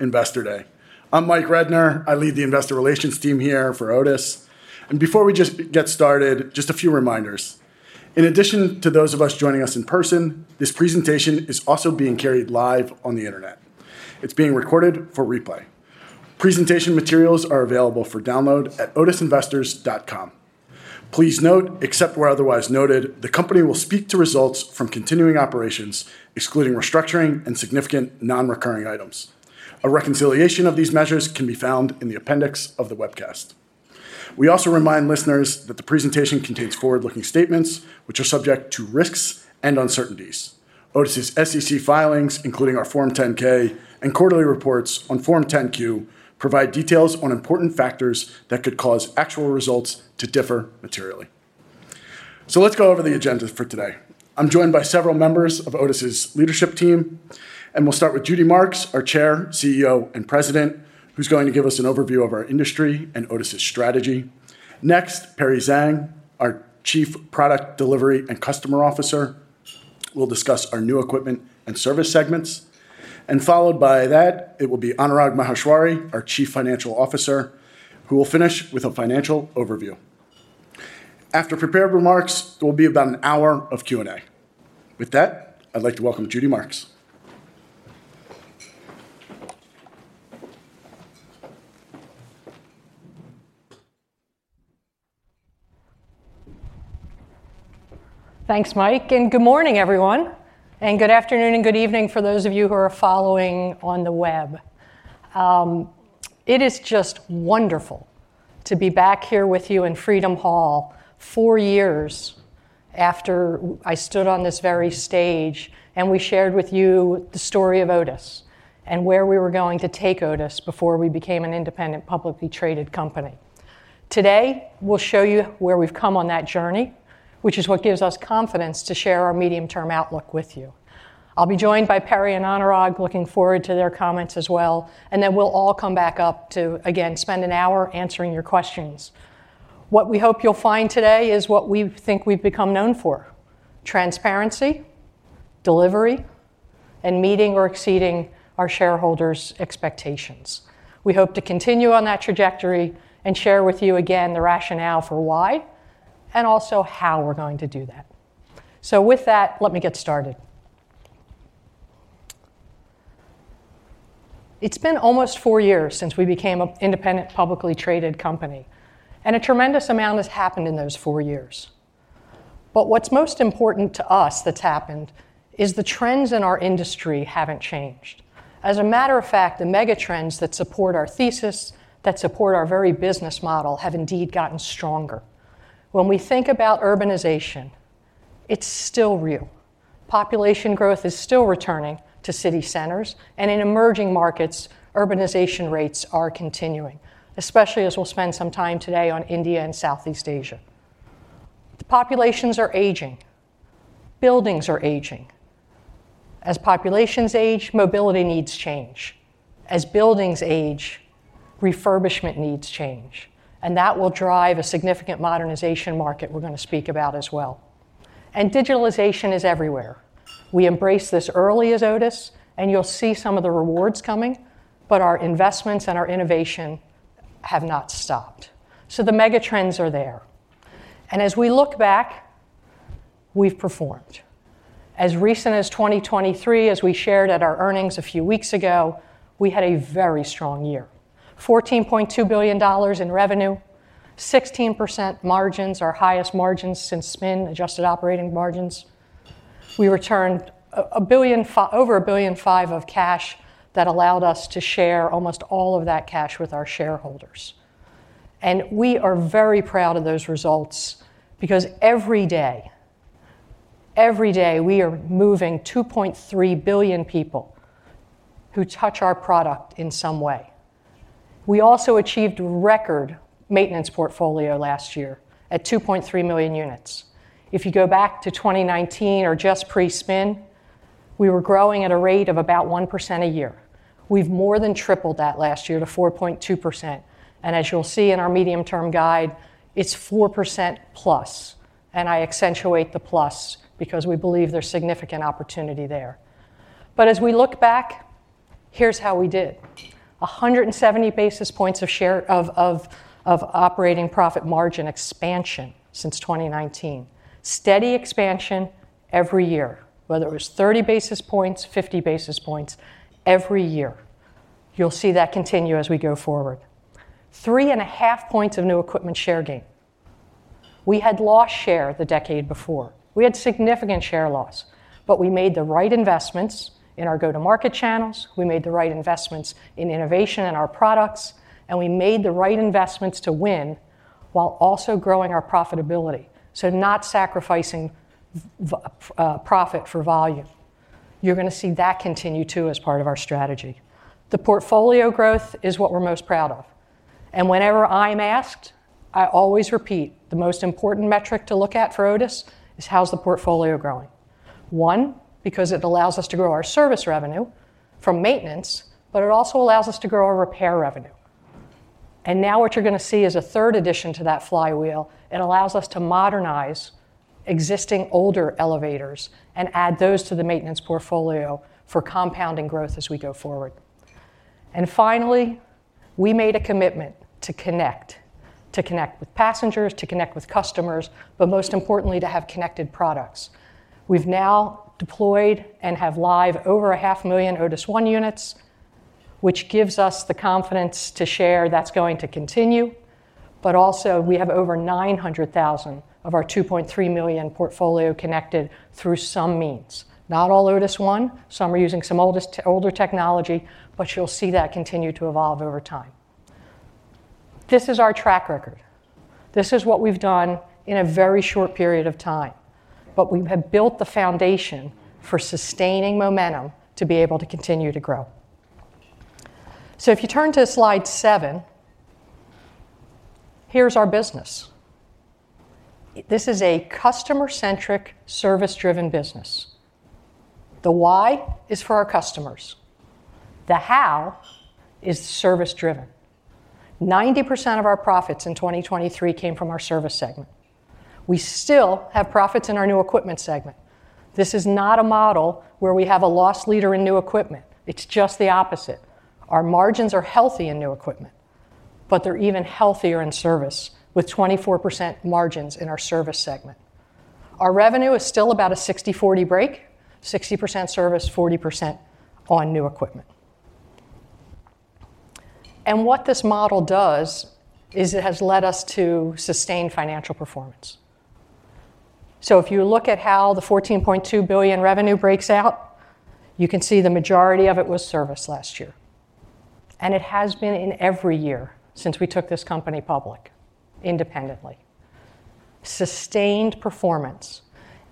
Investor Day. I'm Mike Rednor. I lead the Investor Relations team here for Otis. Before we just get started, just a few reminders. In addition to those of us joining us in person, this presentation is also being carried live on the internet. It's being recorded for replay. Presentation materials are available for download at otisinvestors.com. Please note, except where otherwise noted, the company will speak to results from continuing operations, excluding restructuring and significant non-recurring items. A reconciliation of these measures can be found in the appendix of the webcast. We also remind listeners that the presentation contains forward-looking statements, which are subject to risks and uncertainties. Otis's SEC filings, including our Form 10-K and quarterly reports on Form 10-Q, provide details on important factors that could cause actual results to differ materially. Let's go over the agenda for today. I'm joined by several members of Otis's leadership team, and we'll start with Judy Marks, our Chair, CEO, and President, who's going to give us an overview of our industry and Otis's strategy. Next, Perry Zheng, our Chief Product, Delivery and Customer Officer, will discuss our new equipment and service segments. And followed by that, it will be Anurag Maheshwari, our Chief Financial Officer, who will finish with a financial overview. After prepared remarks, there will be about an hour of Q&A. With that, I'd like to welcome Judy Marks. Thanks, Mike. Good morning, everyone. Good afternoon and good evening for those of you who are following on the web. It is just wonderful to be back here with you in Freedom Hall four years after I stood on this very stage and we shared with you the story of Otis and where we were going to take Otis before we became an independent, publicly traded company. Today, we'll show you where we've come on that journey, which is what gives us confidence to share our medium-term outlook with you. I'll be joined by Perry and Anurag, looking forward to their comments as well. Then we'll all come back up to, again, spend an hour answering your questions. What we hope you'll find today is what we think we've become known for: transparency, delivery, and meeting or exceeding our shareholders' expectations. We hope to continue on that trajectory and share with you, again, the rationale for why and also how we're going to do that. So with that, let me get started. It's been almost four years since we became an independent, publicly traded company, and a tremendous amount has happened in those four years. But what's most important to us that's happened is the trends in our industry haven't changed. As a matter of fact, the megatrends that support our thesis, that support our very business model, have indeed gotten stronger. When we think about urbanization, it's still real. Population growth is still returning to city centers. And in emerging markets, urbanization rates are continuing, especially as we'll spend some time today on India and Southeast Asia. Populations are aging. Buildings are aging. As populations age, mobility needs change. As buildings age, refurbishment needs change. That will drive a significant modernization market we're going to speak about as well. Digitalization is everywhere. We embraced this early as Otis, and you'll see some of the rewards coming. But our investments and our innovation have not stopped. So the megatrends are there. And as we look back, we've performed. As recent as 2023, as we shared at our earnings a few weeks ago, we had a very strong year: $14.2 billion in revenue, 16% margins, our highest margins since the spin, Adjusted Operating Margins. We returned over $1.5 billion of cash that allowed us to share almost all of that cash with our shareholders. And we are very proud of those results because every day, every day, we are moving 2.3 billion people who touch our product in some way. We also achieved record maintenance portfolio last year at 2.3 million units. If you go back to 2019 or just pre-spin, we were growing at a rate of about 1% a year. We've more than tripled that last year to 4.2%. And as you'll see in our medium-term guide, it's 4%+. And I accentuate the plus because we believe there's significant opportunity there. But as we look back, here's how we did: 170 basis points of share of operating profit margin expansion since 2019, steady expansion every year, whether it was 30 basis points, 50 basis points, every year. You'll see that continue as we go forward: 3.5 points of new equipment share gain. We had lost share the decade before. We had significant share loss. But we made the right investments in our go-to-market channels. We made the right investments in innovation in our products. We made the right investments to win while also growing our profitability, so not sacrificing profit for volume. You're going to see that continue, too, as part of our strategy. The portfolio growth is what we're most proud of. And whenever I'm asked, I always repeat: the most important metric to look at for Otis is how's the portfolio growing. One, because it allows us to grow our service revenue from maintenance, but it also allows us to grow our repair revenue. And now what you're going to see is a third addition to that flywheel. It allows us to modernize existing, older elevators and add those to the maintenance portfolio for compounding growth as we go forward. And finally, we made a commitment to connect, to connect with passengers, to connect with customers, but most importantly, to have connected products. We've now deployed and have live over 500,000 Otis ONE units, which gives us the confidence to share that's going to continue. But also, we have over 900,000 of our 2.3 million portfolio connected through some means. Not all Otis ONE. Some are using some older technology. But you'll see that continue to evolve over time. This is our track record. This is what we've done in a very short period of time. But we have built the foundation for sustaining momentum to be able to continue to grow. So if you turn to slide 7, here's our business. This is a customer-centric, service-driven business. The why is for our customers. The how is service-driven. 90% of our profits in 2023 came from our service segment. We still have profits in our new equipment segment. This is not a model where we have a loss leader in new equipment. It's just the opposite. Our margins are healthy in new equipment, but they're even healthier in service, with 24% margins in our service segment. Our revenue is still about a 60/40 break: 60% service, 40% on new equipment. And what this model does is it has led us to sustained financial performance. So if you look at how the $14.2 billion revenue breaks out, you can see the majority of it was service last year. And it has been in every year since we took this company public, independently: sustained performance.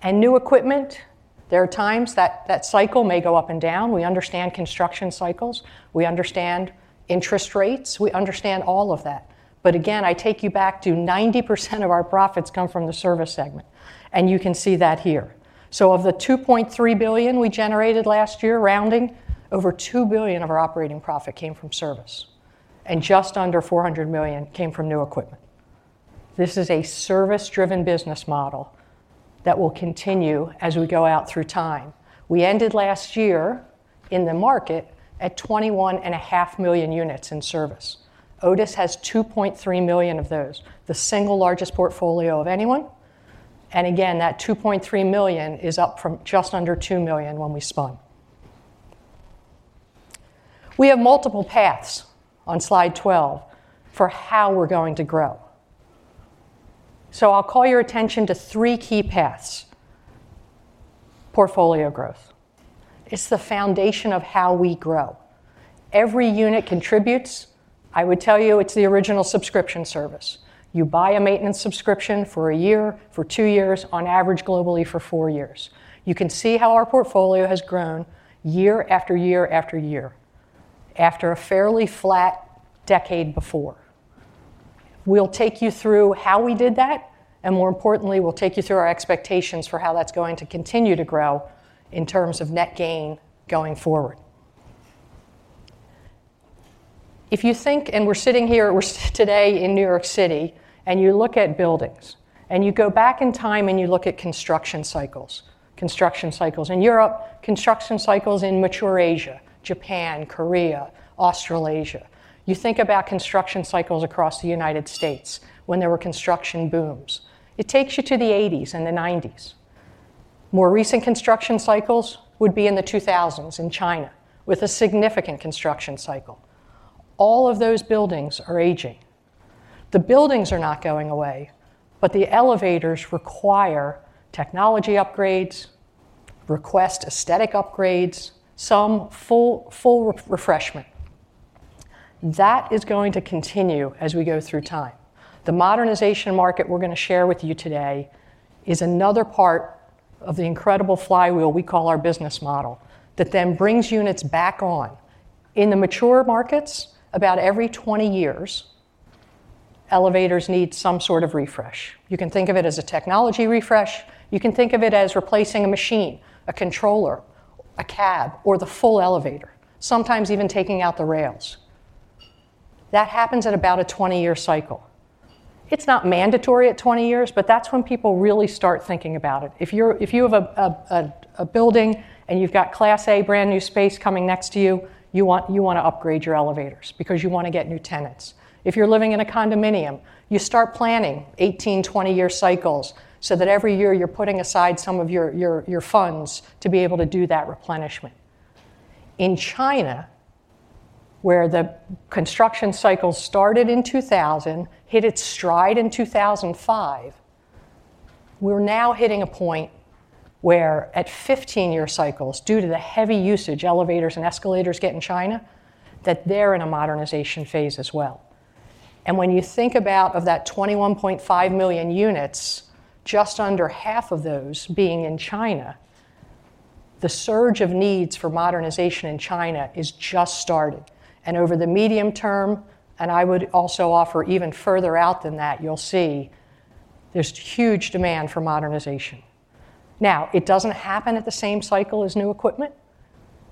And new equipment, there are times that that cycle may go up and down. We understand construction cycles. We understand interest rates. We understand all of that. But again, I take you back to 90% of our profits come from the service segment. You can see that here. So of the $2.3 billion we generated last year, rounding, over $2 billion of our operating profit came from service, and just under $400 million came from new equipment. This is a service-driven business model that will continue as we go out through time. We ended last year in the market at 21.5 million units in service. Otis has 2.3 million of those, the single largest portfolio of anyone. And again, that 2.3 million is up from just under 2 million when we spun. We have multiple paths on slide 12 for how we're going to grow. So I'll call your attention to three key paths: portfolio growth. It's the foundation of how we grow. Every unit contributes. I would tell you it's the original subscription service. You buy a maintenance subscription for a year, for two years, on average globally for four years. You can see how our portfolio has grown year after year after year, after a fairly flat decade before. We'll take you through how we did that. More importantly, we'll take you through our expectations for how that's going to continue to grow in terms of net gain going forward. If you think and we're sitting here today in New York City, and you look at buildings, and you go back in time and you look at construction cycles, construction cycles in Europe, construction cycles in mature Asia, Japan, Korea, Australasia, you think about construction cycles across the United States when there were construction booms. It takes you to the '80s and the '90s. More recent construction cycles would be in the 2000s in China with a significant construction cycle. All of those buildings are aging. The buildings are not going away, but the elevators require technology upgrades, request aesthetic upgrades, some full refreshment. That is going to continue as we go through time. The modernization market we're going to share with you today is another part of the incredible flywheel we call our business model that then brings units back on. In the mature markets, about every 20 years, elevators need some sort of refresh. You can think of it as a technology refresh. You can think of it as replacing a machine, a controller, a cab, or the full elevator, sometimes even taking out the rails. That happens at about a 20-year cycle. It's not mandatory at 20 years, but that's when people really start thinking about it. If you have a building and you've got Class A brand-new space coming next to you, you want to upgrade your elevators because you want to get new tenants. If you're living in a condominium, you start planning 18-20-year cycles so that every year you're putting aside some of your funds to be able to do that replenishment. In China, where the construction cycle started in 2000, hit its stride in 2005, we're now hitting a point where, at 15-year cycles, due to the heavy usage elevators and escalators get in China, that they're in a modernization phase as well. And when you think about that 21.5 million units, just under half of those being in China, the surge of needs for modernization in China has just started. And over the medium term, and I would also offer even further out than that, you'll see there's huge demand for modernization. Now, it doesn't happen at the same cycle as new equipment.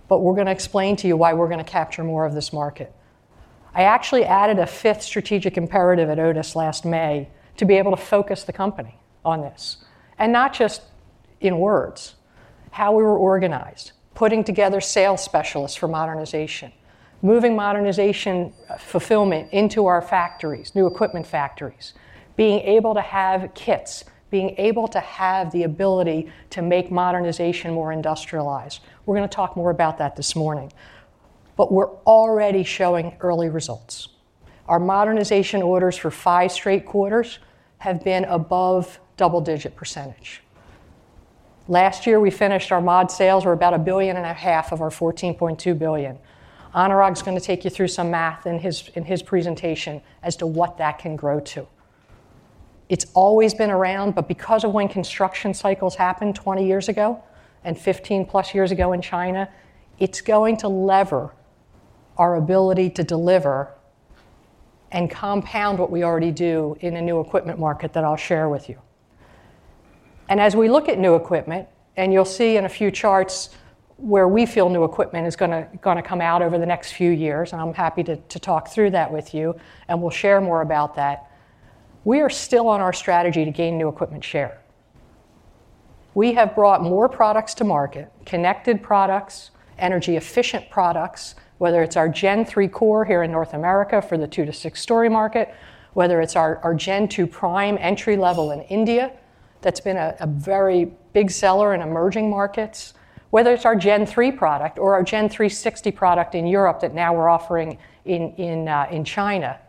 But we're going to explain to you why we're going to capture more of this market. I actually added a fifth strategic imperative at Otis last May to be able to focus the company on this, and not just in words: how we were organized, putting together sales specialists for modernization, moving modernization fulfillment into our factories, new equipment factories, being able to have kits, being able to have the ability to make modernization more industrialized. We're going to talk more about that this morning. But we're already showing early results. Our modernization orders for five straight quarters have been above double-digit percentage. Last year, we finished our mod sales. We're about $1.5 billion of our $14.2 billion. Anurag's going to take you through some math in his presentation as to what that can grow to. It's always been around. But because of when construction cycles happened 20 years ago and 15+ years ago in China, it's going to lever our ability to deliver and compound what we already do in a new equipment market that I'll share with you. As we look at new equipment and you'll see in a few charts where we feel new equipment is going to come out over the next few years and I'm happy to talk through that with you, and we'll share more about that, we are still on our strategy to gain new equipment share. We have brought more products to market, connected products, energy-efficient products, whether it's our Gen3 Core here in North America for the 2-6-story market, whether it's our Gen2 Prime entry-level in India that's been a very big seller in emerging markets, whether it's our Gen3 product or our Gen360 product in Europe that now we're offering in China.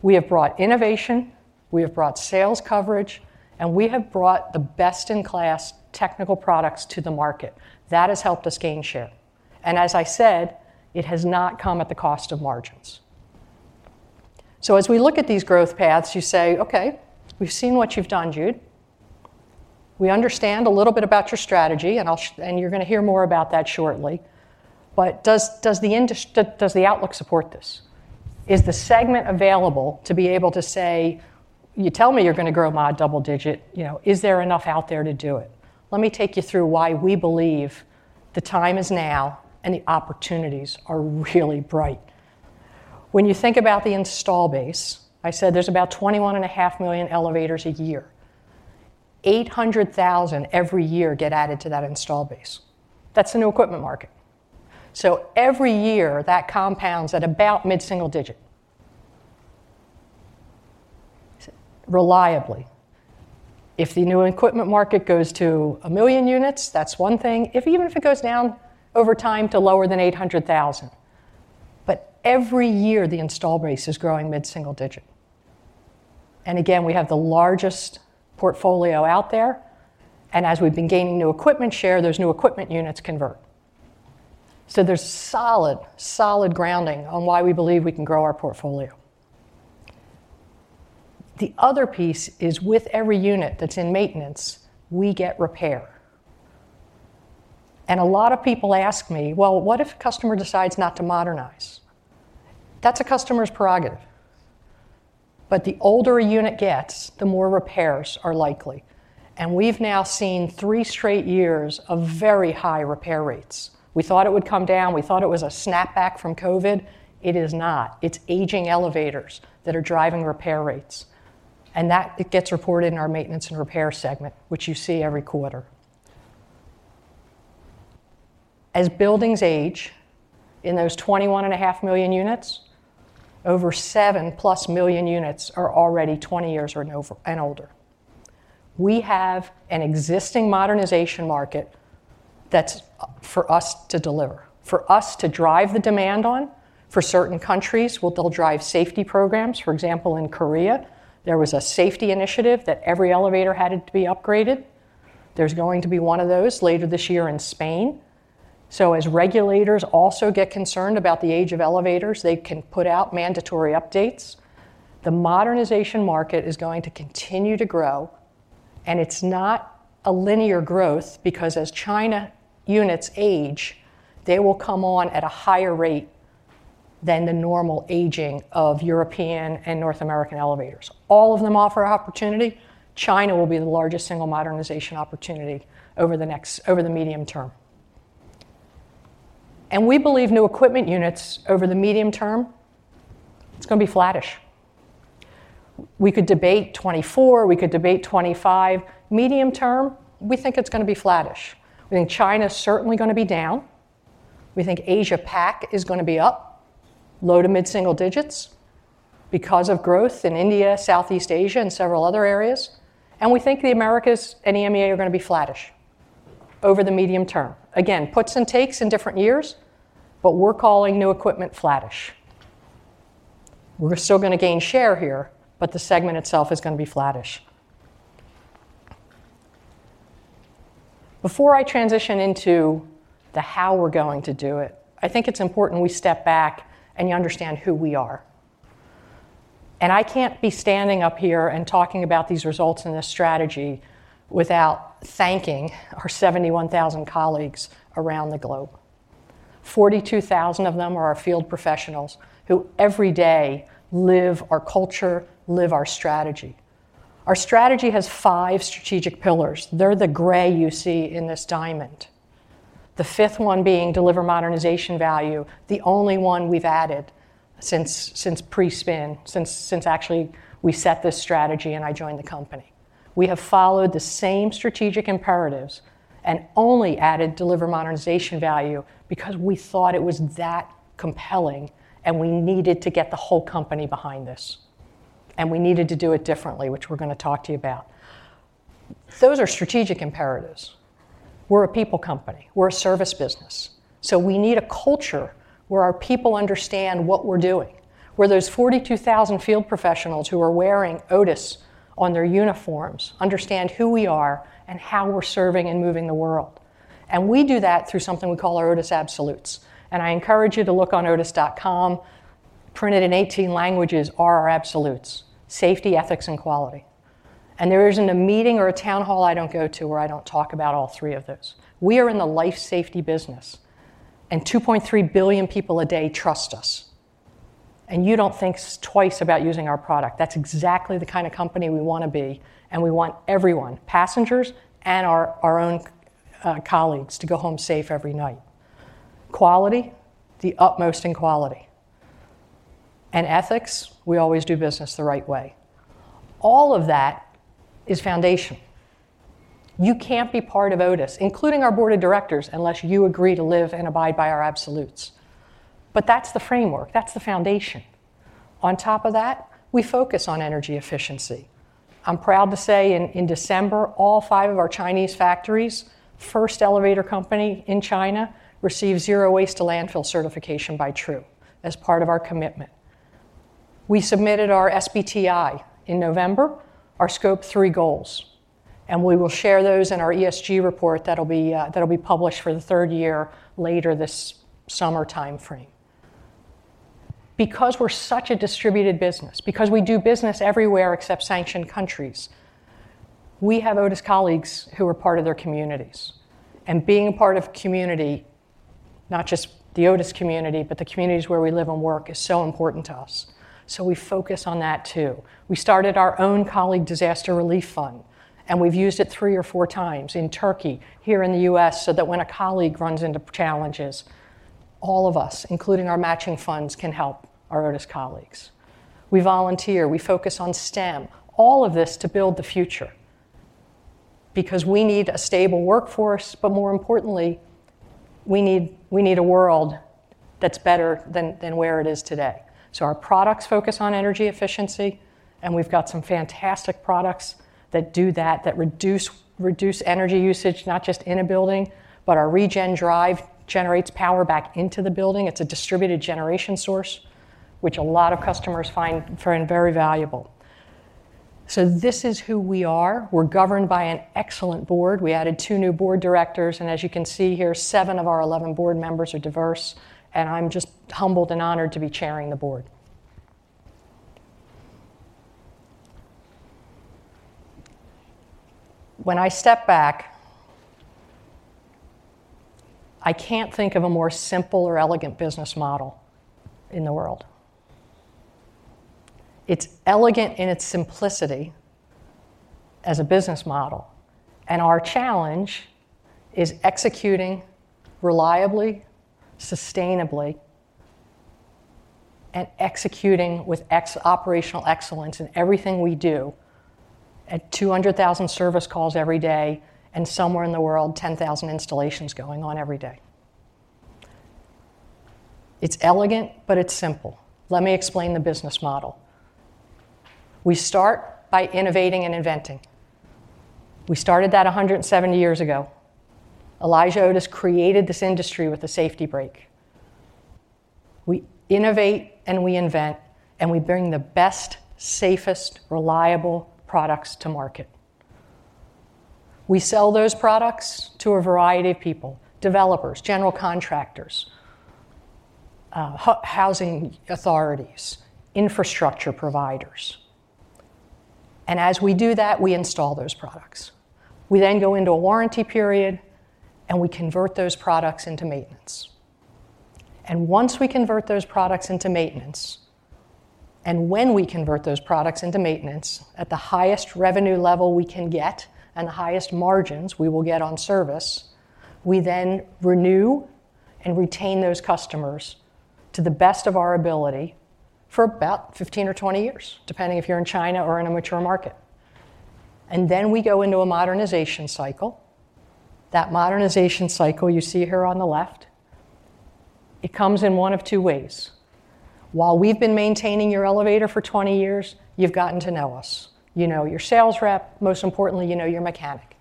We have brought innovation. We have brought sales coverage. And we have brought the best-in-class technical products to the market. That has helped us gain share. And as I said, it has not come at the cost of margins. So as we look at these growth paths, you say, "Okay. We've seen what you've done, Jude. We understand a little bit about your strategy." And you're going to hear more about that shortly. But does the outlook support this? Is the segment available to be able to say, "You tell me you're going to grow mod double-digit. Is there enough out there to do it?" Let me take you through why we believe the time is now and the opportunities are really bright. When you think about the install base, I said there's about 21.5 million elevators a year. 800,000 every year get added to that install base. That's the new equipment market. So every year, that compounds at about mid-single digit, reliably. If the new equipment market goes to 1 million units, that's one thing, even if it goes down over time to lower than 800,000. But every year, the install base is growing mid-single digit. And again, we have the largest portfolio out there. And as we've been gaining new equipment share, those new equipment units convert. So there's solid, solid grounding on why we believe we can grow our portfolio. The other piece is, with every unit that's in maintenance, we get repair. And a lot of people ask me, "Well, what if a customer decides not to modernize?" That's a customer's prerogative. But the older a unit gets, the more repairs are likely. And we've now seen 3 straight years of very high repair rates. We thought it would come down. We thought it was a snapback from COVID. It is not. It's aging elevators that are driving repair rates. And that gets reported in our maintenance and repair segment, which you see every quarter. As buildings age in those 21.5 million units, over 7+ million units are already 20 years and older. We have an existing modernization market that's for us to deliver, for us to drive the demand on. For certain countries, they'll drive safety programs. For example, in Korea, there was a safety initiative that every elevator had to be upgraded. There's going to be one of those later this year in Spain. So as regulators also get concerned about the age of elevators, they can put out mandatory updates. The modernization market is going to continue to grow. It's not a linear growth because, as China units age, they will come on at a higher rate than the normal aging of European and North American elevators. All of them offer opportunity. China will be the largest single modernization opportunity over the medium term. We believe new equipment units over the medium term, it's going to be flattish. We could debate 2024. We could debate 2025. Medium term, we think it's going to be flattish. We think China's certainly going to be down. We think Asia-Pac is going to be up, low- to mid-single digits because of growth in India, Southeast Asia, and several other areas. We think the Americas and EMEA are going to be flattish over the medium term. Again, puts and takes in different years. We're calling new equipment flattish. We're still going to gain share here, but the segment itself is going to be flattish. Before I transition into the how we're going to do it, I think it's important we step back and you understand who we are. I can't be standing up here and talking about these results and this strategy without thanking our 71,000 colleagues around the globe. 42,000 of them are our field professionals who, every day, live our culture, live our strategy. Our strategy has five strategic pillars. They're the gray you see in this diamond, the fifth one being deliver modernization value, the only one we've added since pre-spin, since actually we set this strategy and I joined the company. We have followed the same strategic imperatives and only added deliver modernization value because we thought it was that compelling and we needed to get the whole company behind this. We needed to do it differently, which we're going to talk to you about. Those are strategic imperatives. We're a people company. We're a service business. We need a culture where our people understand what we're doing, where those 42,000 field professionals who are wearing Otis on their uniforms understand who we are and how we're serving and moving the world. We do that through something we call our Otis Absolutes. I encourage you to look on otis.com. Printed in 18 languages are our absolutes - safety, ethics, and quality. There isn't a meeting or a town hall I don't go to where I don't talk about all three of those. We are in the life safety business. 2.3 billion people a day trust us. You don't think twice about using our product. That's exactly the kind of company we want to be. We want everyone, passengers and our own colleagues, to go home safe every night. Quality? The utmost in quality. Ethics? We always do business the right way. All of that is foundation. You can't be part of Otis, including our board of directors, unless you agree to live and abide by our absolutes. That's the framework. That's the foundation. On top of that, we focus on energy efficiency. I'm proud to say, in December, all five of our Chinese factories, first elevator company in China, received Zero Waste to Landfill certification by TRUE as part of our commitment. We submitted our SBTi in November, our Scope 3 goals. We will share those in our ESG report that'll be published for the third year later this summer time frame. Because we're such a distributed business, because we do business everywhere except sanctioned countries, we have Otis colleagues who are part of their communities. Being a part of community, not just the Otis community but the communities where we live and work, is so important to us. We focus on that too. We started our own colleague disaster relief fund. We've used it three or four times in Turkey, here in the U.S., so that when a colleague runs into challenges, all of us, including our matching funds, can help our Otis colleagues. We volunteer. We focus on STEM, all of this to build the future because we need a stable workforce. But more importantly, we need a world that's better than where it is today. Our products focus on energy efficiency. And we've got some fantastic products that do that, that reduce energy usage, not just in a building, but our ReGen drive generates power back into the building. It's a distributed generation source, which a lot of customers find very valuable. So this is who we are. We're governed by an excellent board. We added two new board directors. And as you can see here, seven of our 11 board members are diverse. I'm just humbled and honored to be chairing the board. When I step back, I can't think of a more simple or elegant business model in the world. It's elegant in its simplicity as a business model. Our challenge is executing reliably, sustainably, and executing with operational excellence in everything we do at 200,000 service calls every day and somewhere in the world, 10,000 installations going on every day. It's elegant, but it's simple. Let me explain the business model. We start by innovating and inventing. We started that 170 years ago. Elijah Otis created this industry with a safety brake. We innovate and we invent. We bring the best, safest, reliable products to market. We sell those products to a variety of people: developers, general contractors, housing authorities, infrastructure providers. As we do that, we install those products. We go into a warranty period. We convert those products into maintenance. Once we convert those products into maintenance and when we convert those products into maintenance at the highest revenue level we can get and the highest margins we will get on service, we then renew and retain those customers to the best of our ability for about 15 or 20 years, depending if you're in China or in a mature market. We go into a modernization cycle. That modernization cycle you see here on the left, it comes in one of two ways. While we've been maintaining your elevator for 20 years, you've gotten to know us. You know your sales rep. Most importantly, you know your mechanic.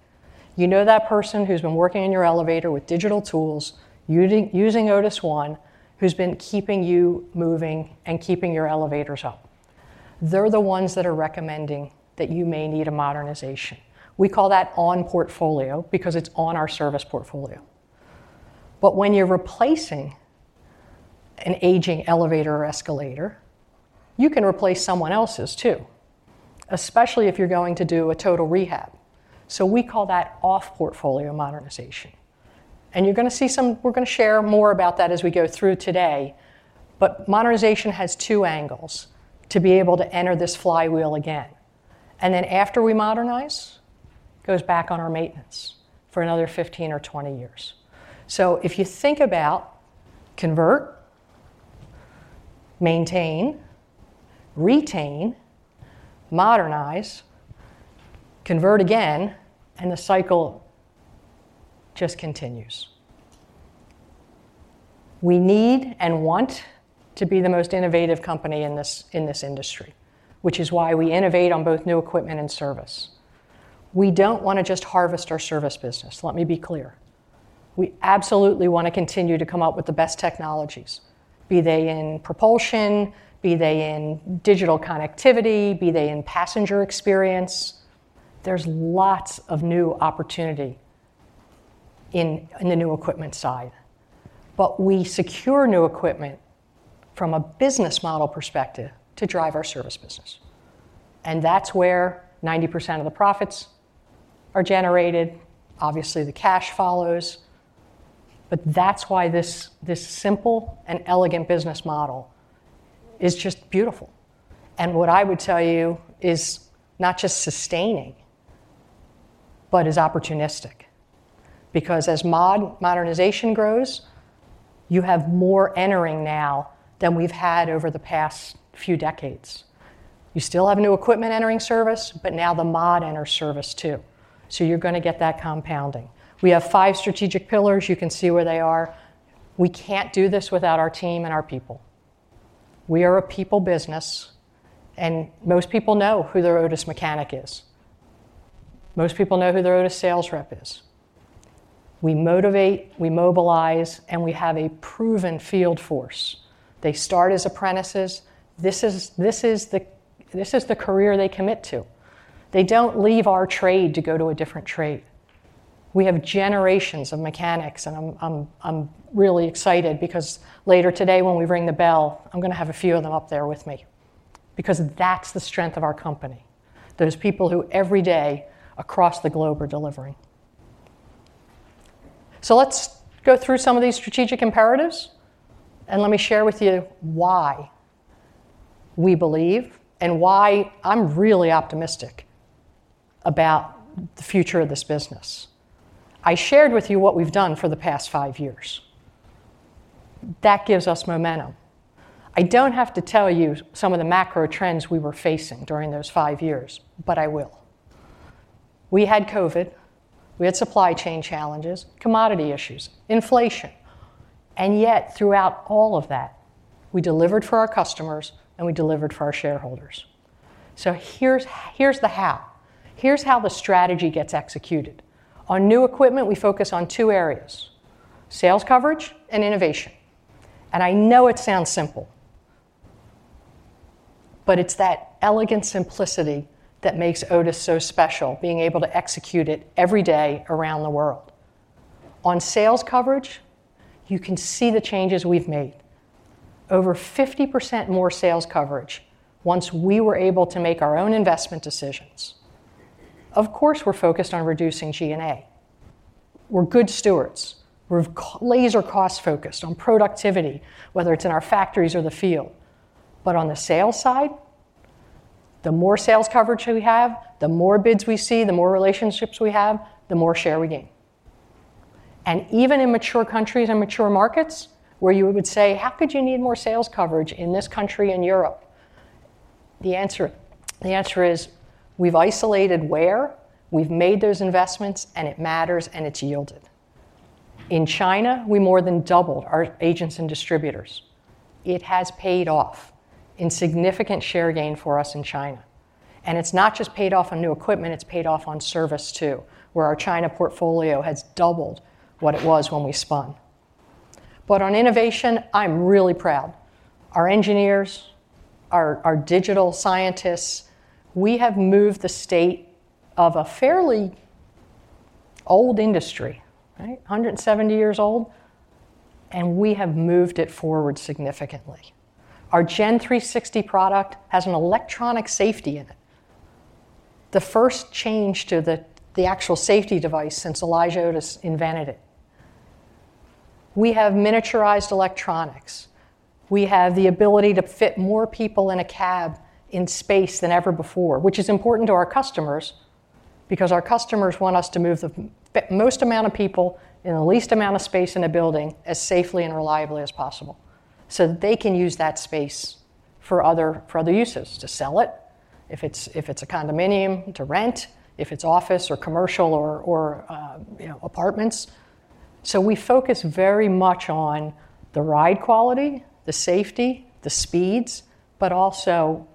You know that person who's been working in your elevator with digital tools, using Otis ONE, who's been keeping you moving and keeping your elevators up. They're the ones that are recommending that you may need a modernization. We call that On-Portfolio because it's on our service portfolio. But when you're replacing an aging elevator or escalator, you can replace someone else's too, especially if you're going to do a total rehab. So we call that Off-Portfolio modernization. And you're going to see some we're going to share more about that as we go through today. But modernization has two angles to be able to enter this flywheel again. And then, after we modernize, it goes back on our maintenance for another 15 or 20 years. So if you think about convert, maintain, retain, modernize, convert again, and the cycle just continues. We need and want to be the most innovative company in this industry, which is why we innovate on both new equipment and service. We don't want to just harvest our service business. Let me be clear. We absolutely want to continue to come up with the best technologies, be they in propulsion, be they in digital connectivity, be they in passenger experience. There's lots of new opportunity in the new equipment side. But we secure new equipment from a business model perspective to drive our service business. And that's where 90% of the profits are generated. Obviously, the cash follows. But that's why this simple and elegant business model is just beautiful. And what I would tell you is not just sustaining but is opportunistic because, as modernization grows, you have more entering now than we've had over the past few decades. You still have new equipment entering service, but now the mod enters service too. So you're going to get that compounding. We have five strategic pillars. You can see where they are. We can't do this without our team and our people. We are a people business. And most people know who their Otis mechanic is. Most people know who their Otis sales rep is. We motivate, we mobilize, and we have a proven field force. They start as apprentices. This is the career they commit to. They don't leave our trade to go to a different trade. We have generations of mechanics. And I'm really excited because, later today, when we ring the bell, I'm going to have a few of them up there with me because that's the strength of our company. Those people who, every day, across the globe, are delivering. So let's go through some of these strategic imperatives. And let me share with you why we believe and why I'm really optimistic about the future of this business. I shared with you what we've done for the past five years. That gives us momentum. I don't have to tell you some of the macro trends we were facing during those five years, but I will. We had COVID. We had supply chain challenges, commodity issues, inflation. And yet, throughout all of that, we delivered for our customers. And we delivered for our shareholders. So here's the how. Here's how the strategy gets executed. On new equipment, we focus on two areas - sales coverage and innovation. And I know it sounds simple. But it's that elegant simplicity that makes Otis so special, being able to execute it every day around the world. On sales coverage, you can see the changes we've made, over 50% more sales coverage once we were able to make our own investment decisions. Of course, we're focused on reducing G&A. We're good stewards. We're laser-cost-focused on productivity, whether it's in our factories or the field. But on the sales side, the more sales coverage we have, the more bids we see, the more relationships we have, the more share we gain. And even in mature countries and mature markets where you would say, "How could you need more sales coverage in this country and Europe?" The answer is we've isolated where. We've made those investments. And it matters. And it's yielded. In China, we more than doubled our agents and distributors. It has paid off in significant share gain for us in China. And it's not just paid off on new equipment. It's paid off on service too, where our China portfolio has doubled what it was when we spun. But on innovation, I'm really proud. Our engineers, our digital scientists, we have moved the state of a fairly old industry, right, 170 years old. And we have moved it forward significantly. Our Gen360 product has an electronic safety in it, the first change to the actual safety device since Elijah Otis invented it. We have miniaturized electronics. We have the ability to fit more people in a cab in space than ever before, which is important to our customers because our customers want us to move the most amount of people in the least amount of space in a building as safely and reliably as possible so that they can use that space for other uses, to sell it if it's a condominium, to rent if it's office or commercial or apartments. So we focus very much on the ride quality, the safety, the speeds, but also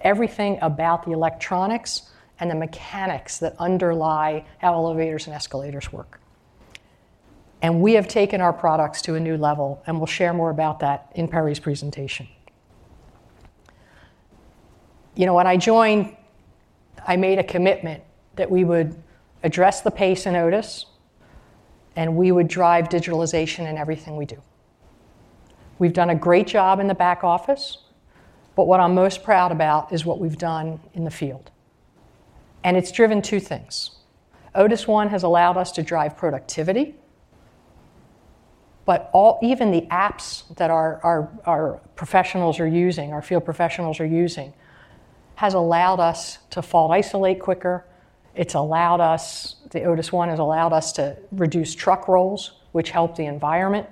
everything about the electronics and the mechanics that underlie how elevators and escalators work. We have taken our products to a new level. We'll share more about that in Perry's presentation. When I joined, I made a commitment that we would address the pace in Otis. We would drive digitalization in everything we do. We've done a great job in the back office. But what I'm most proud about is what we've done in the field. It's driven two things. Otis ONE has allowed us to drive productivity. But even the apps that our professionals are using, our field professionals are using, has allowed us to fault isolate quicker. The Otis ONE has allowed us to reduce truck rolls, which help the environment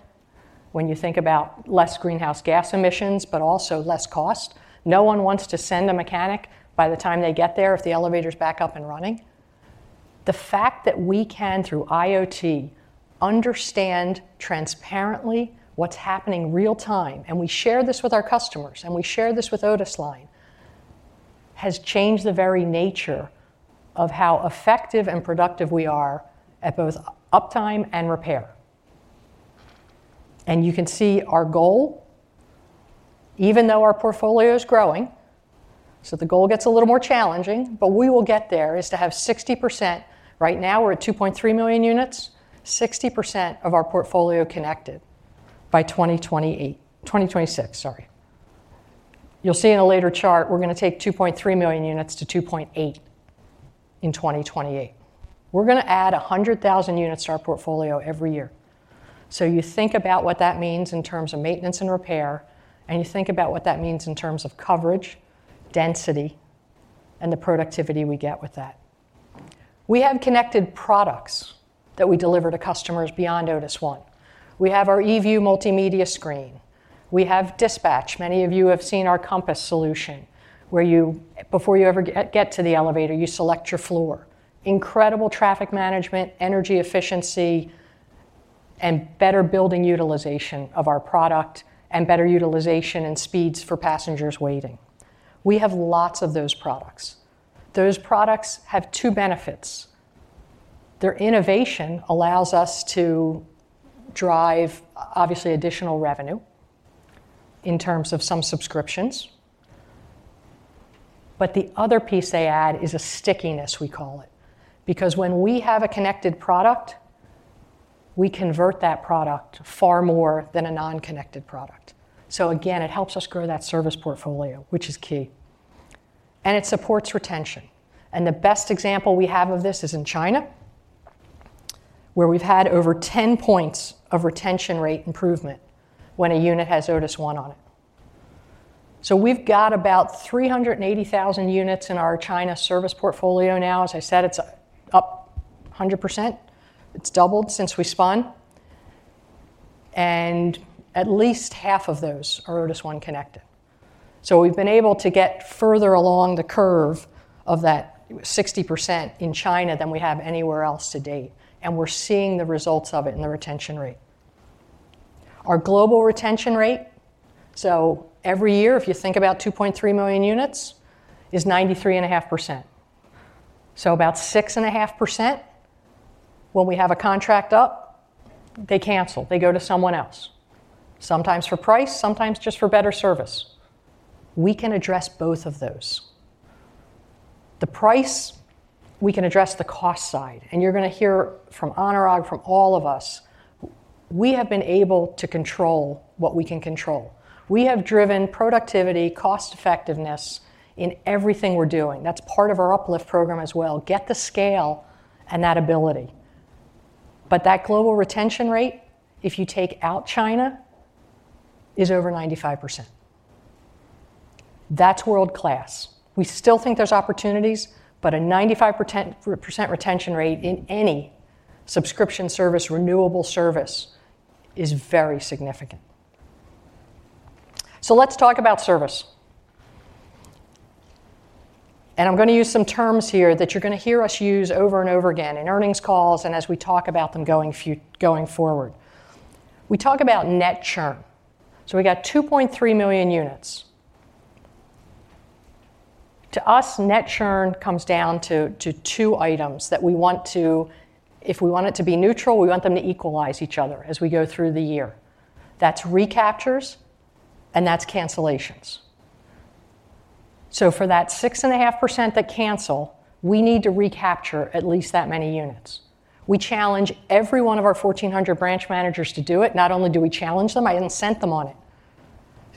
when you think about less greenhouse gas emissions but also less cost. No one wants to send a mechanic by the time they get there if the elevator's back up and running. The fact that we can, through IoT, understand transparently what's happening real-time and we share this with our customers and we share this with OTISLiNE has changed the very nature of how effective and productive we are at both uptime and repair. And you can see our goal, even though our portfolio's growing so the goal gets a little more challenging. But we will get there is to have 60% right now, we're at 2.3 million units, 60% of our portfolio connected by 2026, sorry. You'll see in a later chart, we're going to take 2.3 million units to 2.8 in 2028. We're going to add 100,000 units to our portfolio every year. So you think about what that means in terms of maintenance and repair. And you think about what that means in terms of coverage, density, and the productivity we get with that. We have connected products that we deliver to customers beyond Otis ONE. We have our eView multimedia screen. We have dispatch. Many of you have seen our Compass solution where you, before you ever get to the elevator, you select your floor. Incredible traffic management, energy efficiency, and better building utilization of our product and better utilization and speeds for passengers waiting. We have lots of those products. Those products have two benefits. Their innovation allows us to drive, obviously, additional revenue in terms of some subscriptions. But the other piece they add is a stickiness, we call it, because when we have a connected product, we convert that product far more than a non-connected product. So again, it helps us grow that service portfolio, which is key. And it supports retention. And the best example we have of this is in China, where we've had over 10 points of retention rate improvement when a unit has Otis ONE on it. So we've got about 380,000 units in our China service portfolio now. As I said, it's up 100%. It's doubled since we spun. And at least half of those are Otis ONE connected. So we've been able to get further along the curve of that 60% in China than we have anywhere else to date. And we're seeing the results of it in the retention rate. Our global retention rate, so every year, if you think about 2.3 million units, is 93.5%. So about 6.5%, when we have a contract up, they cancel. They go to someone else, sometimes for price, sometimes just for better service. We can address both of those. The price, we can address the cost side. And you're going to hear from Anurag, from all of us, we have been able to control what we can control. We have driven productivity, cost-effectiveness in everything we're doing. That's part of our UpLift program as well—get the scale and that ability. But that global retention rate, if you take out China, is over 95%. That's world-class. We still think there's opportunities. But a 95% retention rate in any subscription service, renewable service, is very significant. So let's talk about service. And I'm going to use some terms here that you're going to hear us use over and over again in earnings calls and as we talk about them going forward. We talk about net churn. So we got 2.3 million units. To us, net churn comes down to two items that we want to if we want it to be neutral, we want them to equalize each other as we go through the year. That's recaptures. And that's cancellations. So for that 6.5% that cancel, we need to recapture at least that many units. We challenge every one of our 1,400 branch managers to do it. Not only do we challenge them, I even sent them on it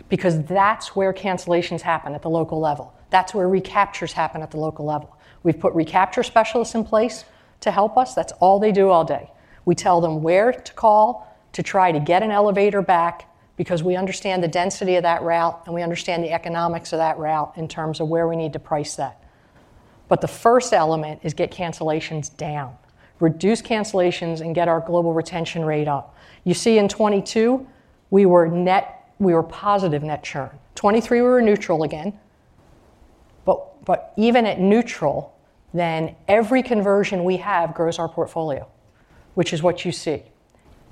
because that's where cancellations happen at the local level. That's where recaptures happen at the local level. We've put recapture specialists in place to help us. That's all they do all day. We tell them where to call to try to get an elevator back because we understand the density of that route. And we understand the economics of that route in terms of where we need to price that. But the first element is get cancellations down, reduce cancellations, and get our global retention rate up. You see, in 2022, we were positive net churn. 2023, we were neutral again. But even at neutral, then every conversion we have grows our portfolio, which is what you see.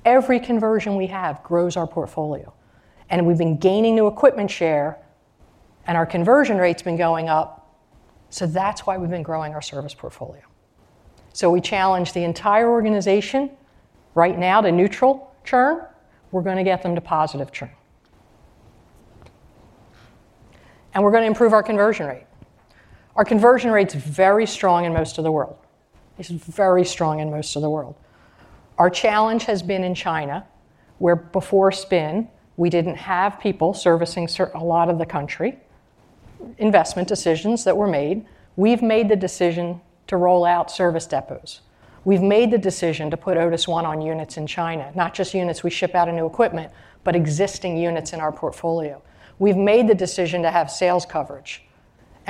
Every conversion we have grows our portfolio. And we've been gaining new equipment share. Our conversion rate's been going up. That's why we've been growing our service portfolio. We challenge the entire organization right now to neutral churn. We're going to get them to positive churn. We're going to improve our conversion rate. Our conversion rate's very strong in most of the world. It's very strong in most of the world. Our challenge has been in China, where, before spin, we didn't have people servicing a lot of the country. Investment decisions that were made, we've made the decision to roll out service depots. We've made the decision to put Otis ONE on units in China, not just units we ship out of new equipment but existing units in our portfolio. We've made the decision to have sales coverage.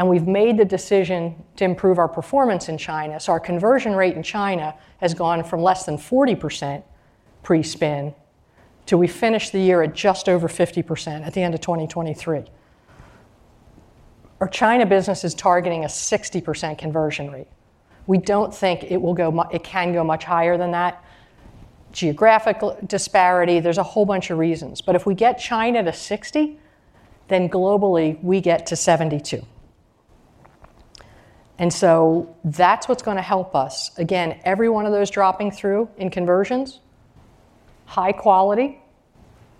We've made the decision to improve our performance in China. So our conversion rate in China has gone from less than 40% pre-spin to we finished the year at just over 50% at the end of 2023. Our China business is targeting a 60% conversion rate. We don't think it can go much higher than that. Geographical disparity, there's a whole bunch of reasons. But if we get China to 60, then globally, we get to 72. And so that's what's going to help us. Again, every one of those dropping through in conversions, high quality,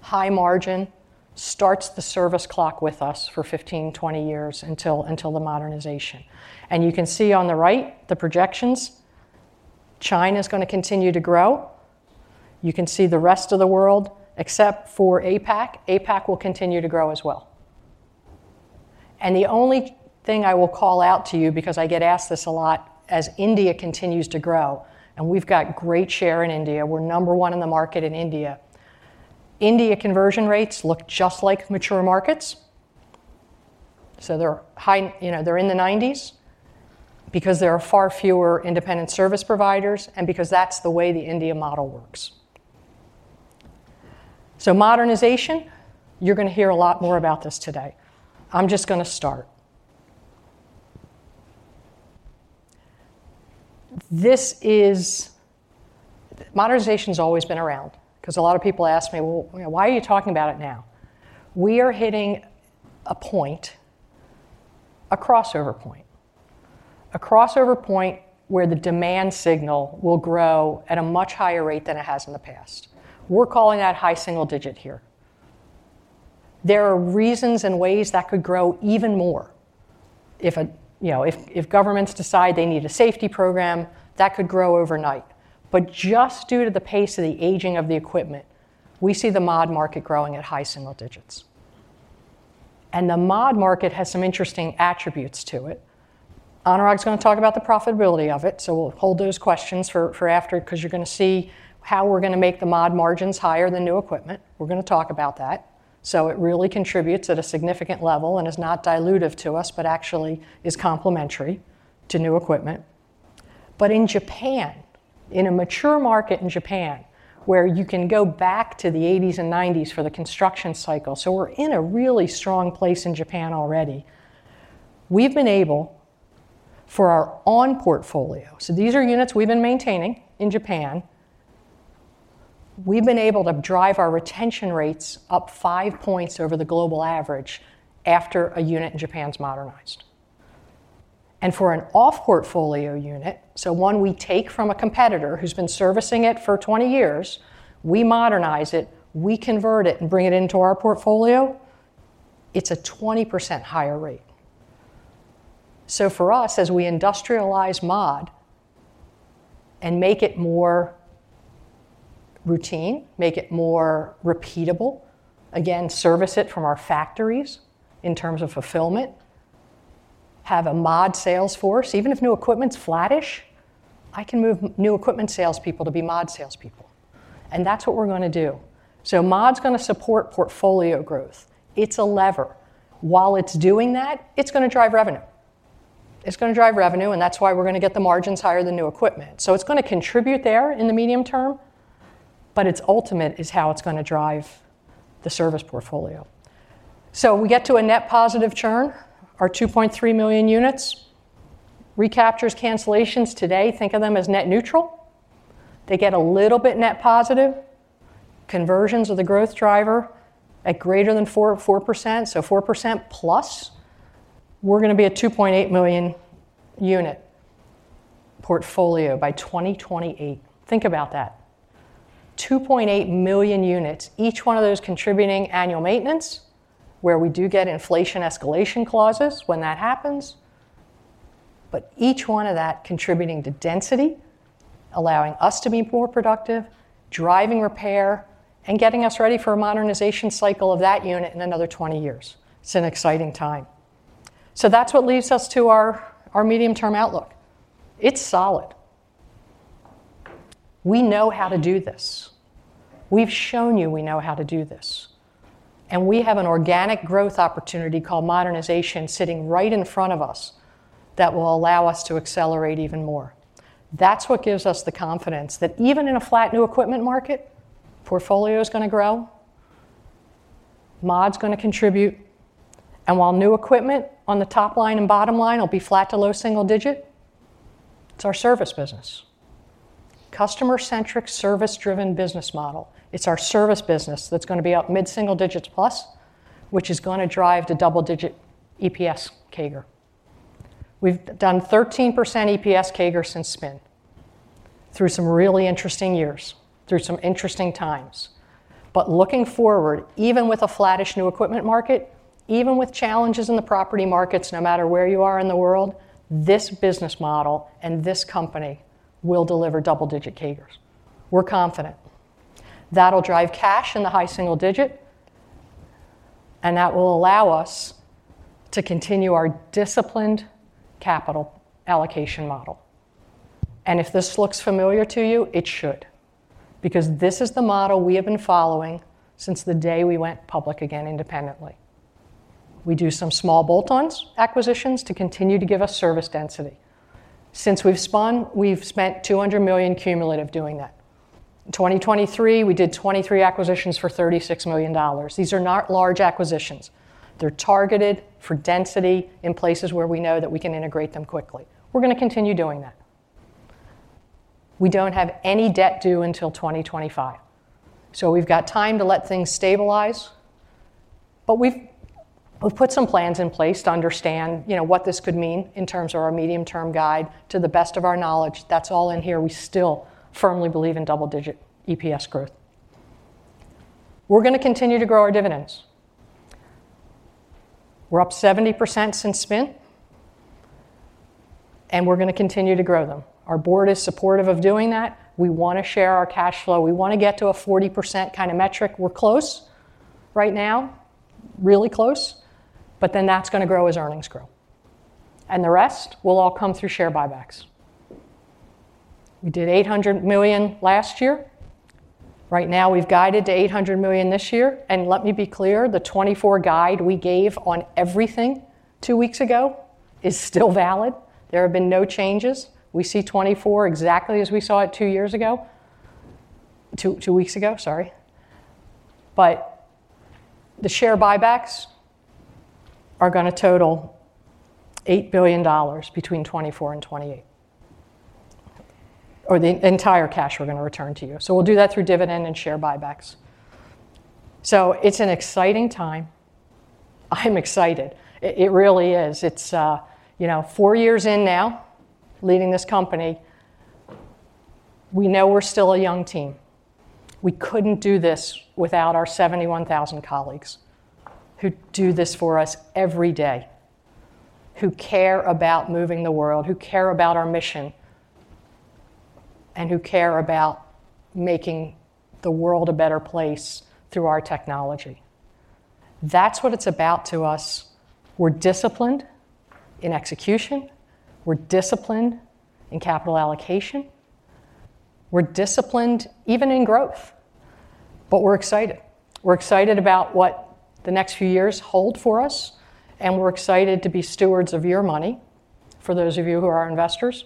high margin, starts the service clock with us for 15, 20 years until the modernization. And you can see on the right, the projections, China's going to continue to grow. You can see the rest of the world except for APAC. APAC will continue to grow as well. The only thing I will call out to you because I get asked this a lot as India continues to grow, and we've got great share in India. We're number one in the market in India. India conversion rates look just like mature markets. So they're in the 90s% because there are far fewer independent service providers and because that's the way the India model works. So modernization, you're going to hear a lot more about this today. I'm just going to start. Modernization's always been around because a lot of people ask me, "Well, why are you talking about it now?" We are hitting a point, a crossover point, a crossover point where the demand signal will grow at a much higher rate than it has in the past. We're calling that high single-digit% here. There are reasons and ways that could grow even more. If governments decide they need a safety program, that could grow overnight. But just due to the pace of the aging of the equipment, we see the mod market growing at high single digits. The mod market has some interesting attributes to it. Anurag's going to talk about the profitability of it. We'll hold those questions for after because you're going to see how we're going to make the mod margins higher than new equipment. We're going to talk about that. It really contributes at a significant level and is not dilutive to us but actually is complementary to new equipment. But in Japan, in a mature market in Japan where you can go back to the '80s and '90s for the construction cycle—so we're in a really strong place in Japan already—we've been able, for our on-portfolio—so these are units we've been maintaining in Japan—to drive our retention rates up 5 points over the global average after a unit in Japan is modernized. For an off-portfolio unit—so one we take from a competitor who's been servicing it for 20 years—we modernize it, we convert it, and bring it into our portfolio; it's a 20% higher rate. So for us, as we industrialize mod and make it more routine, make it more repeatable, again, service it from our factories in terms of fulfillment, have a mod sales force—even if new equipment's flattish, I can move new equipment salespeople to be mod salespeople. That's what we're going to do. Mod's going to support portfolio growth. It's a lever. While it's doing that, it's going to drive revenue. It's going to drive revenue. That's why we're going to get the margins higher than new equipment. It's going to contribute there in the medium term. But its ultimate is how it's going to drive the service portfolio. We get to a net positive churn, our 2.3 million units. Recaptures, cancellations today, think of them as net neutral. They get a little bit net positive. Conversions are the growth driver at greater than 4%. So 4%+, we're going to be a 2.8 million-unit portfolio by 2028. Think about that, 2.8 million units, each one of those contributing annual maintenance where we do get inflation escalation clauses when that happens. But each one of that contributing to density, allowing us to be more productive, driving repair, and getting us ready for a modernization cycle of that unit in another 20 years. It's an exciting time. So that's what leads us to our medium-term outlook. It's solid. We know how to do this. We've shown you we know how to do this. And we have an organic growth opportunity called modernization sitting right in front of us that will allow us to accelerate even more. That's what gives us the confidence that even in a flat new equipment market, portfolio's going to grow, mod's going to contribute. And while new equipment on the top line and bottom line will be flat to low single-digit, it's our service business, customer-centric, service-driven business model. It's our service business that's going to be up mid-single-digits +, which is going to drive to double-digit EPS CAGR. We've done 13% EPS CAGR since spin through some really interesting years, through some interesting times. But looking forward, even with a flattish new equipment market, even with challenges in the property markets, no matter where you are in the world, this business model and this company will deliver double-digit CAGRs. We're confident. That'll drive cash in the high single-digit. And that will allow us to continue our disciplined capital allocation model. And if this looks familiar to you, it should because this is the model we have been following since the day we went public again independently. We do some small bolt-on acquisitions to continue to give us service density. Since we've spun, we've spent $200 million cumulative doing that. In 2023, we did 23 acquisitions for $36 million. These are not large acquisitions. They're targeted for density in places where we know that we can integrate them quickly. We're going to continue doing that. We don't have any debt due until 2025. So we've got time to let things stabilize. But we've put some plans in place to understand what this could mean in terms of our medium-term guide. To the best of our knowledge, that's all in here. We still firmly believe in double-digit EPS growth. We're going to continue to grow our dividends. We're up 70% since spin. And we're going to continue to grow them. Our board is supportive of doing that. We want to share our cash flow. We want to get to a 40% kind of metric. We're close right now, really close. But then that's going to grow as earnings grow. And the rest will all come through share buybacks. We did $800 million last year. Right now, we've guided to $800 million this year. And let me be clear, the 2024 guide we gave on everything two weeks ago is still valid. There have been no changes. We see 2024 exactly as we saw it two years ago two weeks ago, sorry. But the share buybacks are going to total $8 billion between 2024 and 2028 or the entire cash we're going to return to you. So we'll do that through dividend and share buybacks. So it's an exciting time. I'm excited. It really is. It's four years in now leading this company. We know we're still a young team. We couldn't do this without our 71,000 colleagues who do this for us every day, who care about moving the world, who care about our mission, and who care about making the world a better place through our technology. That's what it's about to us. We're disciplined in execution. We're disciplined in capital allocation. We're disciplined even in growth. But we're excited. We're excited about what the next few years hold for us. And we're excited to be stewards of your money, for those of you who are investors.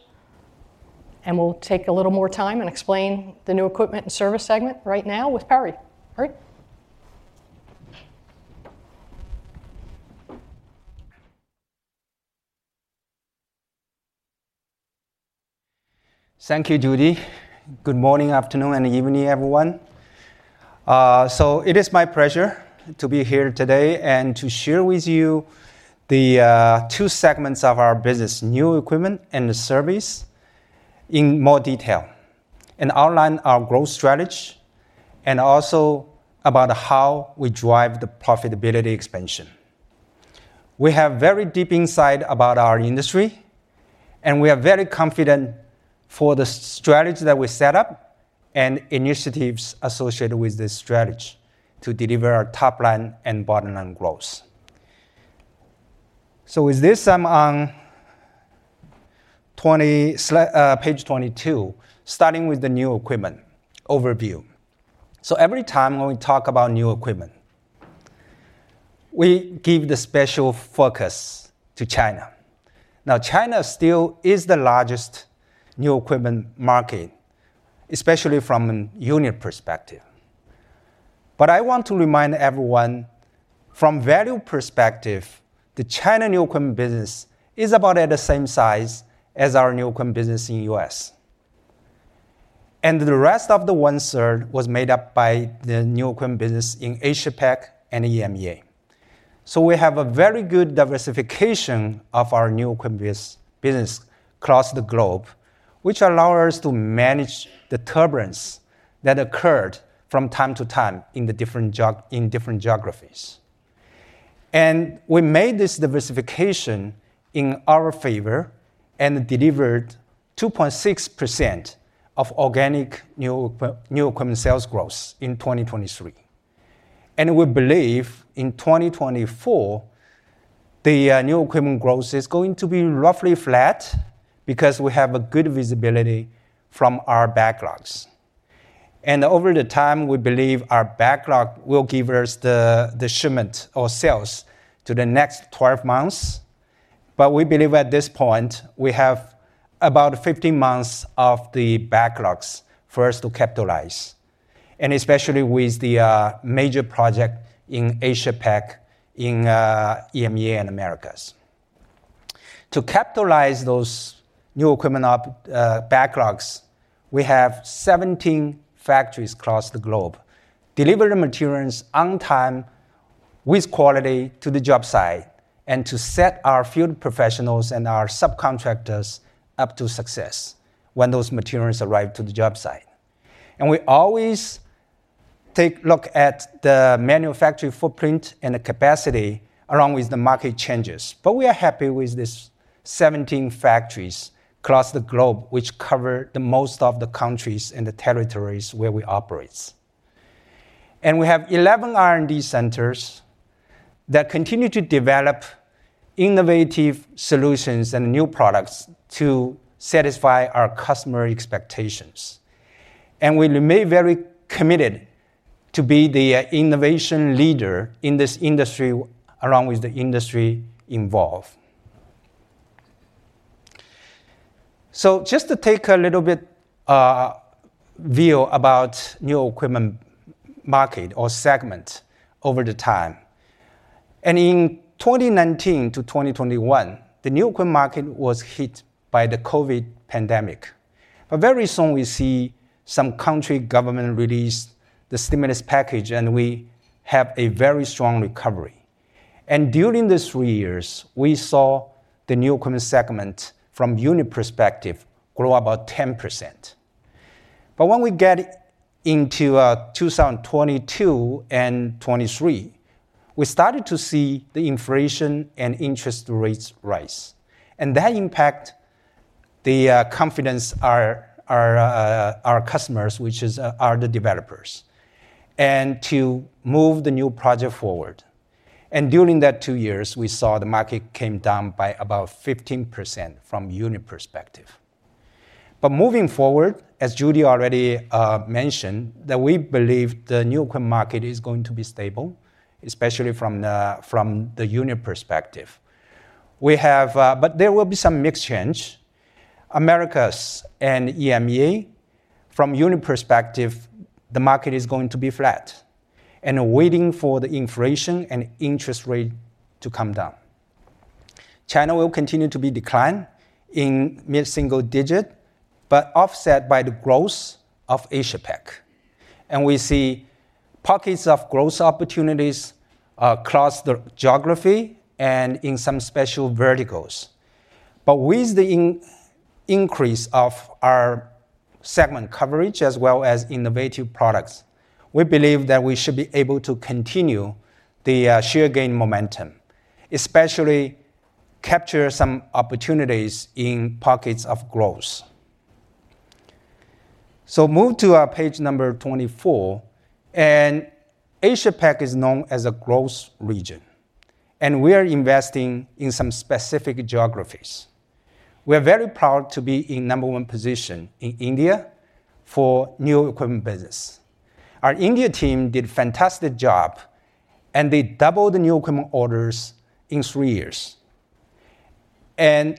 And we'll take a little more time and explain the new equipment and service segment right now with Perry. Perry? Thank you, Judy. Good morning, afternoon, and evening, everyone. It is my pleasure to be here today and to share with you the two segments of our business, new equipment and the service, in more detail and outline our growth strategy and also about how we drive the profitability expansion. We have very deep insight about our industry. We are very confident for the strategy that we set up and initiatives associated with this strategy to deliver our top line and bottom line growth. With this, I'm on page 22, starting with the new equipment overview. Every time when we talk about new equipment, we give the special focus to China. Now, China still is the largest new equipment market, especially from a unit perspective. I want to remind everyone, from value perspective, the China new equipment business is about at the same size as our new equipment business in the U.S. And the rest of the one-third was made up by the new equipment business in Asia-Pacific and EMEA. We have a very good diversification of our new equipment business across the globe, which allows us to manage the turbulence that occurred from time to time in different geographies. We made this diversification in our favor and delivered 2.6% organic new equipment sales growth in 2023. We believe in 2024, the new equipment growth is going to be roughly flat because we have good visibility from our backlogs. Over time, we believe our backlog will give us the shipment or sales to the next 12 months. But we believe at this point, we have about 15 months of backlogs for us to capitalize, and especially with the major project in Asia-Pacific, in EMEA, and Americas. To capitalize those new equipment backlogs, we have 17 factories across the globe delivering materials on time with quality to the job site and to set our field professionals and our subcontractors up to success when those materials arrive to the job site. We always take a look at the manufacturing footprint and the capacity along with the market changes. We are happy with these 17 factories across the globe, which cover the most of the countries and the territories where we operate. We have 11 R&D centers that continue to develop innovative solutions and new products to satisfy our customer expectations. We remain very committed to be the innovation leader in this industry along with the industry involved. Just to take a little bit view about new equipment market or segment over the time. In 2019 to 2021, the new equipment market was hit by the COVID pandemic. But very soon, we see some country governments release the stimulus package. And we have a very strong recovery. And during the three years, we saw the new equipment segment from unit perspective grow about 10%. But when we get into 2022 and 2023, we started to see the inflation and interest rates rise. And that impacted the confidence of our customers, which are the developers, and to move the new project forward. And during that two years, we saw the market came down by about 15% from unit perspective. But moving forward, as Judy already mentioned, that we believe the new equipment market is going to be stable, especially from the unit perspective. But there will be some mixed change. Americas and EMEA, from a unit perspective, the market is going to be flat and waiting for the inflation and interest rate to come down. China will continue to be declined in mid-single digits but offset by the growth of Asia-Pacific. We see pockets of growth opportunities across the geography and in some special verticals. With the increase of our segment coverage as well as innovative products, we believe that we should be able to continue the share gain momentum, especially capture some opportunities in pockets of growth. Move to page 24. Asia-Pacific is known as a growth region. We are investing in some specific geographies. We are very proud to be in number one position in India for new equipment business. Our India team did a fantastic job. They doubled the new equipment orders in three years.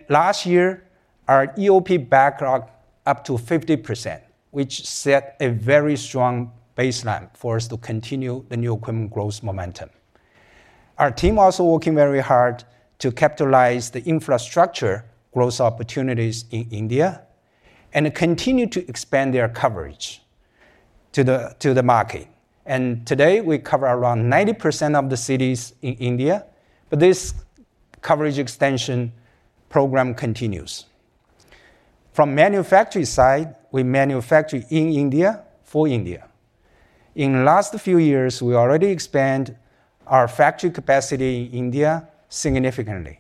Last year, our EOP backlog up 50%, which set a very strong baseline for us to continue the new equipment growth momentum. Our team also working very hard to capitalize the infrastructure growth opportunities in India and continue to expand their coverage to the market. Today, we cover around 90% of the cities in India. But this coverage extension program continues. From manufacturing side, we manufacture in India for India. In the last few years, we already expanded our factory capacity in India significantly.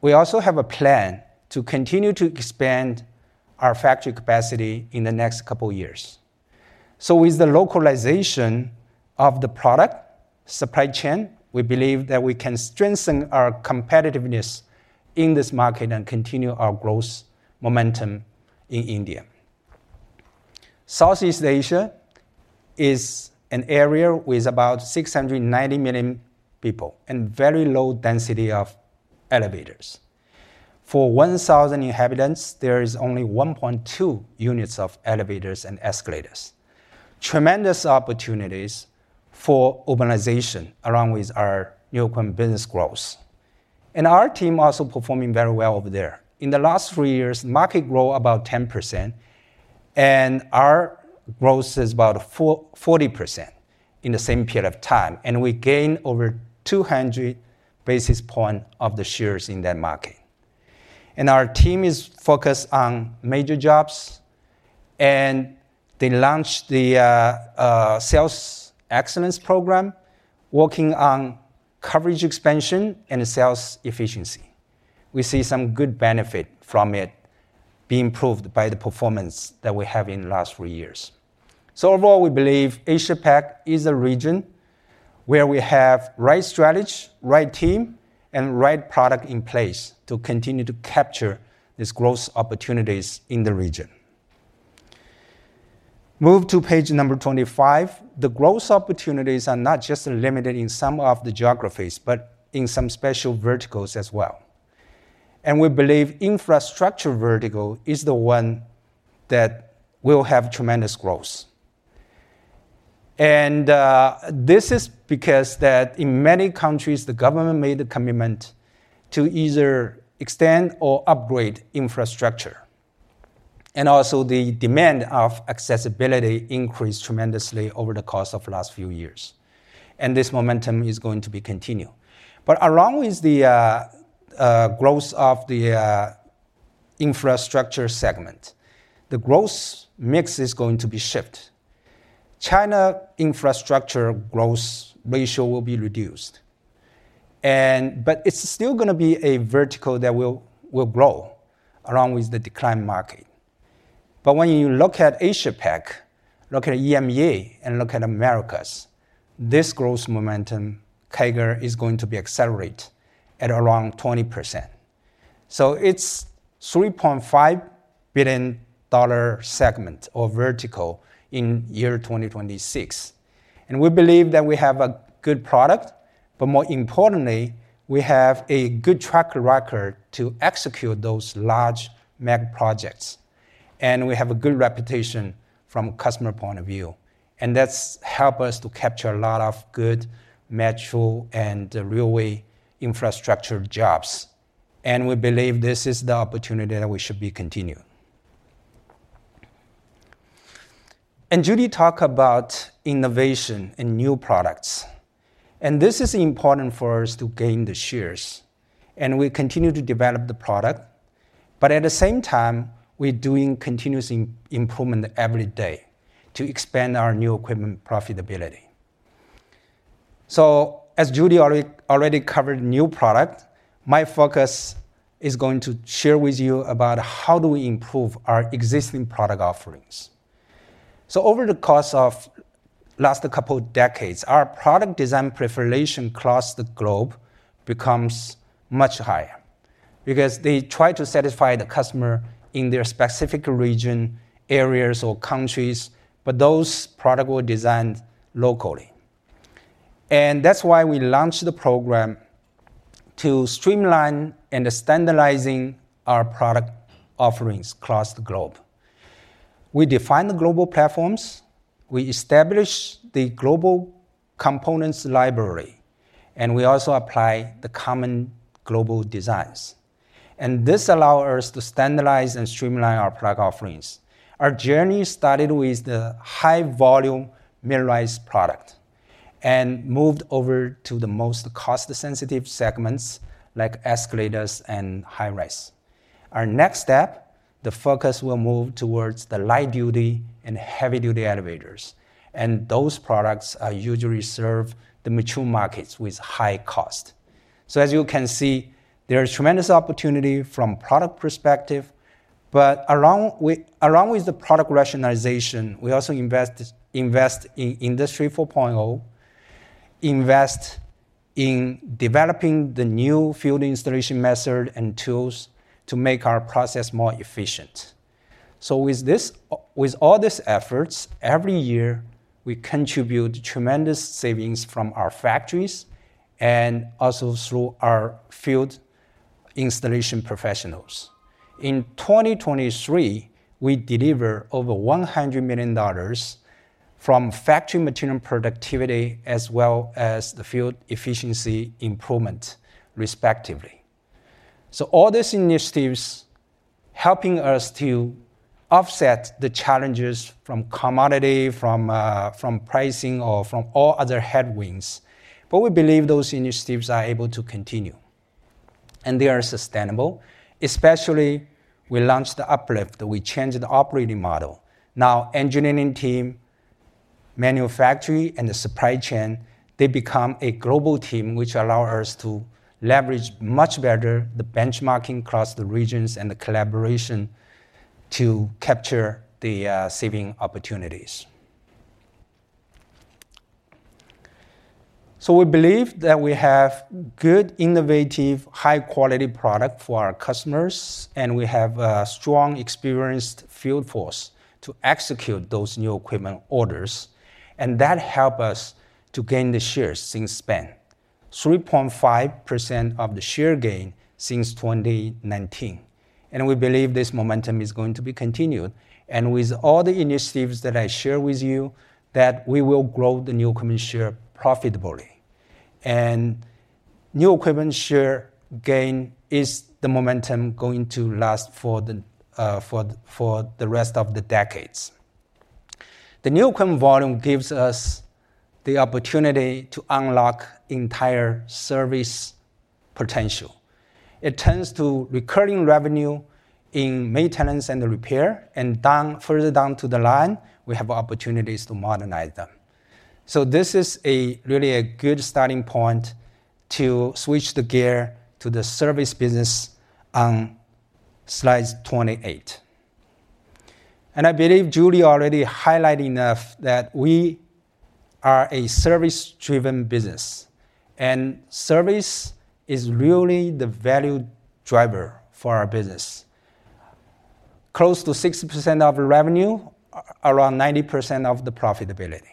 We also have a plan to continue to expand our factory capacity in the next couple of years. With the localization of the product supply chain, we believe that we can strengthen our competitiveness in this market and continue our growth momentum in India. Southeast Asia is an area with about 690 million people and very low density of elevators. For 1,000 inhabitants, there is only 1.2 units of elevators and escalators. Tremendous opportunities for urbanization along with our new equipment business growth. Our team also performing very well over there. In the last three years, market grew about 10%. Our growth is about 40% in the same period of time. We gained over 200 basis points of the shares in that market. Our team is focused on major jobs. They launched the Sales Excellence Program, working on coverage expansion and sales efficiency. We see some good benefit from it being improved by the performance that we have in the last three years. Overall, we believe Asia-Pacific is a region where we have the right strategy, right team, and right product in place to continue to capture these growth opportunities in the region. Move to page number 25. The growth opportunities are not just limited in some of the geographies but in some special verticals as well. We believe the infrastructure vertical is the one that will have tremendous growth. This is because that in many countries, the government made the commitment to either extend or upgrade infrastructure. Also, the demand of accessibility increased tremendously over the course of the last few years. This momentum is going to be continued. But along with the growth of the infrastructure segment, the growth mix is going to be shifted. China infrastructure growth ratio will be reduced. But it's still going to be a vertical that will grow along with the decline market. But when you look at Asia-Pacific, look at EMEA, and look at Americas, this growth momentum, CAGR, is going to be accelerated at around 20%. So it's a $3.5 billion segment or vertical in year 2026. We believe that we have a good product. But more importantly, we have a good track record to execute those large mega projects. We have a good reputation from a customer point of view. That's helped us to capture a lot of good metro and railway infrastructure jobs. We believe this is the opportunity that we should be continuing. Judy talked about innovation and new products. This is important for us to gain the shares. We continue to develop the product. But at the same time, we're doing continuous improvement every day to expand our new equipment profitability. So as Judy already covered new product, my focus is going to share with you about how do we improve our existing product offerings. Over the course of the last couple of decades, our product design proliferation across the globe becomes much higher because they try to satisfy the customer in their specific region, areas, or countries. But those products were designed locally. And that's why we launched the program to streamline and standardize our product offerings across the globe. We define the global platforms. We establish the global components library. And we also apply the common global designs. And this allows us to standardize and streamline our product offerings. Our journey started with the high-volume MRL product and moved over to the most cost-sensitive segments like escalators and high-rises. Our next step, the focus will move towards the light-duty and heavy-duty elevators. And those products usually serve the mature markets with high cost. So as you can see, there is tremendous opportunity from a product perspective. But along with the product rationalization, we also invest in Industry 4.0, invest in developing the new field installation methods and tools to make our process more efficient. So with all these efforts, every year, we contribute tremendous savings from our factories and also through our field installation professionals. In 2023, we delivered over $100 million from factory material productivity as well as the field efficiency improvement, respectively. So all these initiatives are helping us to offset the challenges from commodity, from pricing, or from all other headwinds. But we believe those initiatives are able to continue. And they are sustainable, especially we launched the UpLift. We changed the operating model. Now, the engineering team, manufacturing, and the supply chain, they become a global team, which allows us to leverage much better the benchmarking across the regions and the collaboration to capture the saving opportunities. So we believe that we have good, innovative, high-quality products for our customers. We have a strong, experienced field force to execute those new equipment orders. And that helps us to gain the shares since then, 3.5% share gain since 2019. We believe this momentum is going to be continued. With all the initiatives that I share with you, we will grow the new equipment share profitably. New equipment share gain is the momentum going to last for the rest of the decades. The new equipment volume gives us the opportunity to unlock entire service potential. It turns to recurring revenue in maintenance and repair. Further down the line, we have opportunities to modernize them. This is really a good starting point to switch the gear to the service business on slide 28. I believe Judy already highlighted enough that we are a service-driven business. Service is really the value driver for our business. Close to 60% of revenue, around 90% of the profitability.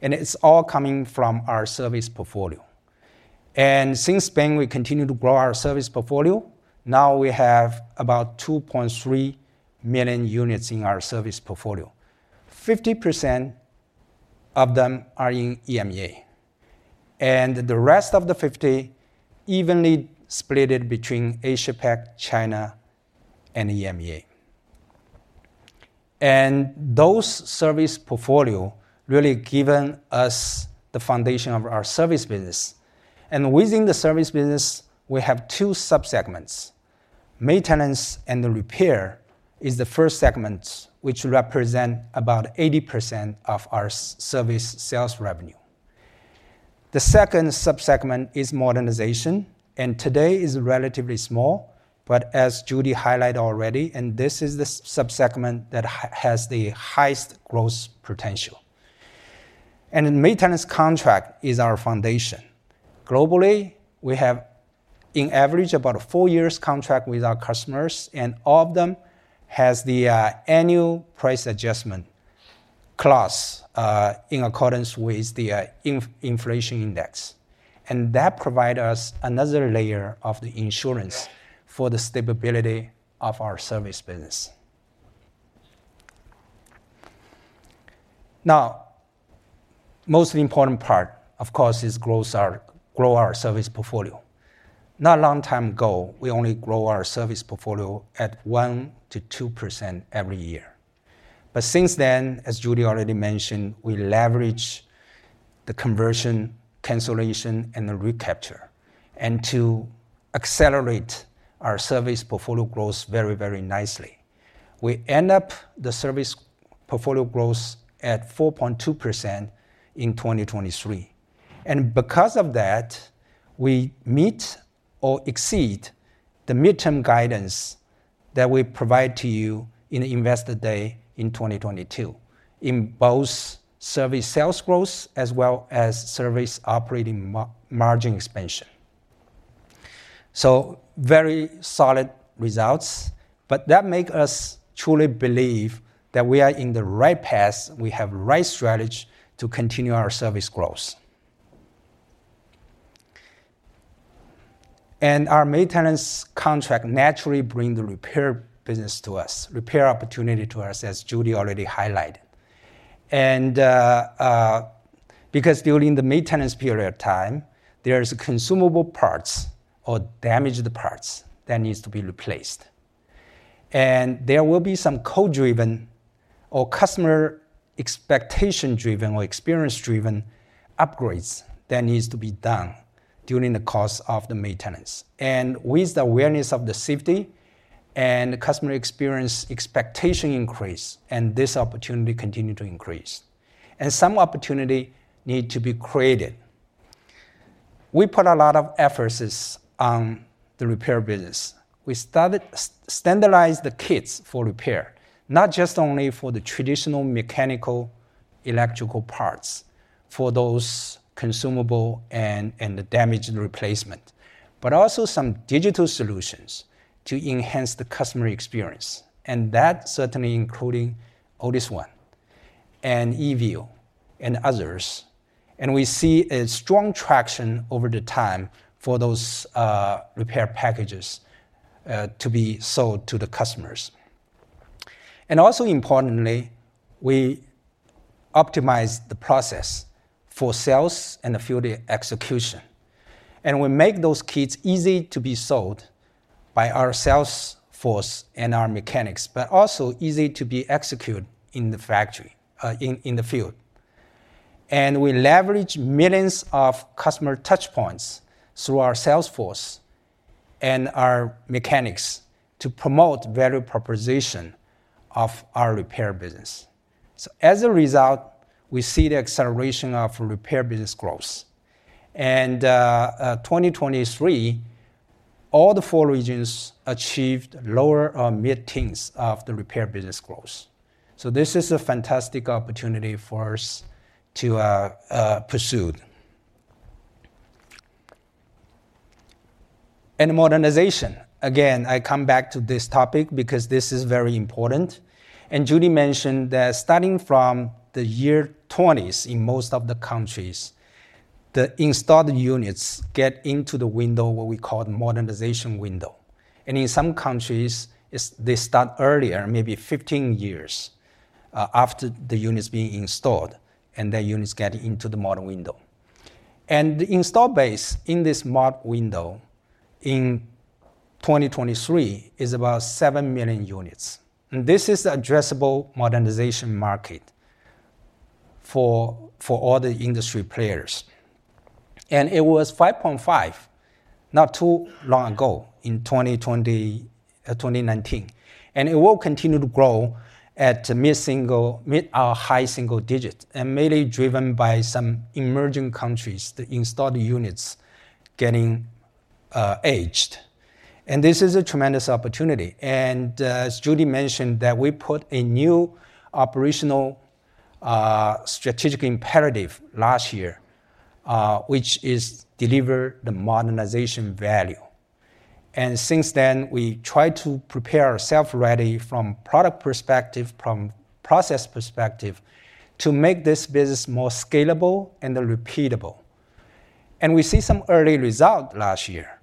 It's all coming from our service portfolio. Since the spin, we continue to grow our service portfolio. Now, we have about 2.3 million units in our service portfolio. 50% of them are in EMEA. The rest of the 50% are evenly split between Asia-Pacific, China, and EMEA. Those service portfolios really give us the foundation of our service business. Within the service business, we have two subsegments. Maintenance and repair is the first segment, which represents about 80% of our service sales revenue. The second subsegment is modernization. And today is relatively small. But as Judy highlighted already, this is the subsegment that has the highest growth potential. The maintenance contract is our foundation. Globally, we have, on average, about a 4-year contract with our customers. All of them have the annual price adjustment clause in accordance with the inflation index. That provides us another layer of the insurance for the stability of our service business. Now, the most important part, of course, is to grow our service portfolio. Not a long time ago, we only grew our service portfolio at 1%-2% every year. But since then, as Judy already mentioned, we leverage the conversion, cancellation, and the recapture to accelerate our service portfolio growth very, very nicely. We end up with the service portfolio growth at 4.2% in 2023. Because of that, we meet or exceed the midterm guidance that we provide to you on Investor Day in 2022 in both service sales growth as well as service operating margin expansion. So very solid results. But that makes us truly believe that we are in the right path. We have the right strategy to continue our service growth. And our maintenance contract naturally brings the repair business to us, the repair opportunity to us, as Judy already highlighted. And because during the maintenance period of time, there are consumable parts or damaged parts that need to be replaced. And there will be some code-driven or customer expectation-driven or experience-driven upgrades that need to be done during the course of the maintenance. And with the awareness of the safety and customer experience expectation increase, this opportunity continues to increase. And some opportunity needs to be created. We put a lot of efforts on the repair business. We standardized the kits for repair, not just only for the traditional mechanical electrical parts for those consumable and the damaged replacement, but also some digital solutions to enhance the customer experience. That certainly includes all these ones, and eView, and others. We see a strong traction over the time for those repair packages to be sold to the customers. Also importantly, we optimize the process for sales and the field execution. We make those kits easy to be sold by our sales force and our mechanics, but also easy to be executed in the fields. We leverage millions of customer touchpoints through our sales force and our mechanics to promote value proposition of our repair business. So as a result, we see the acceleration of repair business growth. In 2023, all the four regions achieved lower or mid-teens of the repair business growth. So this is a fantastic opportunity for us to pursue modernization. Again, I come back to this topic because this is very important. Judy mentioned that starting from the 2020s in most of the countries, the installed units get into the window, what we call the modernization window. In some countries, they start earlier, maybe 15 years after the unit's being installed. That unit's getting into the modernization window. The installed base in this modernization window in 2023 is about 7 million units. This is the addressable modernization market for all the industry players. It was 5.5 not too long ago in 2019. It will continue to grow at mid- or high-single digits, and mainly driven by some emerging countries, the installed units getting aged. This is a tremendous opportunity. As Judy mentioned, that we put a new operational strategic imperative last year, which is to deliver the modernization value. Since then, we try to prepare ourselves ready from a product perspective, from a process perspective, to make this business more scalable and repeatable. We see some early results last year.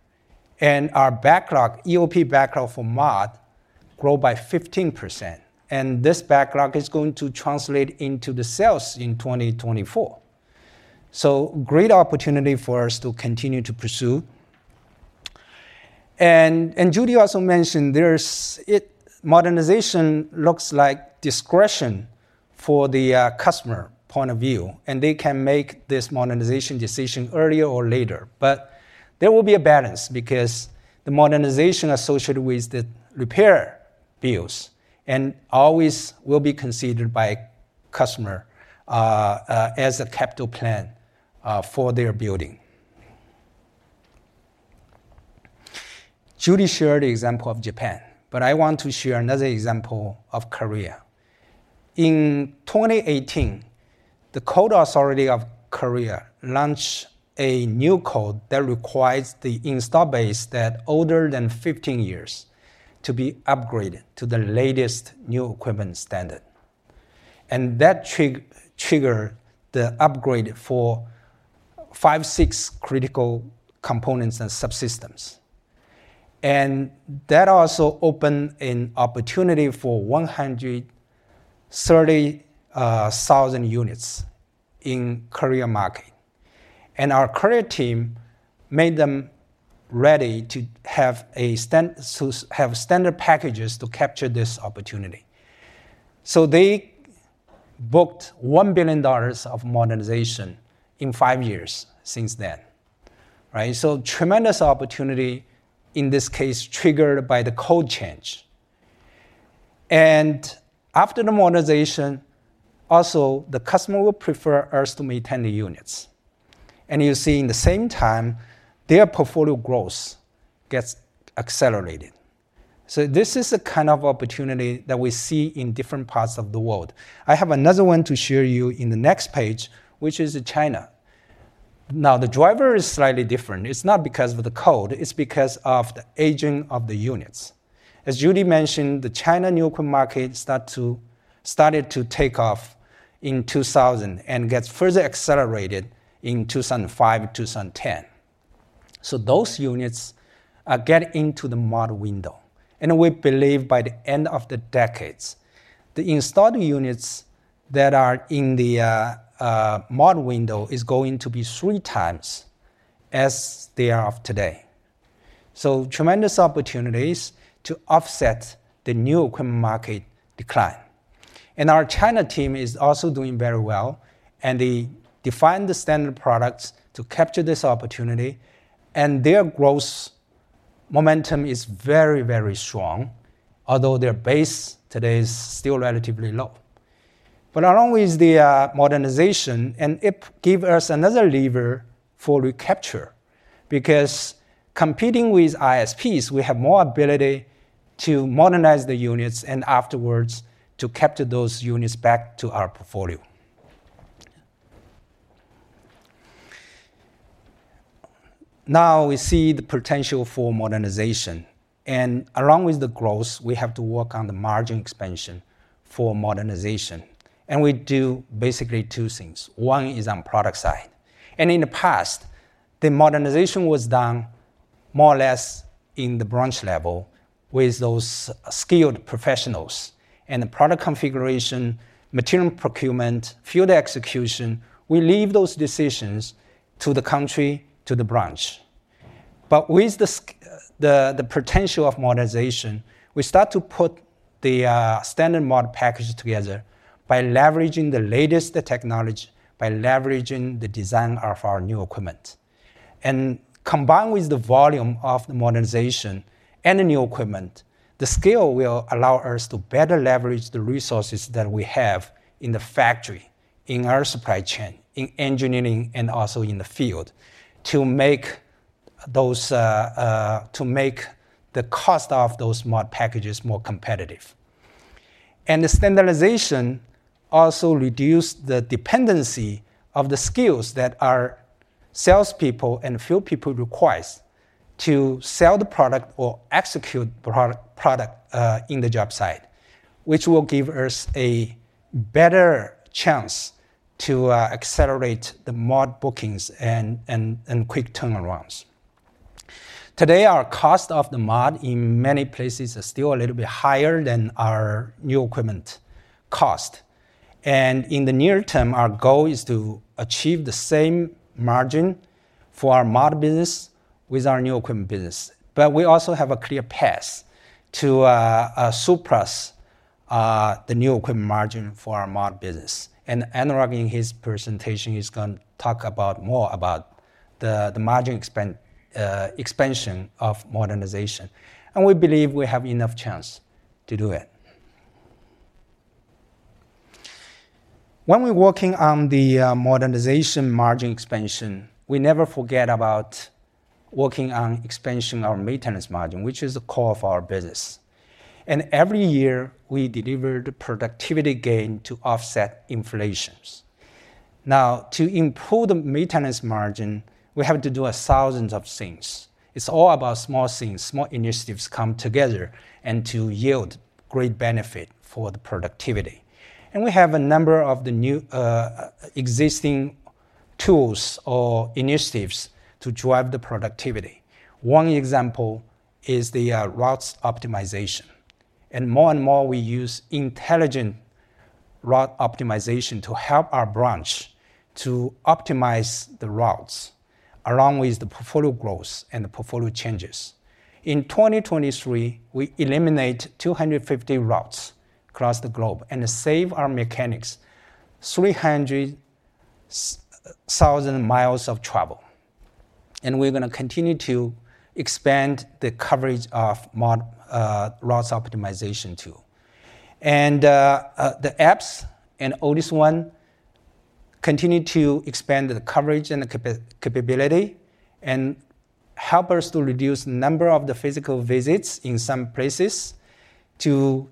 Our EOP backlog for mod grew by 15%. This backlog is going to translate into the sales in 2024. Great opportunity for us to continue to pursue. Judy also mentioned modernization looks like discretion from the customer point of view. They can make this modernization decision earlier or later. But there will be a balance because the modernization associated with the repair bills always will be considered by the customer as a capital plan for their building. Judy shared an example of Japan. But I want to share another example of Korea. In 2018, the Code Authority of Korea launched a new code that requires the installed base that is older than 15 years to be upgraded to the latest new equipment standard. That triggered the upgrade for 5-6 critical components and subsystems. That also opened an opportunity for 130,000 units in the Korea market. Our Korea team made them ready to have standard packages to capture this opportunity. They booked $1 billion of modernization in 5 years since then. Tremendous opportunity, in this case, triggered by the code change. After the modernization, also, the customer will prefer us to maintain the units. You see, in the same time, their portfolio growth gets accelerated. This is the kind of opportunity that we see in different parts of the world. I have another one to share with you on the next page, which is China. Now, the driver is slightly different. It's not because of the code. It's because of the aging of the units. As Judy mentioned, the China new equipment market started to take off in 2000 and got further accelerated in 2005, 2010. So those units get into the mod window. And we believe by the end of the decades, the installed units that are in the mod window are going to be three times as they are today. So tremendous opportunities to offset the new equipment market decline. And our China team is also doing very well. And they define the standard products to capture this opportunity. And their growth momentum is very, very strong, although their base today is still relatively low. But along with the modernization, it gives us another lever for recapture because competing with ISPs, we have more ability to modernize the units and afterwards to capture those units back to our portfolio. Now, we see the potential for modernization. And along with the growth, we have to work on the margin expansion for modernization. And we do basically two things. One is on the product side. And in the past, the modernization was done more or less at the branch level with those skilled professionals. And the product configuration, material procurement, field execution, we leave those decisions to the country, to the branch. But with the potential of modernization, we start to put the standard mod package together by leveraging the latest technology, by leveraging the design of our new equipment. Combined with the volume of the modernization and the new equipment, the scale will allow us to better leverage the resources that we have in the factory, in our supply chain, in engineering, and also in the field to make the cost of those mod packages more competitive. And the standardization also reduces the dependency on the skills that salespeople and field people require to sell the product or execute the product on the job site, which will give us a better chance to accelerate the mod bookings and quick turnarounds. Today, our cost of the model in many places is still a little bit higher than our new equipment cost. And in the near term, our goal is to achieve the same margin for our mod business with our new equipment business. But we also have a clear path to surplus the new equipment margin for our mod business. Anurag, in his presentation, is going to talk more about the margin expansion of modernization. We believe we have enough chance to do it. When we're working on the modernization margin expansion, we never forget about working on expansion of our maintenance margin, which is the core of our business. Every year, we delivered productivity gain to offset inflation. Now, to improve the maintenance margin, we have to do thousands of things. It's all about small things. Small initiatives come together to yield great benefits for the productivity. We have a number of existing tools or initiatives to drive the productivity. One example is the routes optimization. And more and more, we use intelligent route optimization to help our branch optimize the routes along with the portfolio growth and the portfolio changes. In 2023, we eliminated 250 routes across the globe and saved our mechanics 300,000 miles of travel. We're going to continue to expand the coverage of routes optimization too. The apps, and all these ones, continue to expand the coverage and the capability and help us to reduce the number of physical visits in some places to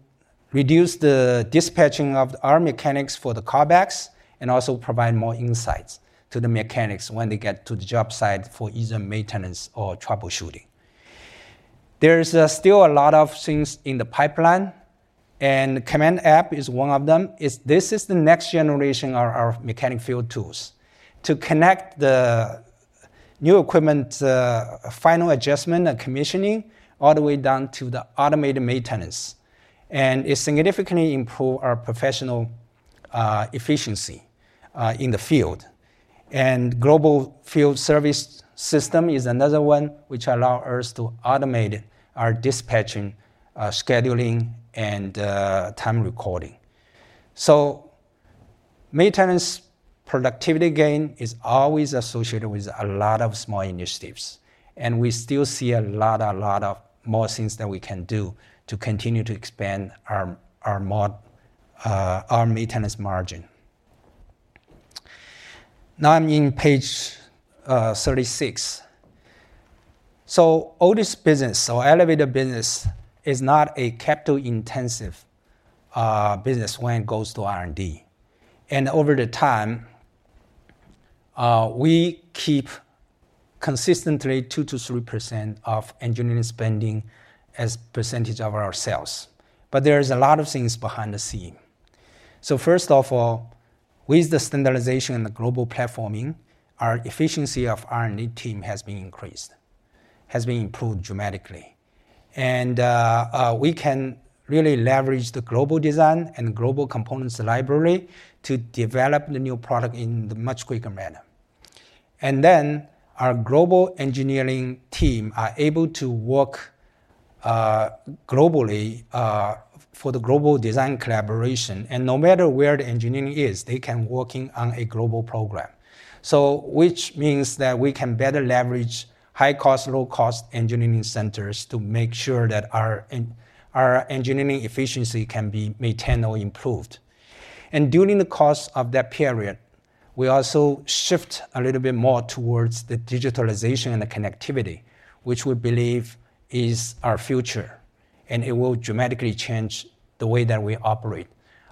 reduce the dispatching of our mechanics for the callbacks and also provide more insights to the mechanics when they get to the job site for either maintenance or troubleshooting. There are still a lot of things in the pipeline. The command app is one of them. This is the next generation of our mechanic field tools to connect the new equipment's final adjustment and commissioning all the way down to the automated maintenance. It significantly improves our professional efficiency in the field. The Global Field Service System is another one which allows us to automate our dispatching, scheduling, and time recording. Maintenance productivity gain is always associated with a lot of small initiatives. We still see a lot, a lot more things that we can do to continue to expand our maintenance margin. Now, I'm on page 36. All this business, so elevator business, is not a capital-intensive business when it goes to R&D. Over the time, we keep consistently 2%-3% of engineering spending as a percentage of our sales. But there are a lot of things behind the scenes. So first of all, with the standardization and the global platforming, our efficiency of the R&D team has been increased, has been improved dramatically. And we can really leverage the global design and the global components library to develop the new product in a much quicker manner. And then our global engineering team is able to work globally for the global design collaboration. And no matter where the engineering is, they can be working on a global program, which means that we can better leverage high-cost, low-cost engineering centers to make sure that our engineering efficiency can be maintained or improved. And during the course of that period, we also shift a little bit more towards the digitalization and the connectivity, which we believe is our future. And it will dramatically change the way that we operate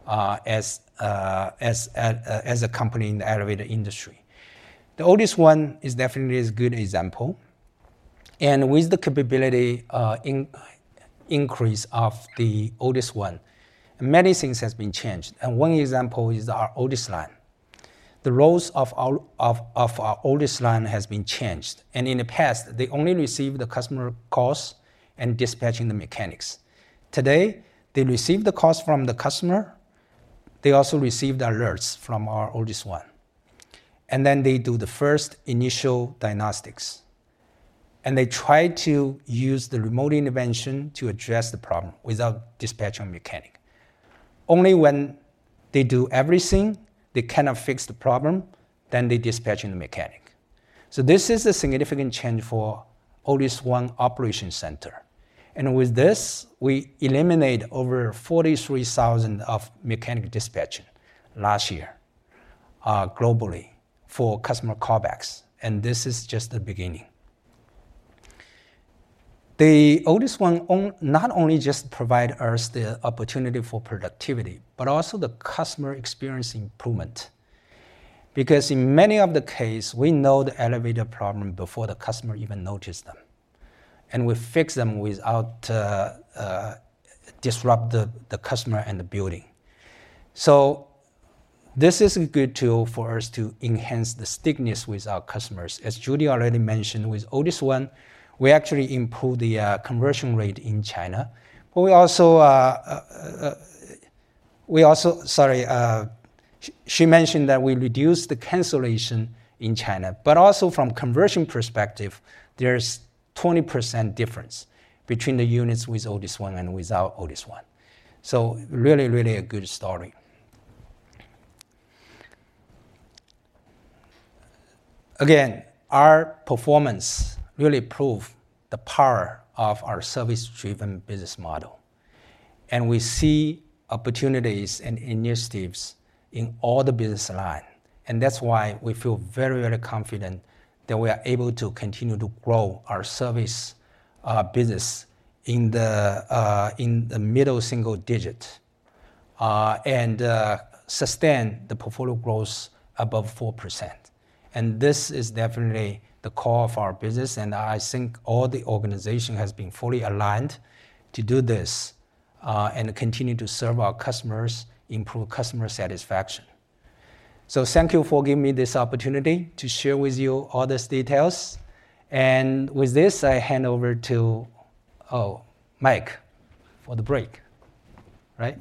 as a company in the elevator industry. The Otis ONE is definitely a good example. With the capability increase of the Otis ONE, many things have been changed. One example is our OTISLiNE. The roles of our OTISLiNE have been changed. In the past, they only received the customer calls and dispatching the mechanics. Today, they receive the calls from the customer. They also receive the alerts from our Otis ONE. And then they do the first initial diagnostics. And they try to use the remote intervention to address the problem without dispatching a mechanic. Only when they do everything, they cannot fix the problem, then they dispatch the mechanic. This is a significant change for the Otis ONE operation center. With this, we eliminated over 43,000 mechanic dispatches last year globally for customer callbacks. This is just the beginning. The Otis ONE not only just provides us the opportunity for productivity but also the customer experience improvement because in many of the cases, we know the elevator problem before the customer even notices them. We fix them without disrupting the customer and the building. This is a good tool for us to enhance the stickiness with our customers. As Judy already mentioned, with the Otis ONE, we actually improved the conversion rate in China. But we also sorry. She mentioned that we reduced the cancellation in China. But also, from a conversion perspective, there's a 20% difference between the units with the Otis ONE and without the Otis ONE. Really, really a good story. Again, our performance really proves the power of our service-driven business model. We see opportunities and initiatives in all the business lines. That's why we feel very, very confident that we are able to continue to grow our service business in the middle single digit and sustain the portfolio growth above 4%. This is definitely the core of our business. I think all the organization has been fully aligned to do this and continue to serve our customers, improve customer satisfaction. Thank you for giving me this opportunity to share with you all these details. With this, I hand over to Mike for the break. Right?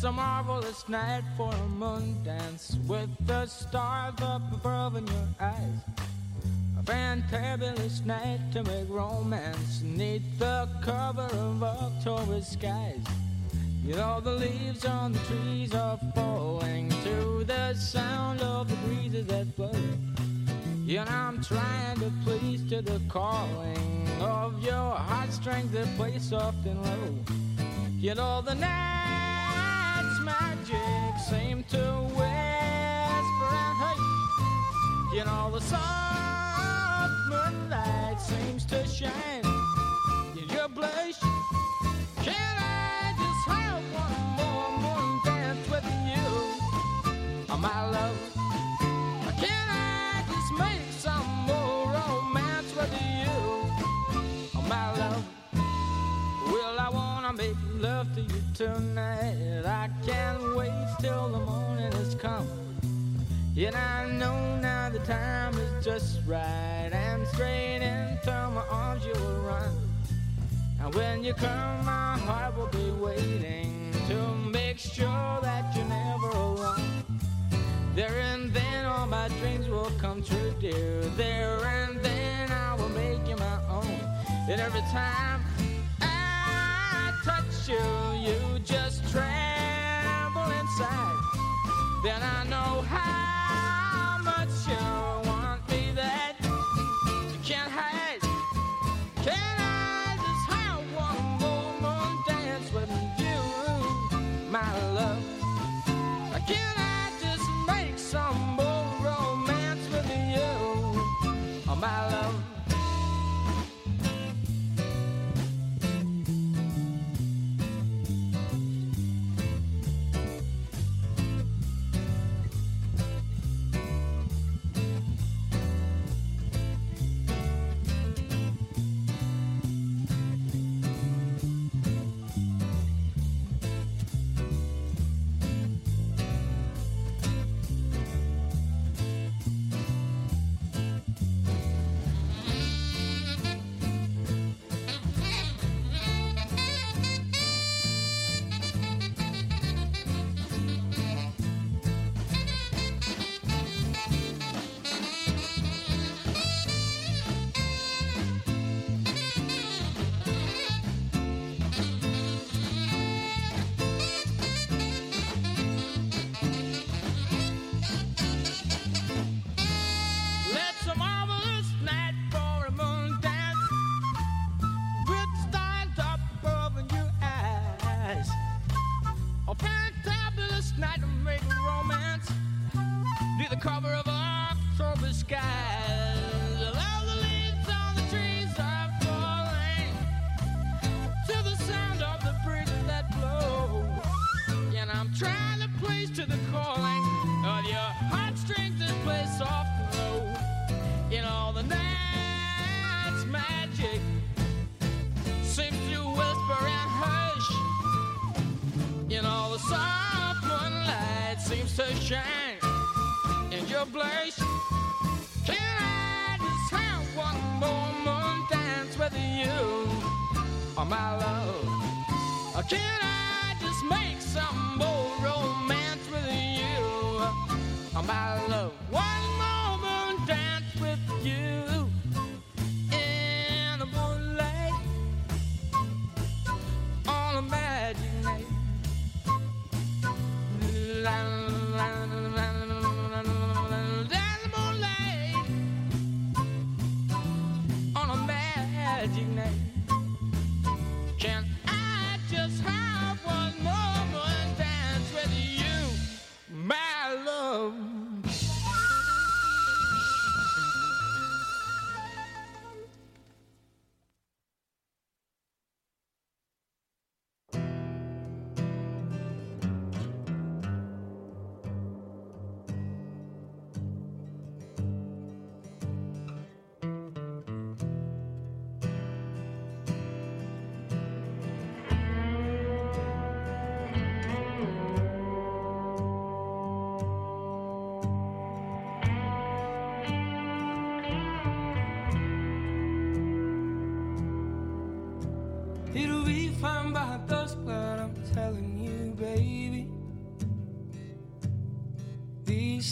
Okay. Thanks, Perry. We are going to take a break. We'll be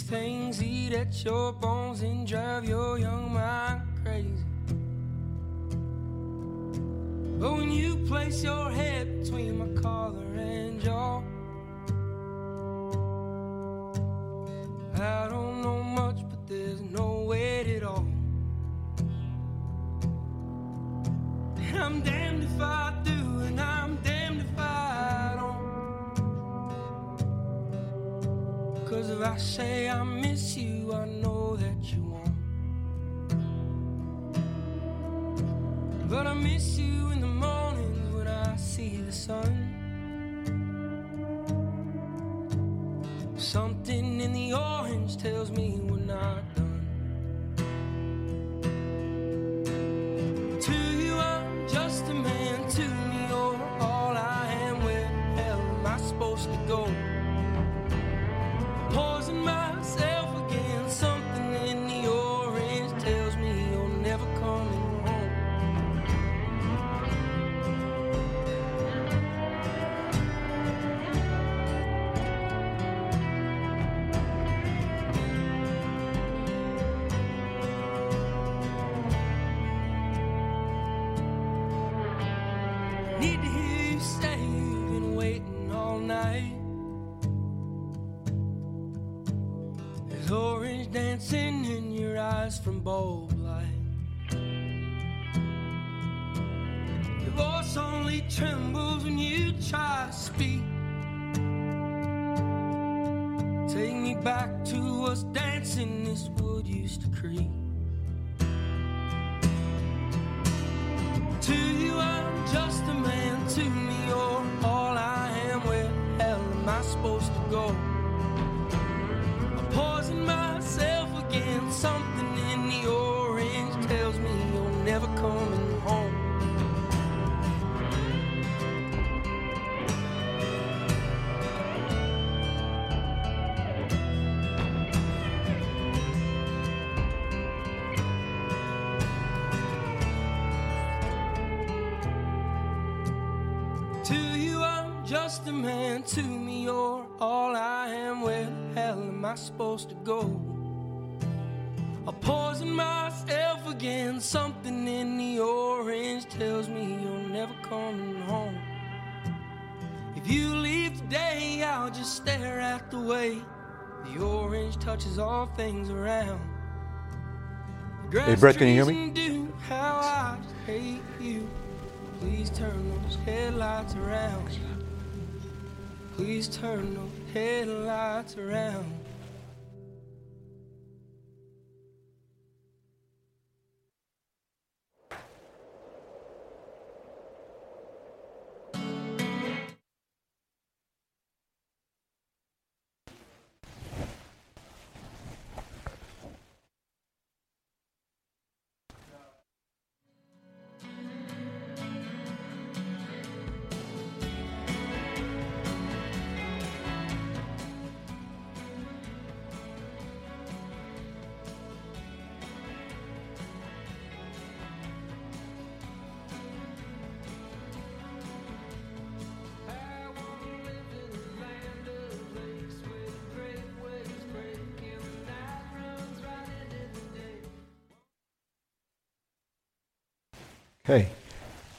back in.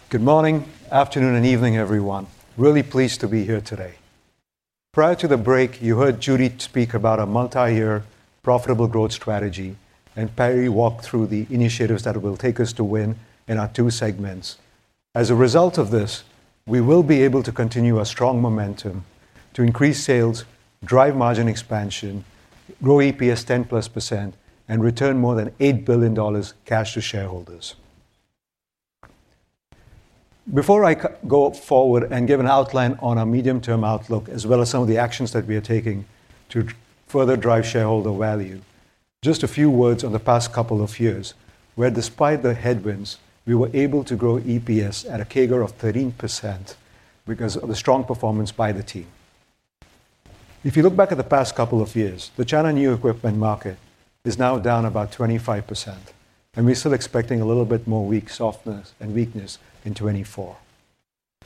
Good morning, afternoon, and evening, everyone. Really pleased to be here today. Prior to the break, you heard Judith speak about a multi-year profitable growth strategy, and Perry walked through the initiatives that will take us to win in our two segments. As a result of this, we will be able to continue our strong momentum to increase sales, drive margin expansion, grow EPS 10%+, and return more than $8 billion cash to shareholders. Before I go forward and give an outline on our medium-term outlook, as well as some of the actions that we are taking to further drive shareholder value, just a few words on the past couple of years, where, despite the headwinds, we were able to grow EPS at a CAGR of 13% because of the strong performance by the team. If you look back at the past couple of years, the China new equipment market is now down about 25%, and we're still expecting a little bit more weak softness and weakness in 2024.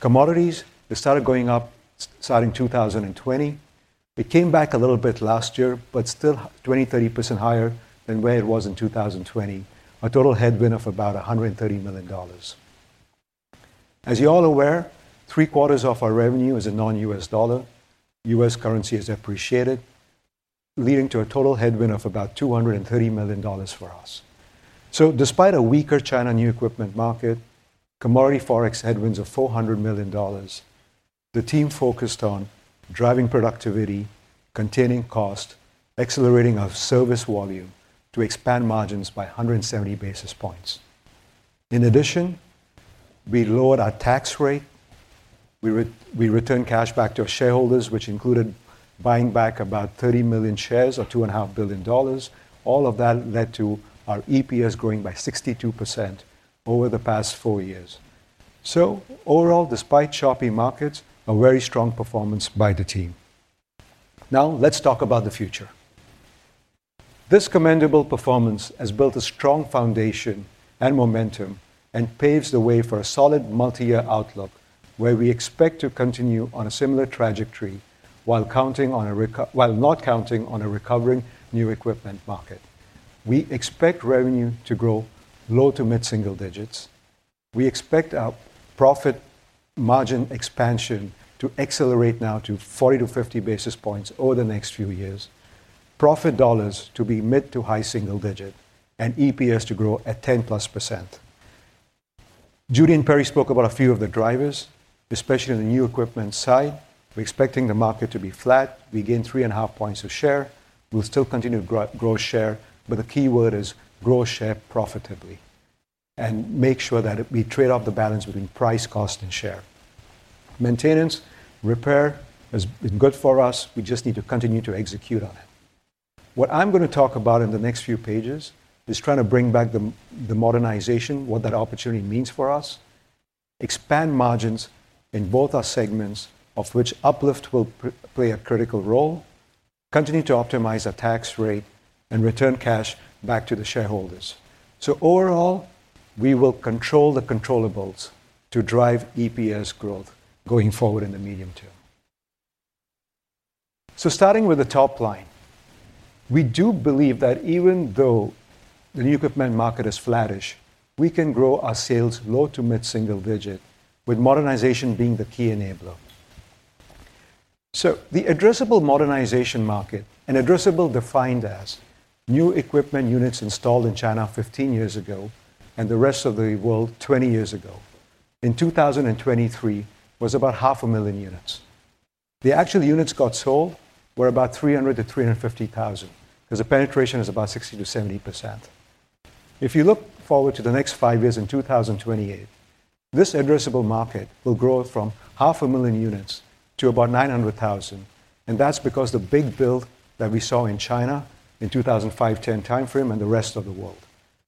Commodities started going up starting 2020. It came back a little bit last year, but still 20%-30% higher than where it was in 2020, a total headwind of about $130 million. As you're all aware, three-quarters of our revenue is in non-U.S. dollar. U.S. currency has depreciated, leading to a total headwind of about $230 million for us. So, despite a weaker China new equipment market, commodity forex headwinds of $400 million, the team focused on driving productivity, containing cost, accelerating our service volume to expand margins by 170 basis points. In addition, we lowered our tax rate. We returned cash back to our shareholders, which included buying back about 30 million shares, or $2.5 billion. All of that led to our EPS growing by 62% over the past four years. So, overall, despite choppy markets, a very strong performance by the team. Now, let's talk about the future. This commendable performance has built a strong foundation and momentum and paves the way for a solid multi-year outlook where we expect to continue on a similar trajectory while counting on a recovering new equipment market. We expect revenue to grow low- to mid-single digits. We expect our profit margin expansion to accelerate now to 40-50 basis points over the next few years, profit dollars to be mid- to high-single digit, and EPS to grow at 10%+. Judy and Perry spoke about a few of the drivers, especially on the new equipment side. We're expecting the market to be flat. We gain 3.5 points of share. We'll still continue to grow share, but the keyword is grow share profitably and make sure that we trade off the balance between price, cost, and share. Maintenance, repair has been good for us. We just need to continue to execute on it. What I'm going to talk about in the next few pages is trying to bring back the modernization, what that opportunity means for us, expand margins in both our segments, of which UpLift will play a critical role, continue to optimize our tax rate, and return cash back to the shareholders. So, overall, we will control the controllable to drive EPS growth going forward in the medium term. So, starting with the top line, we do believe that even though the new equipment market is flatish, we can grow our sales low- to mid-single-digit, with modernization being the key enabler. So, the addressable modernization market, and addressable defined as new equipment units installed in China 15 years ago and the rest of the world 20 years ago, in 2023, was about 500,000 units. The actual units got sold were about 300,000-350,000 because the penetration is about 60%-70%. If you look forward to the next five years, in 2028, this addressable market will grow from 500,000 units to about 900,000, and that's because of the big build that we saw in China in the 2005-2010 time frame and the rest of the world.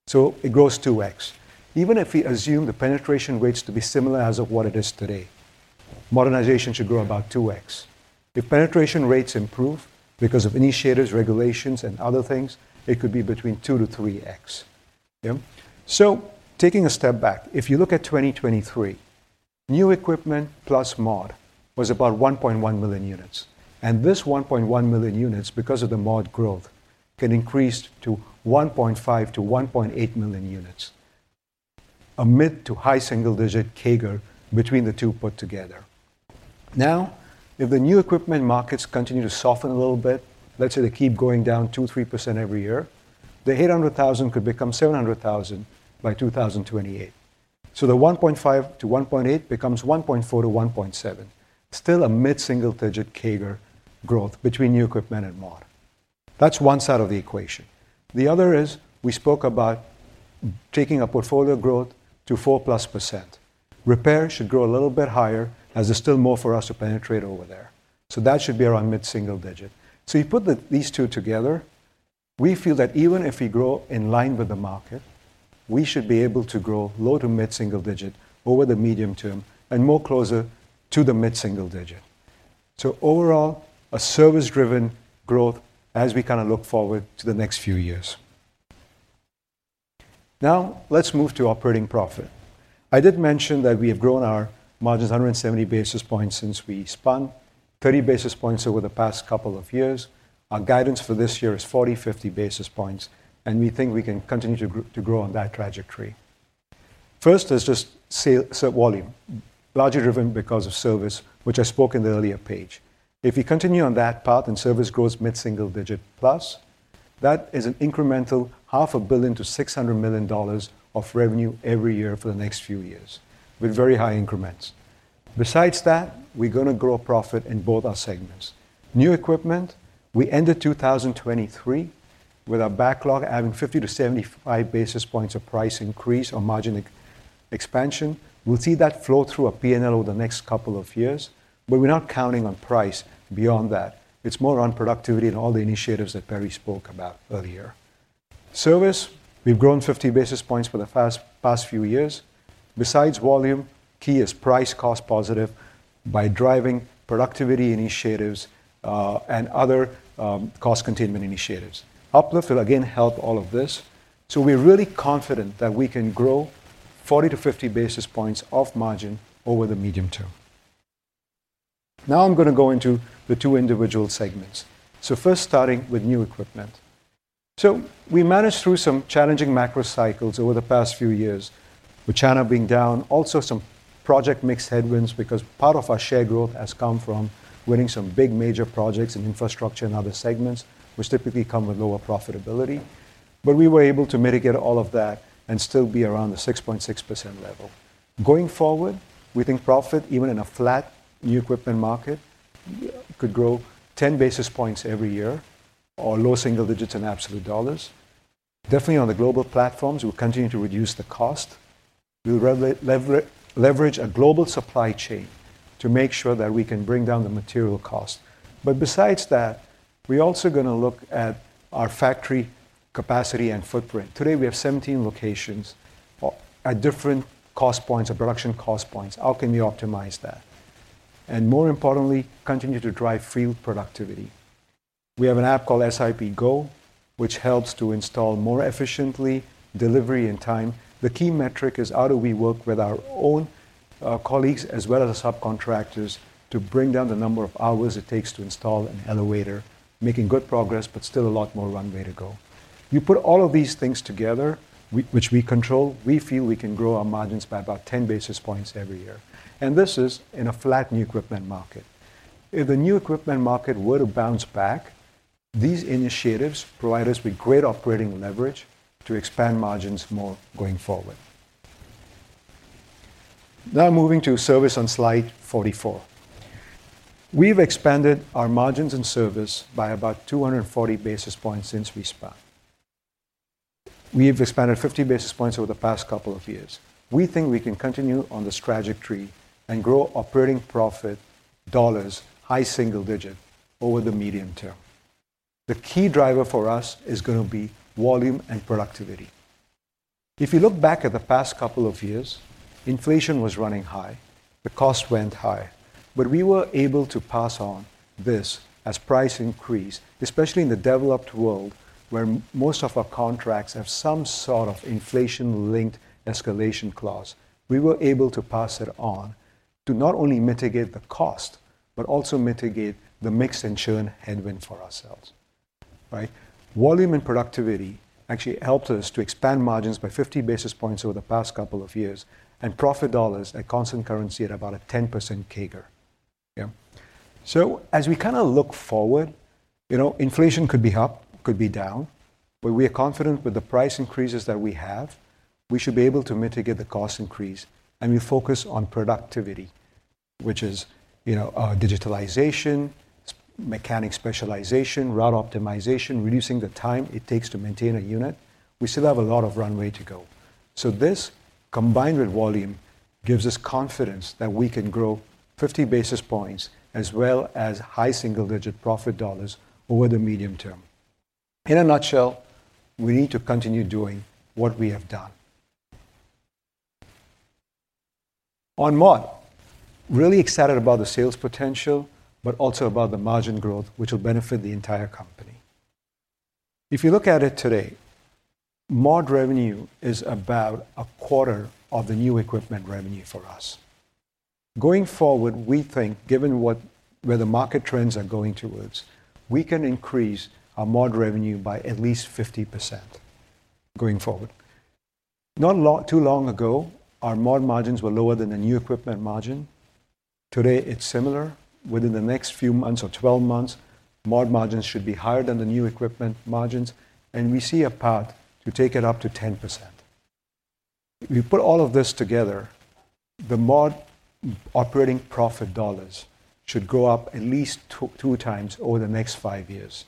So, it grows 2X. Even if we assume the penetration rates to be similar as of what it is today, modernization should grow about 2X. If penetration rates improve because of initiators, regulations, and other things, it could be between 2-3X. Yeah? So, taking a step back, if you look at 2023, new equipment plus mod was about 1,100,000 units. This 1.1 million units, because of the mod growth, can increase to 1.5-1.8 million units, a mid- to high-single-digit CAGR between the two put together. Now, if the new equipment markets continue to soften a little bit, let's say they keep going down 2%-3% every year, the 800,000 could become 700,000 by 2028. So, the 1.5-1.8 becomes 1.4-1.7, still a mid-single-digit CAGR growth between new equipment and mod. That's one side of the equation. The other is we spoke about taking our portfolio growth to 4%+. Repair should grow a little bit higher as there's still more for us to penetrate over there. So, that should be around mid-single-digit. So, you put these two together, we feel that even if we grow in line with the market, we should be able to grow low- to mid-single-digit over the medium term and more closer to the mid-single-digit. So, overall, a service-driven growth as we kind of look forward to the next few years. Now, let's move to operating profit. I did mention that we have grown our margins 170 basis points since we spun, 30 basis points over the past couple of years. Our guidance for this year is 40-50 basis points, and we think we can continue to grow on that trajectory. First, there's just volume, largely driven because of service, which I spoke about in the earlier page. If we continue on that path and service grows mid-single digit plus, that is an incremental $500 million-$600 million of revenue every year for the next few years, with very high increments. Besides that, we're going to grow profit in both our segments. New equipment, we ended 2023 with our backlog having 50-75 basis points of price increase or margin expansion. We'll see that flow through our P&L over the next couple of years, but we're not counting on price beyond that. It's more on productivity and all the initiatives that Perry spoke about earlier. Service, we've grown 50 basis points for the past few years. Besides volume, key is price cost positive by driving productivity initiatives and other cost containment initiatives. UpLift will, again, help all of this. We're really confident that we can grow 40-50 basis points of margin over the medium term. Now, I'm going to go into the two individual segments. First, starting with new equipment. We managed through some challenging macro cycles over the past few years, with China being down, also some project-mixed headwinds because part of our share growth has come from winning some big, major projects in infrastructure and other segments, which typically come with lower profitability. But we were able to mitigate all of that and still be around the 6.6% level. Going forward, we think profit, even in a flat new equipment market, could grow 10 basis points every year, or low single digits in absolute dollars. Definitely, on the global platforms, we'll continue to reduce the cost. We'll leverage a global supply chain to make sure that we can bring down the material cost. Besides that, we're also going to look at our factory capacity and footprint. Today, we have 17 locations at different cost points, at production cost points. How can we optimize that? More importantly, continue to drive field productivity. We have an app called SIP Go, which helps to install more efficiently, delivery in time. The key metric is how do we work with our own colleagues, as well as our subcontractors, to bring down the number of hours it takes to install an elevator, making good progress, but still a lot more runway to go. You put all of these things together, which we control, we feel we can grow our margins by about 10 basis points every year. This is in a flat new equipment market. If the new equipment market were to bounce back, these initiatives provide us with great operating leverage to expand margins more going forward. Now, moving to service on slide 44. We've expanded our margins in service by about 240 basis points since we spun. We've expanded 50 basis points over the past couple of years. We think we can continue on this trajectory and grow operating profit, high single digit, over the medium term. The key driver for us is going to be volume and productivity. If you look back at the past couple of years, inflation was running high. The cost went high. But we were able to pass on this as price increased, especially in the developed world, where most of our contracts have some sort of inflation-linked escalation clause. We were able to pass it on to not only mitigate the cost, but also mitigate the mixed insurance headwind for ourselves. Right? Volume and productivity actually helped us to expand margins by 50 basis points over the past couple of years and profit dollars at constant currency at about a 10% CAGR. Yeah? So, as we kind of look forward, you know, inflation could be up, could be down. But we are confident with the price increases that we have, we should be able to mitigate the cost increase, and we focus on productivity, which is, you know, digitalization, mechanic specialization, route optimization, reducing the time it takes to maintain a unit. We still have a lot of runway to go. So, this, combined with volume, gives us confidence that we can grow 50 basis points, as well as high single-digit profit dollars over the medium term. In a nutshell, we need to continue doing what we have done. On mod, really excited about the sales potential, but also about the margin growth, which will benefit the entire company. If you look at it today, mod revenue is about a quarter of the new equipment revenue for us. Going forward, we think, given where the market trends are going towards, we can increase our mod revenue by at least 50% going forward. Not too long ago, our mod margins were lower than the new equipment margin. Today, it's similar. Within the next few months or 12 months, mod margins should be higher than the new equipment margins, and we see a path to take it up to 10%. If we put all of this together, the mod operating profit dollars should go up at least 2 times over the next 5 years.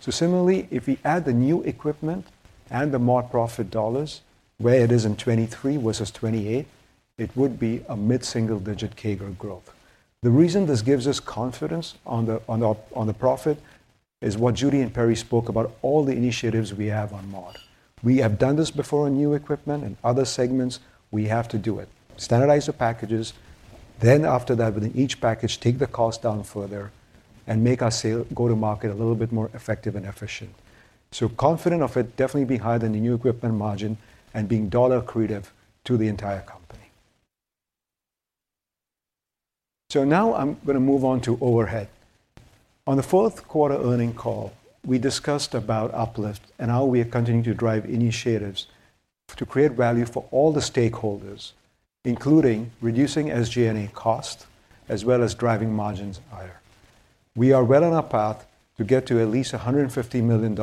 So, similarly, if we add the new equipment and the mod profit dollars, where it is in 2023 versus 2028, it would be a mid-single digit CAGR growth. The reason this gives us confidence on the profit is what Judy and Perry spoke about, all the initiatives we have on mod. We have done this before on new equipment. In other segments, we have to do it: standardize the packages. Then, after that, within each package, take the cost down further and make our sale go-to-market a little bit more effective and efficient. So, confident of it definitely being higher than the new equipment margin and being dollar-creative to the entire company. So, now I'm going to move on to overhead. On the Q4 earnings call, we discussed about UpLift and how we are continuing to drive initiatives to create value for all the stakeholders, including reducing SG&A cost, as well as driving margins higher. We are well on our path to get to at least $150 million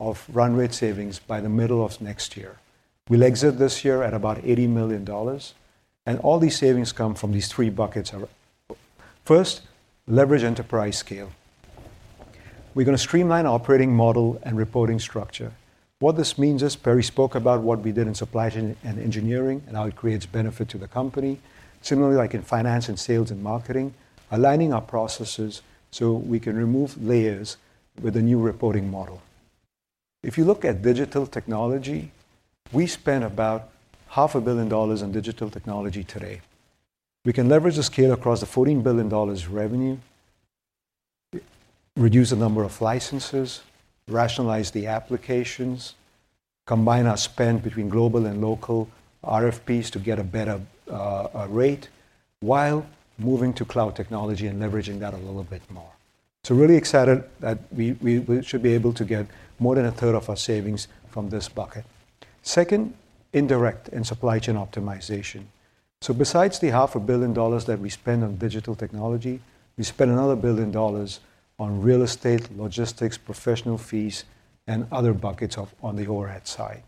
of runway savings by the middle of next year. We'll exit this year at about $80 million. All these savings come from these three buckets. First, leverage enterprise scale. We're going to streamline our operating model and reporting structure. What this means is Perry spoke about what we did in supply chain and engineering and how it creates benefit to the company, similarly like in finance and sales and marketing, aligning our processes so we can remove layers with a new reporting model. If you look at digital technology, we spend about $500 million on digital technology today. We can leverage the scale across the $14 billion revenue, reduce the number of licenses, rationalize the applications, combine our spend between global and local RFPs to get a better rate, while moving to cloud technology and leveraging that a little bit more. So, really excited that we should be able to get more than a third of our savings from this bucket. Second, indirect and supply chain optimization. So, besides the $500 million that we spend on digital technology, we spend another $1 billion on real estate, logistics, professional fees, and other buckets on the overhead side.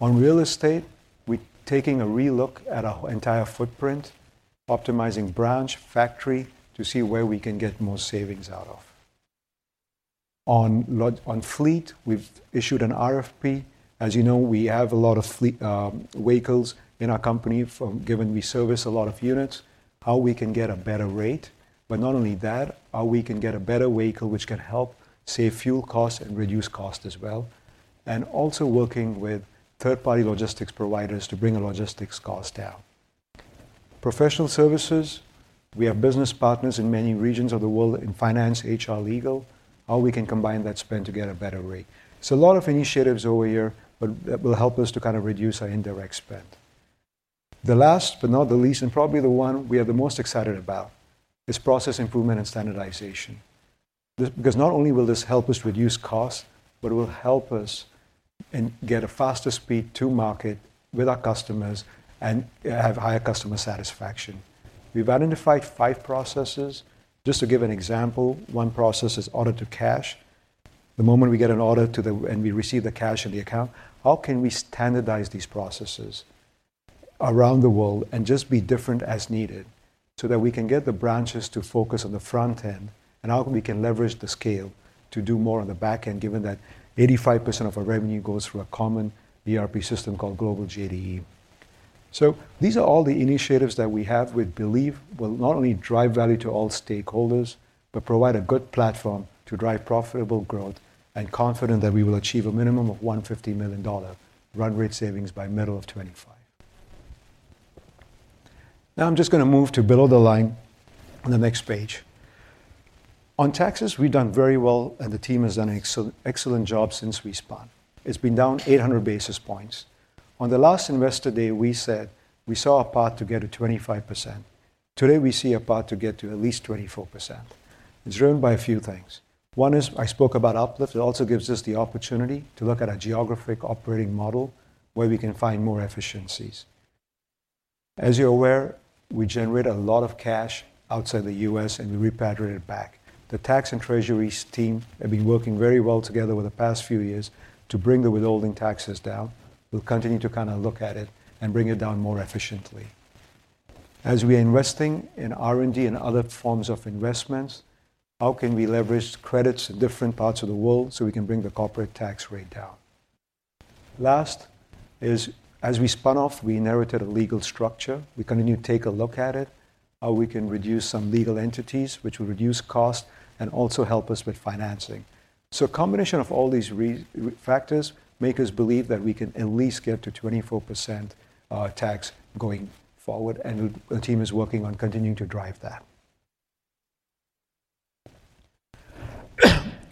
On real estate, we're taking a re-look at our entire footprint, optimizing branch, factory to see where we can get more savings out of. On fleet, we've issued an RFP. As you know, we have a lot of vehicles in our company, given we service a lot of units, how we can get a better rate. But not only that, how we can get a better vehicle, which can help save fuel costs and reduce costs as well, and also working with third-party logistics providers to bring our logistics costs down. Professional services, we have business partners in many regions of the world in finance, HR, legal, how we can combine that spend to get a better rate. So, a lot of initiatives over here, but that will help us to kind of reduce our indirect spend. The last, but not the least, and probably the one we are the most excited about, is process improvement and standardization. Because not only will this help us reduce costs, but it will help us get a faster speed to market with our customers and have higher customer satisfaction. We've identified five processes. Just to give an example, one process is order to cash. The moment we get an order and we receive the cash in the account, how can we standardize these processes around the world and just be different as needed so that we can get the branches to focus on the front end, and how we can leverage the scale to do more on the back end, given that 85% of our revenue goes through a common ERP system called Global JDE. So, these are all the initiatives that we have which believe will not only drive value to all stakeholders, but provide a good platform to drive profitable growth, and confident that we will achieve a minimum of $150 million runway savings by the middle of 2025. Now, I'm just going to move to below the line on the next page. On taxes, we've done very well, and the team has done an excellent job since we spun. It's been down 800 basis points. On the last investor day, we said we saw a path to get to 25%. Today, we see a path to get to at least 24%. It's driven by a few things. One is, I spoke about uplift. It also gives us the opportunity to look at our geographic operating model where we can find more efficiencies. As you're aware, we generate a lot of cash outside the U.S., and we repatriate it back. The tax and treasury team have been working very well together over the past few years to bring the withholding taxes down. We'll continue to kind of look at it and bring it down more efficiently. As we are investing in R&D and other forms of investments, how can we leverage credits in different parts of the world so we can bring the corporate tax rate down? Last is, as we spun off, we inherited a legal structure. We continue to take a look at it, how we can reduce some legal entities, which will reduce costs and also help us with financing. So, a combination of all these factors makes us believe that we can at least get to 24% tax going forward, and the team is working on continuing to drive that.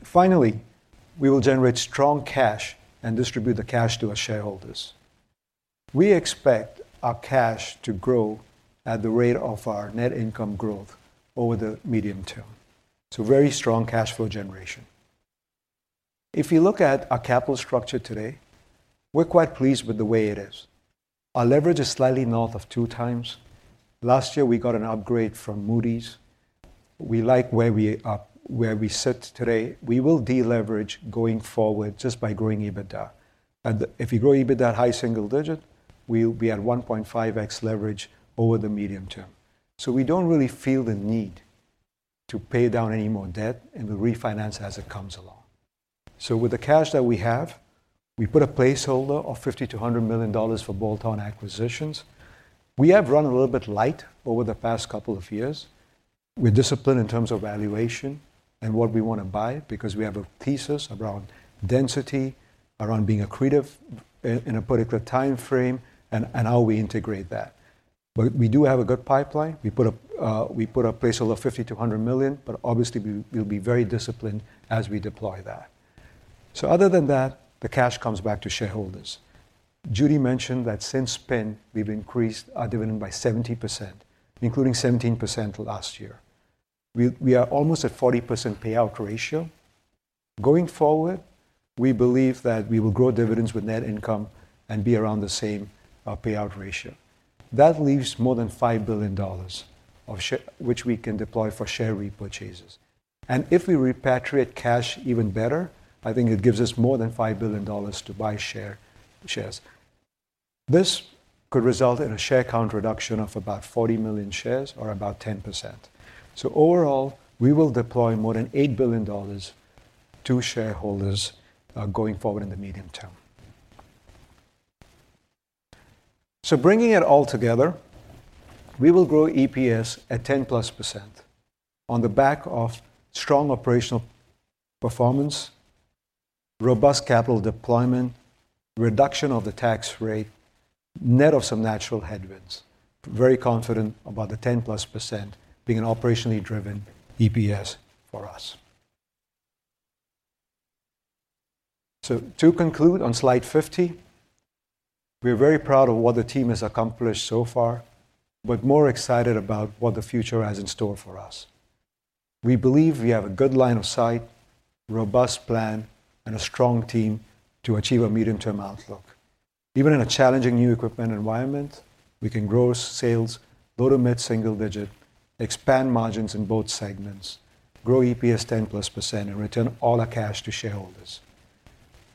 Finally, we will generate strong cash and distribute the cash to our shareholders. We expect our cash to grow at the rate of our net income growth over the medium term. So, very strong cash flow generation. If you look at our capital structure today, we're quite pleased with the way it is. Our leverage is slightly north of 2x. Last year, we got an upgrade from Moody's. We like where we sit today. We will de-leverage going forward just by growing EBITDA. And if we grow EBITDA at high single-digit, we'll be at 1.5x leverage over the medium term. So, we don't really feel the need to pay down any more debt, and we'll refinance as it comes along. So, with the cash that we have, we put a placeholder of $50-$100 million for bolt-on acquisitions. We have run a little bit light over the past couple of years. We're disciplined in terms of valuation and what we want to buy because we have a thesis around density, around being accretive in a particular time frame, and how we integrate that. But we do have a good pipeline. We put a placeholder of $50-$100 million, but obviously, we'll be very disciplined as we deploy that. So, other than that, the cash comes back to shareholders. Judy mentioned that since spun, we've increased our dividend by 70%, including 17% last year. We are almost at 40% payout ratio. Going forward, we believe that we will grow dividends with net income and be around the same payout ratio. That leaves more than $5 billion of shares, which we can deploy for share repurchases. If we repatriate cash even better, I think it gives us more than $5 billion to buy shares. This could result in a share count reduction of about 40 million shares or about 10%. Overall, we will deploy more than $8 billion to shareholders going forward in the medium term. Bringing it all together, we will grow EPS at 10%+ on the back of strong operational performance, robust capital deployment, reduction of the tax rate, net of some natural headwinds. Very confident about the 10%+ being an operationally driven EPS for us. So, to conclude on slide 50, we are very proud of what the team has accomplished so far, but more excited about what the future has in store for us. We believe we have a good line of sight, robust plan, and a strong team to achieve a medium-term outlook. Even in a challenging new equipment environment, we can grow sales, go to mid-single digit, expand margins in both segments, grow EPS 10%+, and return all our cash to shareholders.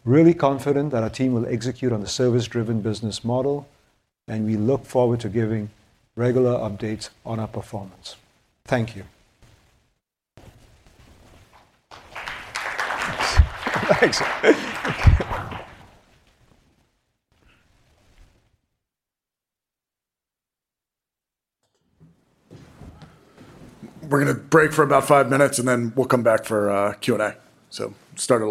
Really confident that our team will execute on the service-driven business model, and we look forward to giving regular updates on our performance. Thank you. Thanks. We're going to break for about 5 minutes, and then we'll come back for Q&A. So, start at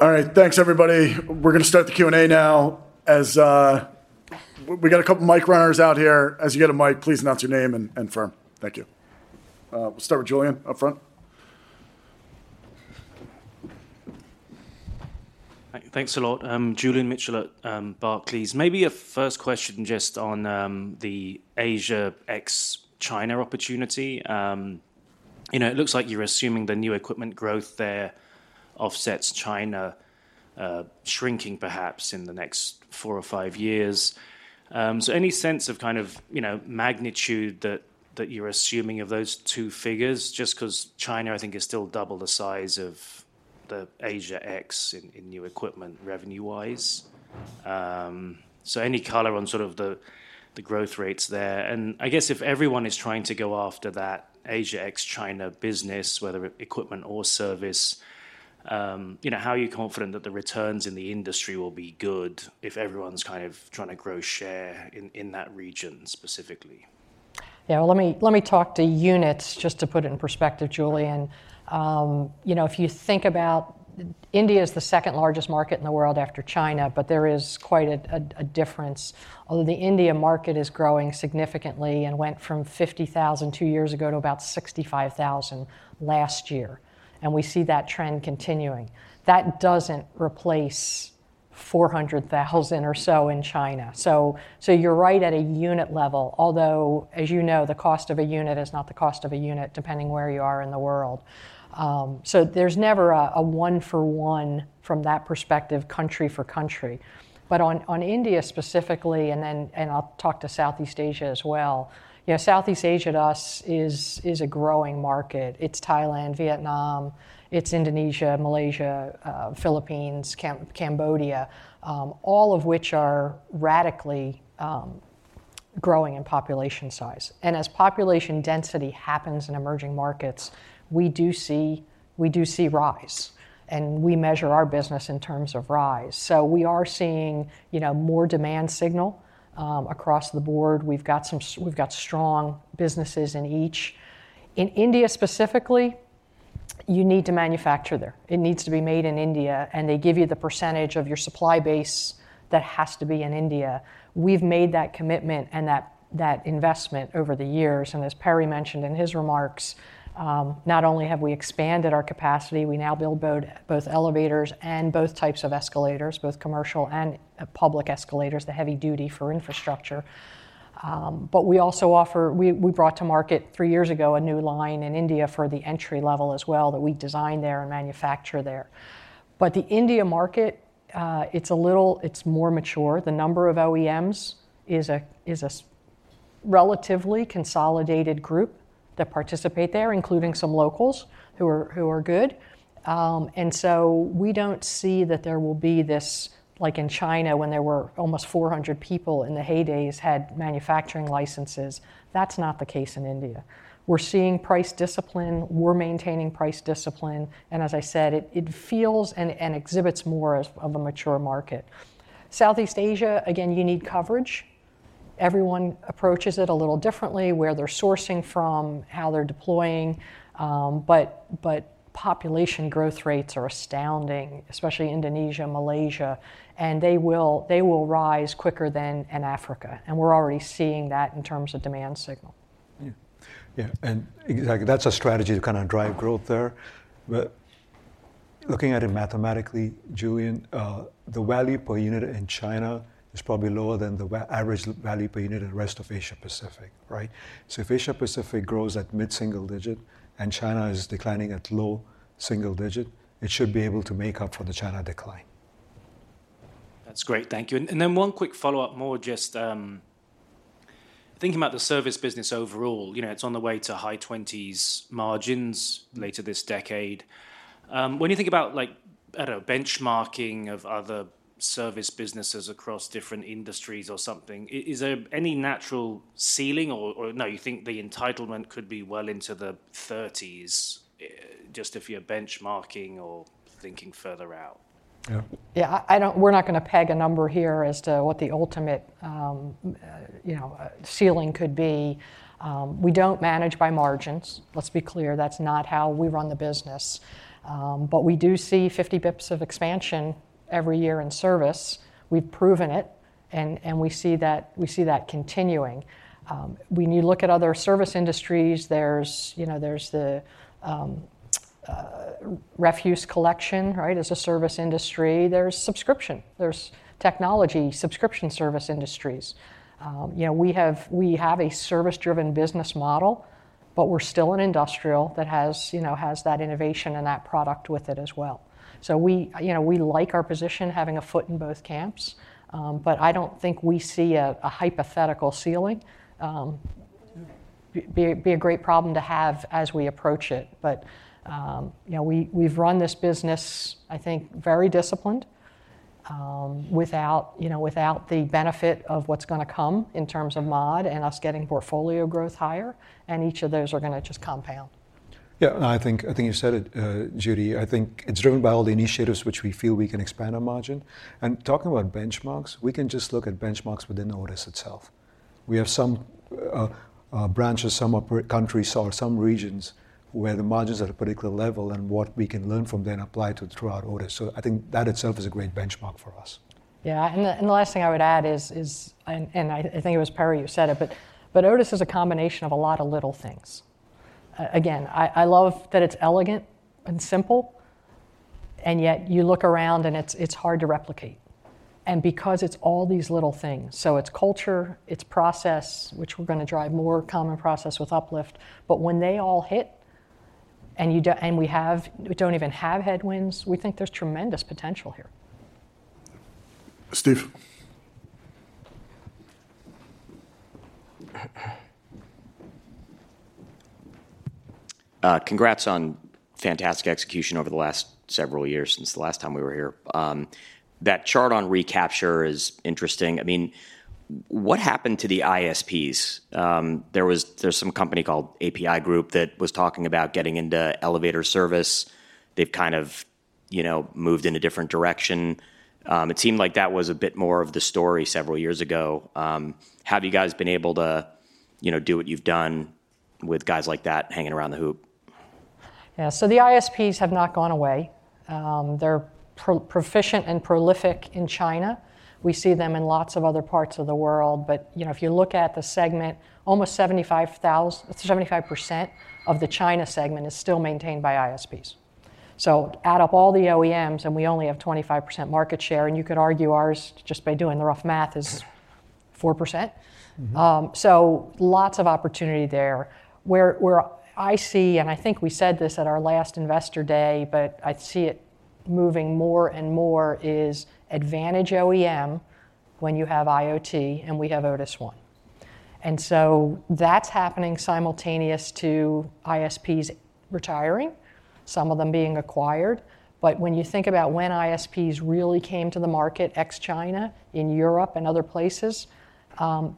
All right. Thanks, everybody. We're going to start the Q&A now as we got a couple of mic runners out here. As you get a mic, please announce your name and firm. Thank you. We'll start with Julian up front. Thanks a lot. Julian Mitchell at Barclays. Maybe a first question just on the Asia ex-China opportunity. You know, it looks like you're assuming the new equipment growth there offsets China shrinking, perhaps, in the next four or five years. So, any sense of kind of magnitude that you're assuming of those two figures? Just because China, I think, is still double the size of the Asia ex in new equipment revenue-wise. So, any color on sort of the growth rates there? And I guess if everyone is trying to go after that Asia ex-China business, whether equipment or service, you know, how are you confident that the returns in the industry will be good if everyone's kind of trying to grow share in that region specifically? Yeah. Well, let me talk to units just to put it in perspective, Julian. You know, if you think about India is the second largest market in the world after China, but there is quite a difference. Although the India market is growing significantly and went from 50,000 two years ago to about 65,000 last year, and we see that trend continuing, that doesn't replace 400,000 or so in China. So, you're right at a unit level, although, as you know, the cost of a unit is not the cost of a unit depending where you are in the world. So, there's never a one-for-one from that perspective, country for country. But on India specifically, and then I'll talk to Southeast Asia as well, you know, Southeast Asia to us is a growing market. It's Thailand, Vietnam, it's Indonesia, Malaysia, Philippines, Cambodia, all of which are radically growing in population size. And as population density happens in emerging markets, we do see rise, and we measure our business in terms of rise. So, we are seeing more demand signal across the board. We've got strong businesses in each. In India specifically, you need to manufacture there. It needs to be made in India, and they give you the percentage of your supply base that has to be in India. We've made that commitment and that investment over the years. As Perry mentioned in his remarks, not only have we expanded our capacity, we now build both elevators and both types of escalators, both commercial and public escalators, the heavy-duty for infrastructure. But we also offer, we brought to market 3 years ago a new line in India for the entry level as well that we design there and manufacture there. The India market, it's a little more mature. The number of OEMs is a relatively consolidated group that participate there, including some locals who are good. So, we don't see that there will be this like in China when there were almost 400 people in the heydays had manufacturing licenses. That's not the case in India. We're seeing price discipline. We're maintaining price discipline. And as I said, it feels and exhibits more of a mature market. Southeast Asia, again, you need coverage. Everyone approaches it a little differently, where they're sourcing from, how they're deploying. But population growth rates are astounding, especially Indonesia, Malaysia. And they will rise quicker than in Africa. And we're already seeing that in terms of demand signal. Yeah. And exactly. That's a strategy to kind of drive growth there. But looking at it mathematically, Julian, the value per unit in China is probably lower than the average value per unit in the rest of Asia Pacific, right? So, if Asia Pacific grows at mid-single digit and China is declining at low single digit, it should be able to make up for the China decline. That's great. Thank you. And then one quick follow-up more, just thinking about the service business overall. You know, it's on the way to high 20s margins later this decade. When you think about, I don't know, benchmarking of other service businesses across different industries or something, is there any natural ceiling? Or no, you think the entitlement could be well into the 30s just if you're benchmarking or thinking further out? Yeah. Yeah. We're not going to peg a number here as to what the ultimate ceiling could be. We don't manage by margins. Let's be clear. That's not how we run the business. But we do see 50 basis points of expansion every year in service. We've proven it, and we see that continuing. When you look at other service industries, there's the refuse collection, right, as a service industry. There's subscription. There's technology subscription service industries. You know, we have a service-driven business model, but we're still an industrial that has that innovation and that product with it as well. So, we like our position, having a foot in both camps. But I don't think we see a hypothetical ceiling be a great problem to have as we approach it. But we've run this business, I think, very disciplined without the benefit of what's going to come in terms of mod and us getting portfolio growth higher. And each of those are going to just compound. Yeah. And I think you said it, Judy. I think it's driven by all the initiatives which we feel we can expand our margin. And talking about benchmarks, we can just look at benchmarks within Otis itself. We have some branches, some countries, or some regions where the margins are at a particular level and what we can learn from them apply to throughout Otis. So, I think that itself is a great benchmark for us. Yeah. And the last thing I would add is and I think it was Perry who said it. But Otis is a combination of a lot of little things. Again, I love that it's elegant and simple. And yet, you look around and it's hard to replicate. And because it's all these little things, so it's culture, it's process, which we're going to drive more common process with UpLift. But when they all hit and we don't even have headwinds, we think there's tremendous potential here. Steve? Congrats on fantastic execution over the last several years since the last time we were here. That chart on recapture is interesting. I mean, what happened to the ISPs? There's some company called APi Group that was talking about getting into elevator service. They've kind of moved in a different direction. It seemed like that was a bit more of the story several years ago. Have you guys been able to do what you've done with guys like that hanging around the hoop? Yeah. So, the ISPs have not gone away. They're proficient and prolific in China. We see them in lots of other parts of the world. But if you look at the segment, almost 75% of the China segment is still maintained by ISPs. So, add up all the OEMs and we only have 25% market share. And you could argue ours just by doing the rough math is 4%. So, lots of opportunity there. Where I see and I think we said this at our last investor day, but I see it moving more and more is advantage OEM when you have IoT and we have Otis ONE. And so, that's happening simultaneous to ISPs retiring, some of them being acquired. But when you think about when ISPs really came to the market ex-China in Europe and other places,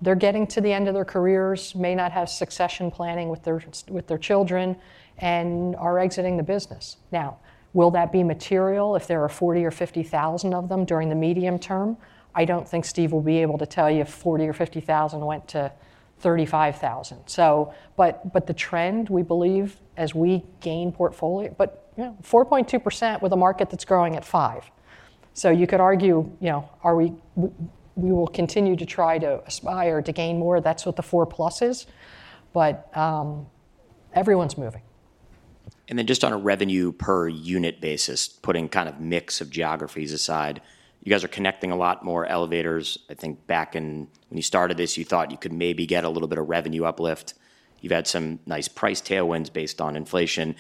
they're getting to the end of their careers, may not have succession planning with their children, and are exiting the business. Now, will that be material if there are 40,000 or 50,000 of them during the medium term? I don't think Steve will be able to tell you if 40,000 or 50,000 went to 35,000. But the trend, we believe, as we gain portfolio but 4.2% with a market that's growing at 5%. So, you could argue, are we? We will continue to try to aspire to gain more. That's what the 4 plus is. But everyone's moving. And then just on a revenue per unit basis, putting kind of mix of geographies aside, you guys are connecting a lot more elevators. I think back in when you started this, you thought you could maybe get a little bit of revenue uplift. You've had some nice price tailwinds based on inflation.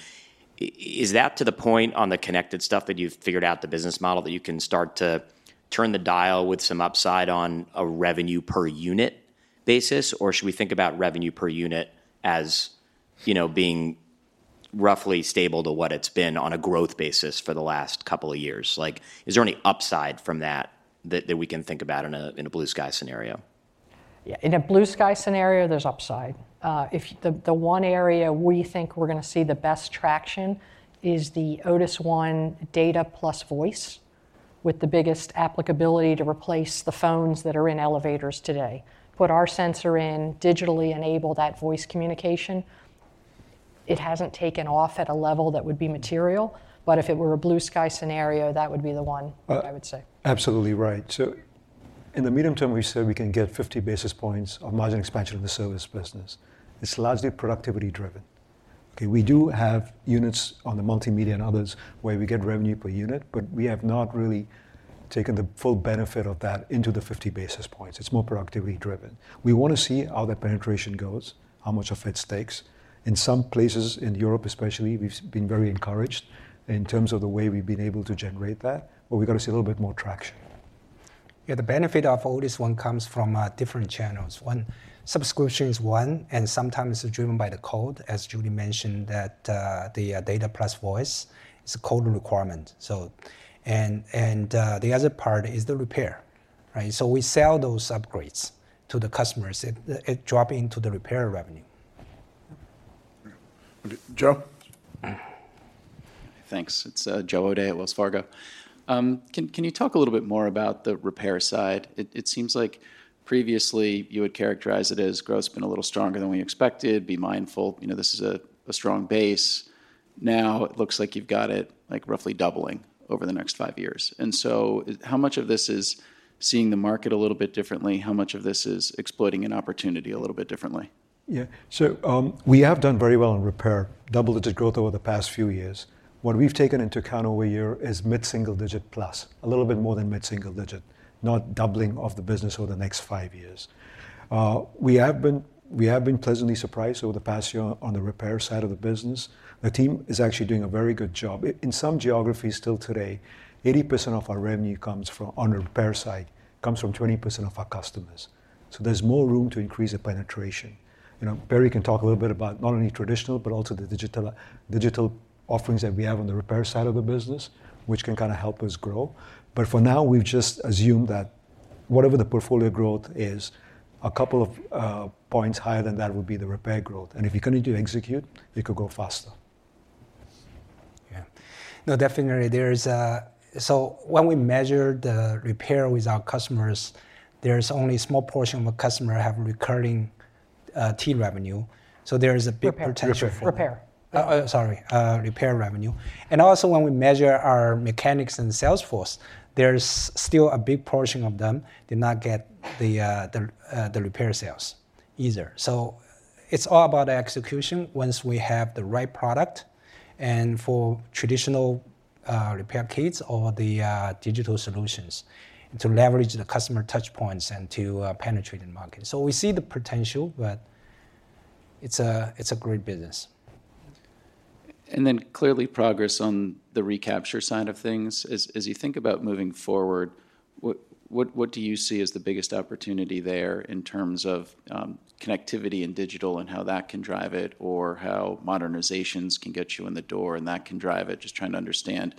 Is that to the point on the connected stuff that you've figured out the business model that you can start to turn the dial with some upside on a revenue per unit basis? Or should we think about revenue per unit as being roughly stable to what it's been on a growth basis for the last couple of years? Is there any upside from that that we can think about in a blue sky scenario? Yeah. In a blue sky scenario, there's upside. The one area we think we're going to see the best traction is the Otis ONE data plus voice with the biggest applicability to replace the phones that are in elevators today. Put our sensor in, digitally enable that voice communication. It hasn't taken off at a level that would be material. But if it were a blue sky scenario, that would be the one, I would say. Absolutely right. So, in the medium term, we said we can get 50 basis points of margin expansion in the service business. It's largely productivity-driven. We do have units on the multimedia and others where we get revenue per unit, but we have not really taken the full benefit of that into the 50 basis points. It's more productivity-driven. We want to see how that penetration goes, how much of it sticks. In some places in Europe, especially, we've been very encouraged in terms of the way we've been able to generate that. But we've got to see a little bit more traction. Yeah. The benefit of Otis ONE comes from different channels. Subscription is one, and sometimes it's driven by the code, as Judy mentioned, that the data plus voice is a code requirement. And the other part is the repair, right? So, we sell those upgrades to the customers. It drops into the repair revenue. Joe? Thanks. It's Joe O'Dea at Wells Fargo. Can you talk a little bit more about the repair side? It seems like previously, you would characterize it as growth has been a little stronger than we expected, be mindful. This is a strong base. Now, it looks like you've got it roughly doubling over the next five years. And so, how much of this is seeing the market a little bit differently? How much of this is exploiting an opportunity a little bit differently? Yeah. So, we have done very well in repair, double-digit growth over the past few years. What we've taken into account over a year is mid-single digit plus, a little bit more than mid-single digit, not doubling of the business over the next five years. We have been pleasantly surprised over the past year on the repair side of the business. The team is actually doing a very good job. In some geographies still today, 80% of our revenue comes from on the repair side, comes from 20% of our customers. So, there's more room to increase the penetration. Perry can talk a little bit about not only traditional but also the digital offerings that we have on the repair side of the business, which can kind of help us grow. But for now, we've just assumed that whatever the portfolio growth is, a couple of points higher than that would be the repair growth. And if you're going to do execute, you could go faster. Yeah. No, definitely. So, when we measure the repair with our customers, there's only a small portion of our customers who have recurring loT revenue. So, there is a big potential for repair. Repair. Sorry. Repair revenue. And also, when we measure our mechanics and sales force, there's still a big portion of them do not get the repair sales either. So, it's all about execution once we have the right product and for traditional repair kits or the digital solutions to leverage the customer touchpoints and to penetrate the market. So, we see the potential, but it's a great business. And then clearly, progress on the recapture side of things. As you think about moving forward, what do you see as the biggest opportunity there in terms of connectivity and digital and how that can drive it or how modernizations can get you in the door and that can drive it? Just trying to understand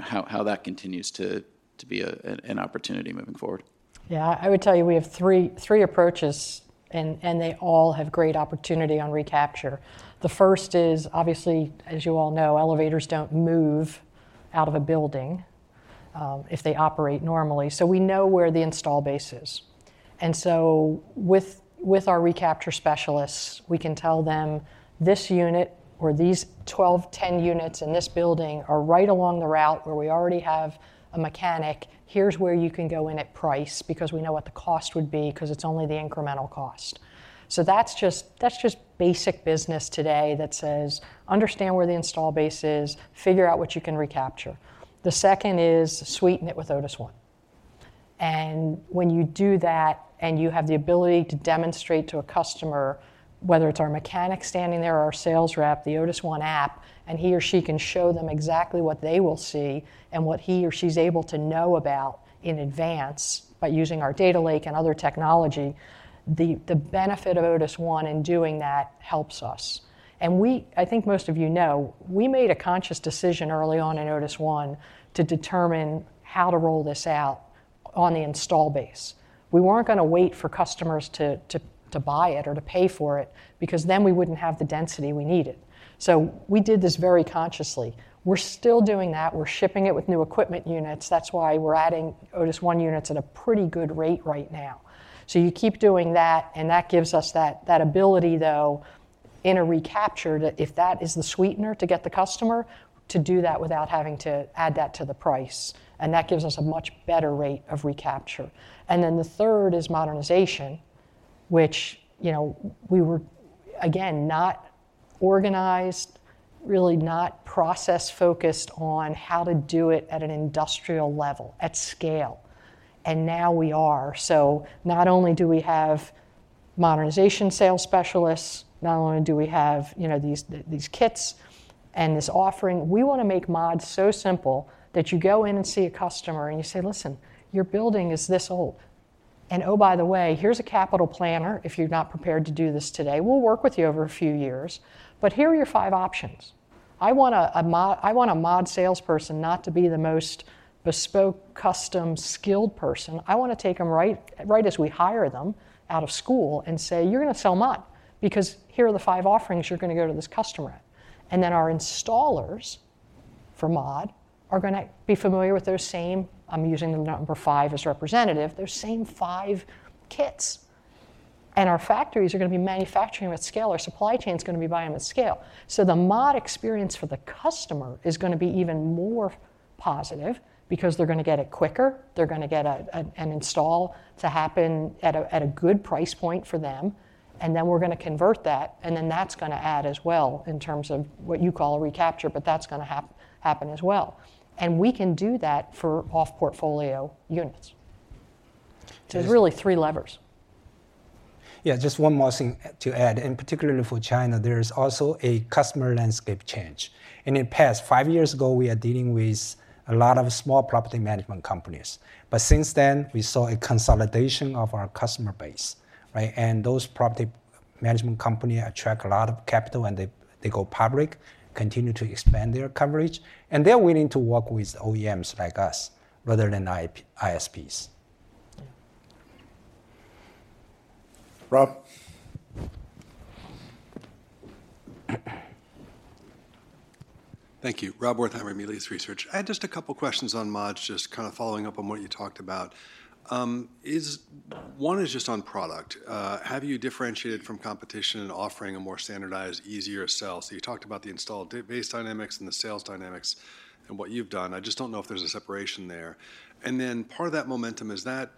how that continues to be an opportunity moving forward. Yeah. I would tell you we have three approaches, and they all have great opportunity on recapture. The first is, obviously, as you all know, elevators don't move out of a building if they operate normally. So, we know where the installed base is. So, with our recapture specialists, we can tell them, "This unit or these 12, 10 units in this building are right along the route where we already have a mechanic. Here's where you can go in at price because we know what the cost would be because it's only the incremental cost." So, that's just basic business today that says, "Understand where the installed base is. Figure out what you can recapture." The second is sweeten it with Otis ONE. And when you do that and you have the ability to demonstrate to a customer, whether it's our mechanic standing there, our sales rep, the Otis ONE app, and he or she can show them exactly what they will see and what he or she's able to know about in advance by using our data lake and other technology, the benefit of Otis ONE in doing that helps us. I think most of you know, we made a conscious decision early on in Otis ONE to determine how to roll this out on the installed base. We weren't going to wait for customers to buy it or to pay for it because then we wouldn't have the density we needed. So, we did this very consciously. We're still doing that. We're shipping it with new equipment units. That's why we're adding Otis ONE units at a pretty good rate right now. So, you keep doing that, and that gives us that ability, though, in a recapture that if that is the sweetener to get the customer, to do that without having to add that to the price. And that gives us a much better rate of recapture. And then the third is modernization, which we were, again, not organized, really not process-focused on how to do it at an industrial level, at scale. And now we are. So, not only do we have modernization sales specialists, not only do we have these kits and this offering, we want to make mods so simple that you go in and see a customer and you say, "Listen, your building is this old. And oh, by the way, here's a capital planner. If you're not prepared to do this today, we'll work with you over a few years. But here are your 5 options. I want a mod salesperson not to be the most bespoke custom skilled person. I want to take them right as we hire them out of school and say, "You're going to sell mod because here are the five offerings you're going to go to this customer at." And then our installers for mod are going to be familiar with those same, I'm using the number five as representative, those same five kits. And our factories are going to be manufacturing them at scale. Our supply chain is going to be buying them at scale. So, the mod experience for the customer is going to be even more positive because they're going to get it quicker. They're going to get an install to happen at a good price point for them. And then we're going to convert that. And then that's going to add as well in terms of what you call a recapture. But that's going to happen as well. We can do that for Off-Portfolio units. So, there's really three levers. Yeah. Just one more thing to add. Particularly for China, there's also a customer landscape change. In the past, five years ago, we were dealing with a lot of small property management companies. But since then, we saw a consolidation of our customer base, right? And those property management companies attract a lot of capital, and they go public, continue to expand their coverage. And they're willing to work with OEMs like us rather than ISPs. Rob? Thank you. Rob Wertheimer, Melius Research. I had just a couple of questions on mods, just kind of following up on what you talked about. One is just on product. Have you differentiated from competition in offering a more standardized, easier sell? So, you talked about the installed base dynamics and the sales dynamics and what you've done. I just don't know if there's a separation there. And then part of that momentum is that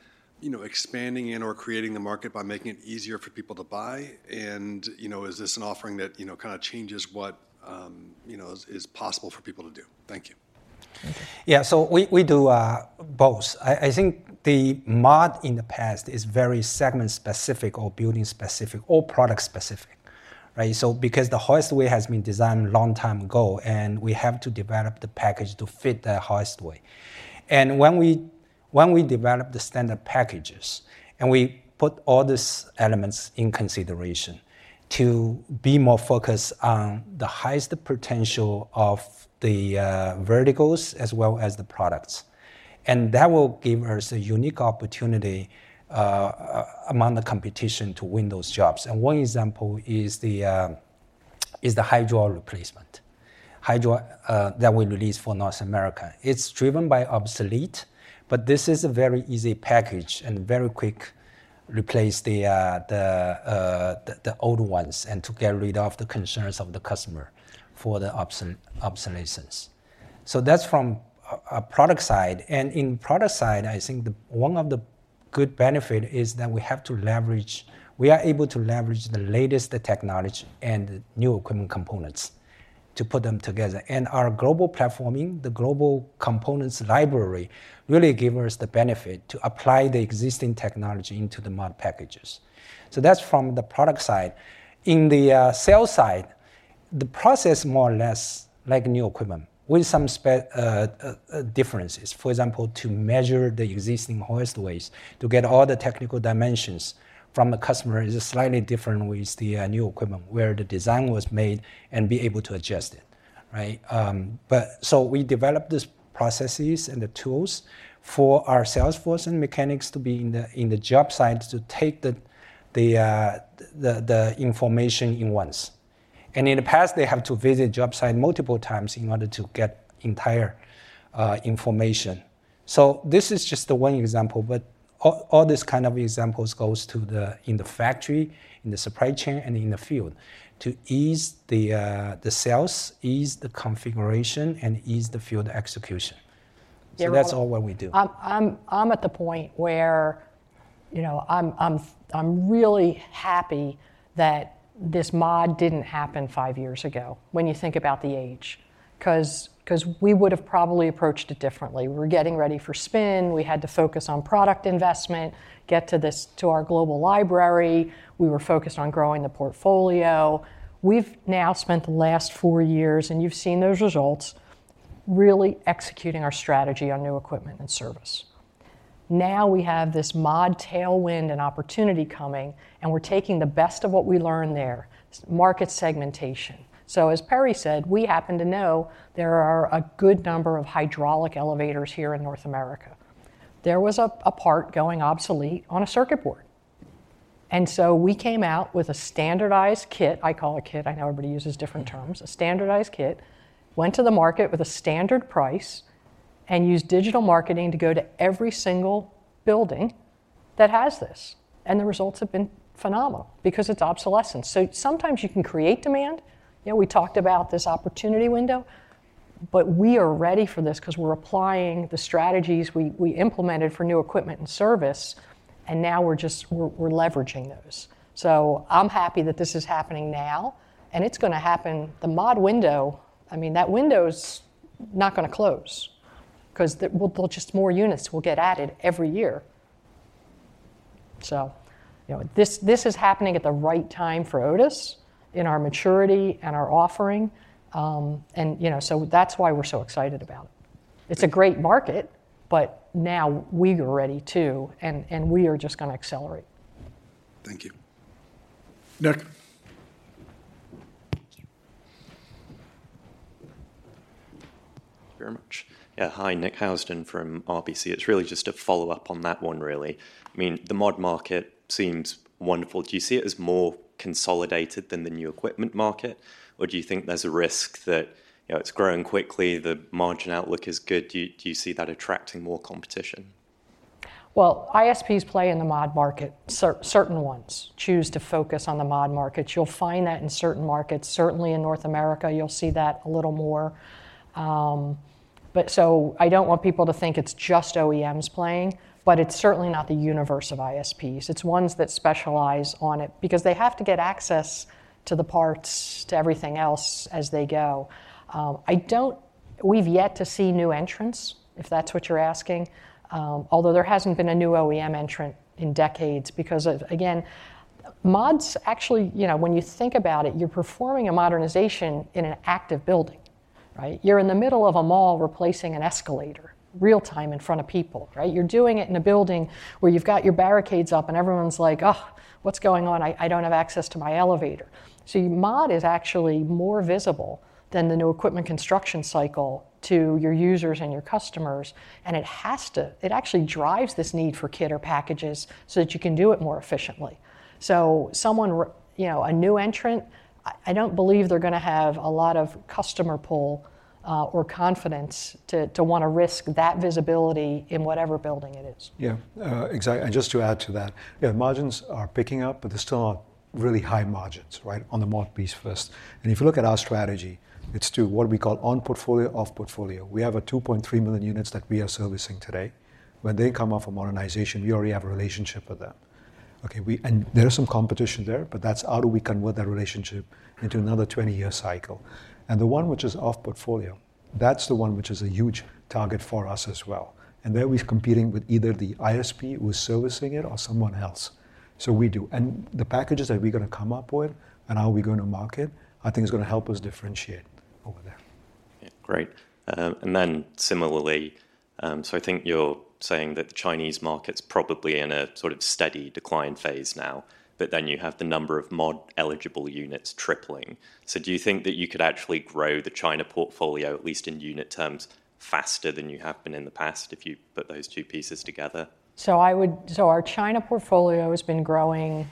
expanding in or creating the market by making it easier for people to buy? And is this an offering that kind of changes what is possible for people to do? Thank you. Thank you. Yeah. So, we do both. I think the mod in the past is very segment-specific or building-specific or product-specific, right? Because the hoistway has been designed a long time ago, and we have to develop the package to fit that hoistway. And when we develop the standard packages and we put all these elements in consideration to be more focused on the highest potential of the verticals as well as the products, and that will give us a unique opportunity among the competition to win those jobs. One example is the hydraulic replacement that we released for North America. It's driven by obsolescence, but this is a very easy package and very quick replace the old ones and to get rid of the concerns of the customer for the obsolescence. So, that's from a product side. In the product side, I think one of the good benefits is that we are able to leverage the latest technology and new equipment components to put them together. Our global platforming, the global components library, really gives us the benefit to apply the existing technology into the mod packages. So, that's from the product side. In the sales side, the process is more or less like new equipment with some differences. For example, to measure the existing hoistways, to get all the technical dimensions from the customer is slightly different with the new equipment where the design was made and be able to adjust it, right? So, we developed these processes and the tools for our sales force and mechanics to be in the job site to take the information at once. In the past, they have to visit the job site multiple times in order to get entire information. So, this is just one example. But all these kinds of examples go into the factory, in the supply chain, and in the field to ease the sales, ease the configuration, and ease the field execution. So, that's all what we do. I'm at the point where I'm really happy that this mod didn't happen 5 years ago when you think about the age because we would have probably approached it differently. We were getting ready for spin. We had to focus on product investment, get to our global library. We were focused on growing the portfolio. We've now spent the last 4 years, and you've seen those results, really executing our strategy on new equipment and service. Now, we have this mod tailwind and opportunity coming, and we're taking the best of what we learned there, market segmentation. So, as Perry said, we happen to know there are a good number of hydraulic elevators here in North America. There was a part going obsolete on a circuit board. And so, we came out with a standardized kit I call a kit. I know everybody uses different terms. A standardized kit went to the market with a standard price and used digital marketing to go to every single building that has this. And the results have been phenomenal because it's obsolescence. So, sometimes you can create demand. We talked about this opportunity window. But we are ready for this because we're applying the strategies we implemented for new equipment and service. And now, we're leveraging those. So, I'm happy that this is happening now, and it's going to happen. The mod window I mean, that window is not going to close because just more units will get added every year. So, this is happening at the right time for Otis in our maturity and our offering. And so, that's why we're so excited about it. It's a great market, but now, we are ready too, and we are just going to accelerate. Thank you. Nick? Thank you very much. Yeah. Hi, Nick Housden from RBC. It's really just a follow-up on that one, really. I mean, the mod market seems wonderful. Do you see it as more consolidated than the new equipment market, or do you think there's a risk that it's growing quickly? The margin outlook is good. Do you see that attracting more competition? Well, ISPs play in the mod market, certain ones choose to focus on the mod markets. You'll find that in certain markets. Certainly, in North America, you'll see that a little more. So, I don't want people to think it's just OEMs playing, but it's certainly not the universe of ISPs. It's ones that specialize on it because they have to get access to the parts, to everything else as they go. We've yet to see new entrants, if that's what you're asking, although there hasn't been a new OEM entrant in decades because, again, mods, actually, when you think about it, you're performing a modernization in an active building, right? You're in the middle of a mall replacing an escalator real-time in front of people, right? You're doing it in a building where you've got your barricades up, and everyone's like, "Ugh, what's going on? I don't have access to my elevator." So, mod is actually more visible than the new equipment construction cycle to your users and your customers. And it actually drives this need for kit or packages so that you can do it more efficiently. So, a new entrant I don't believe they're going to have a lot of customer pull or confidence to want to risk that visibility in whatever building it is. Yeah. Exactly. Just to add to that, yeah, margins are picking up, but they're still not really high margins, right, on the mod piece first. If you look at our strategy, it's to what we call on-portfolio, off-portfolio. We have 2.3 million units that we are servicing today. When they come off a modernization, we already have a relationship with them. There is some competition there, but that's how do we convert that relationship into another 20-year cycle? The one which is off-portfolio, that's the one which is a huge target for us as well. There, we're competing with either the ISP who is servicing it or someone else. So, we do. The packages that we're going to come up with and how we're going to market, I think, is going to help us differentiate over there. Great. And then similarly, so I think you're saying that the Chinese market's probably in a sort of steady decline phase now, but then you have the number of mod-eligible units tripling. So, do you think that you could actually grow the China portfolio, at least in unit terms, faster than you have been in the past if you put those two pieces together? So, our China portfolio has been growing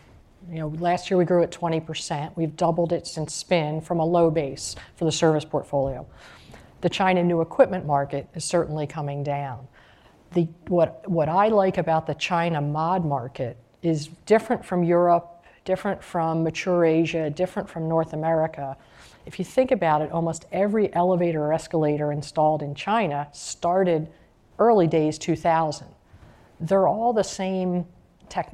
last year, we grew it 20%. We've doubled it since spin from a low base for the service portfolio. The China new equipment market is certainly coming down. What I like about the China mod market is different from Europe, different from mature Asia, different from North America. If you think about it, almost every elevator or escalator installed in China started early days 2000. They're all the same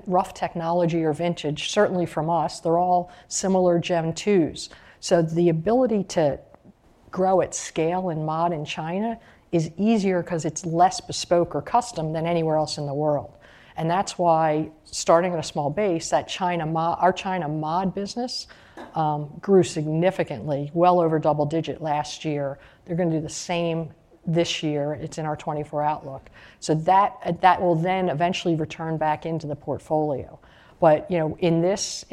rough technology or vintage, certainly from us. They're all similar Gen2s. So, the ability to grow at scale and mod in China is easier because it's less bespoke or custom than anywhere else in the world. And that's why, starting at a small base, our China mod business grew significantly, well over double-digit last year. They're going to do the same this year. It's in our 2024 outlook. So, that will then eventually return back into the portfolio. But in this,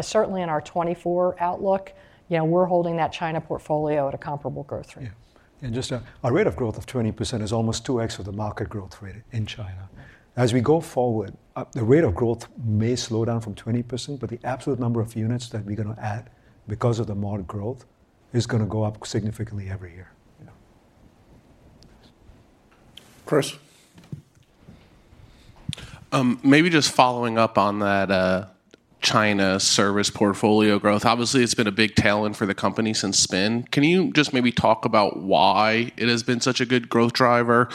certainly in our 2024 outlook, we're holding that China portfolio at a comparable growth rate. Yeah. And just a rate of growth of 20% is almost 2X of the market growth rate in China. As we go forward, the rate of growth may slow down from 20%, but the absolute number of units that we're going to add because of the mod growth is going to go up significantly every year. Chris? Maybe just following up on that China service portfolio growth. Obviously, it's been a big tailwind for the company since spin. Can you just maybe talk about why it has been such a good growth driver?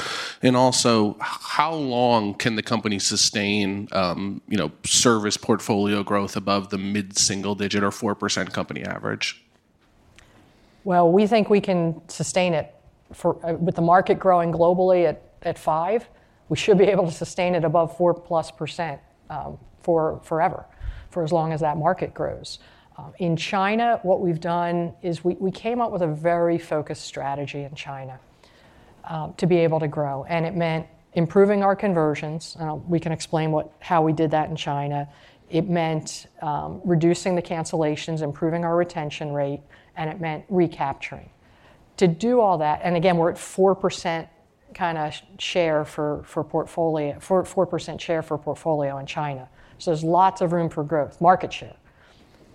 And also, how long can the company sustain service portfolio growth above the mid-single-digit or 4% company average? Well, we think we can sustain it with the market growing globally at 5%. We should be able to sustain it above 4+% forever for as long as that market grows. In China, what we've done is we came up with a very focused strategy in China to be able to grow. And it meant improving our conversions. And we can explain how we did that in China. It meant reducing the cancellations, improving our retention rate, and it meant recapturing. To do all that and again, we're at 4% kind of share for portfolio, 4% share for portfolio in China. So, there's lots of room for growth, market share.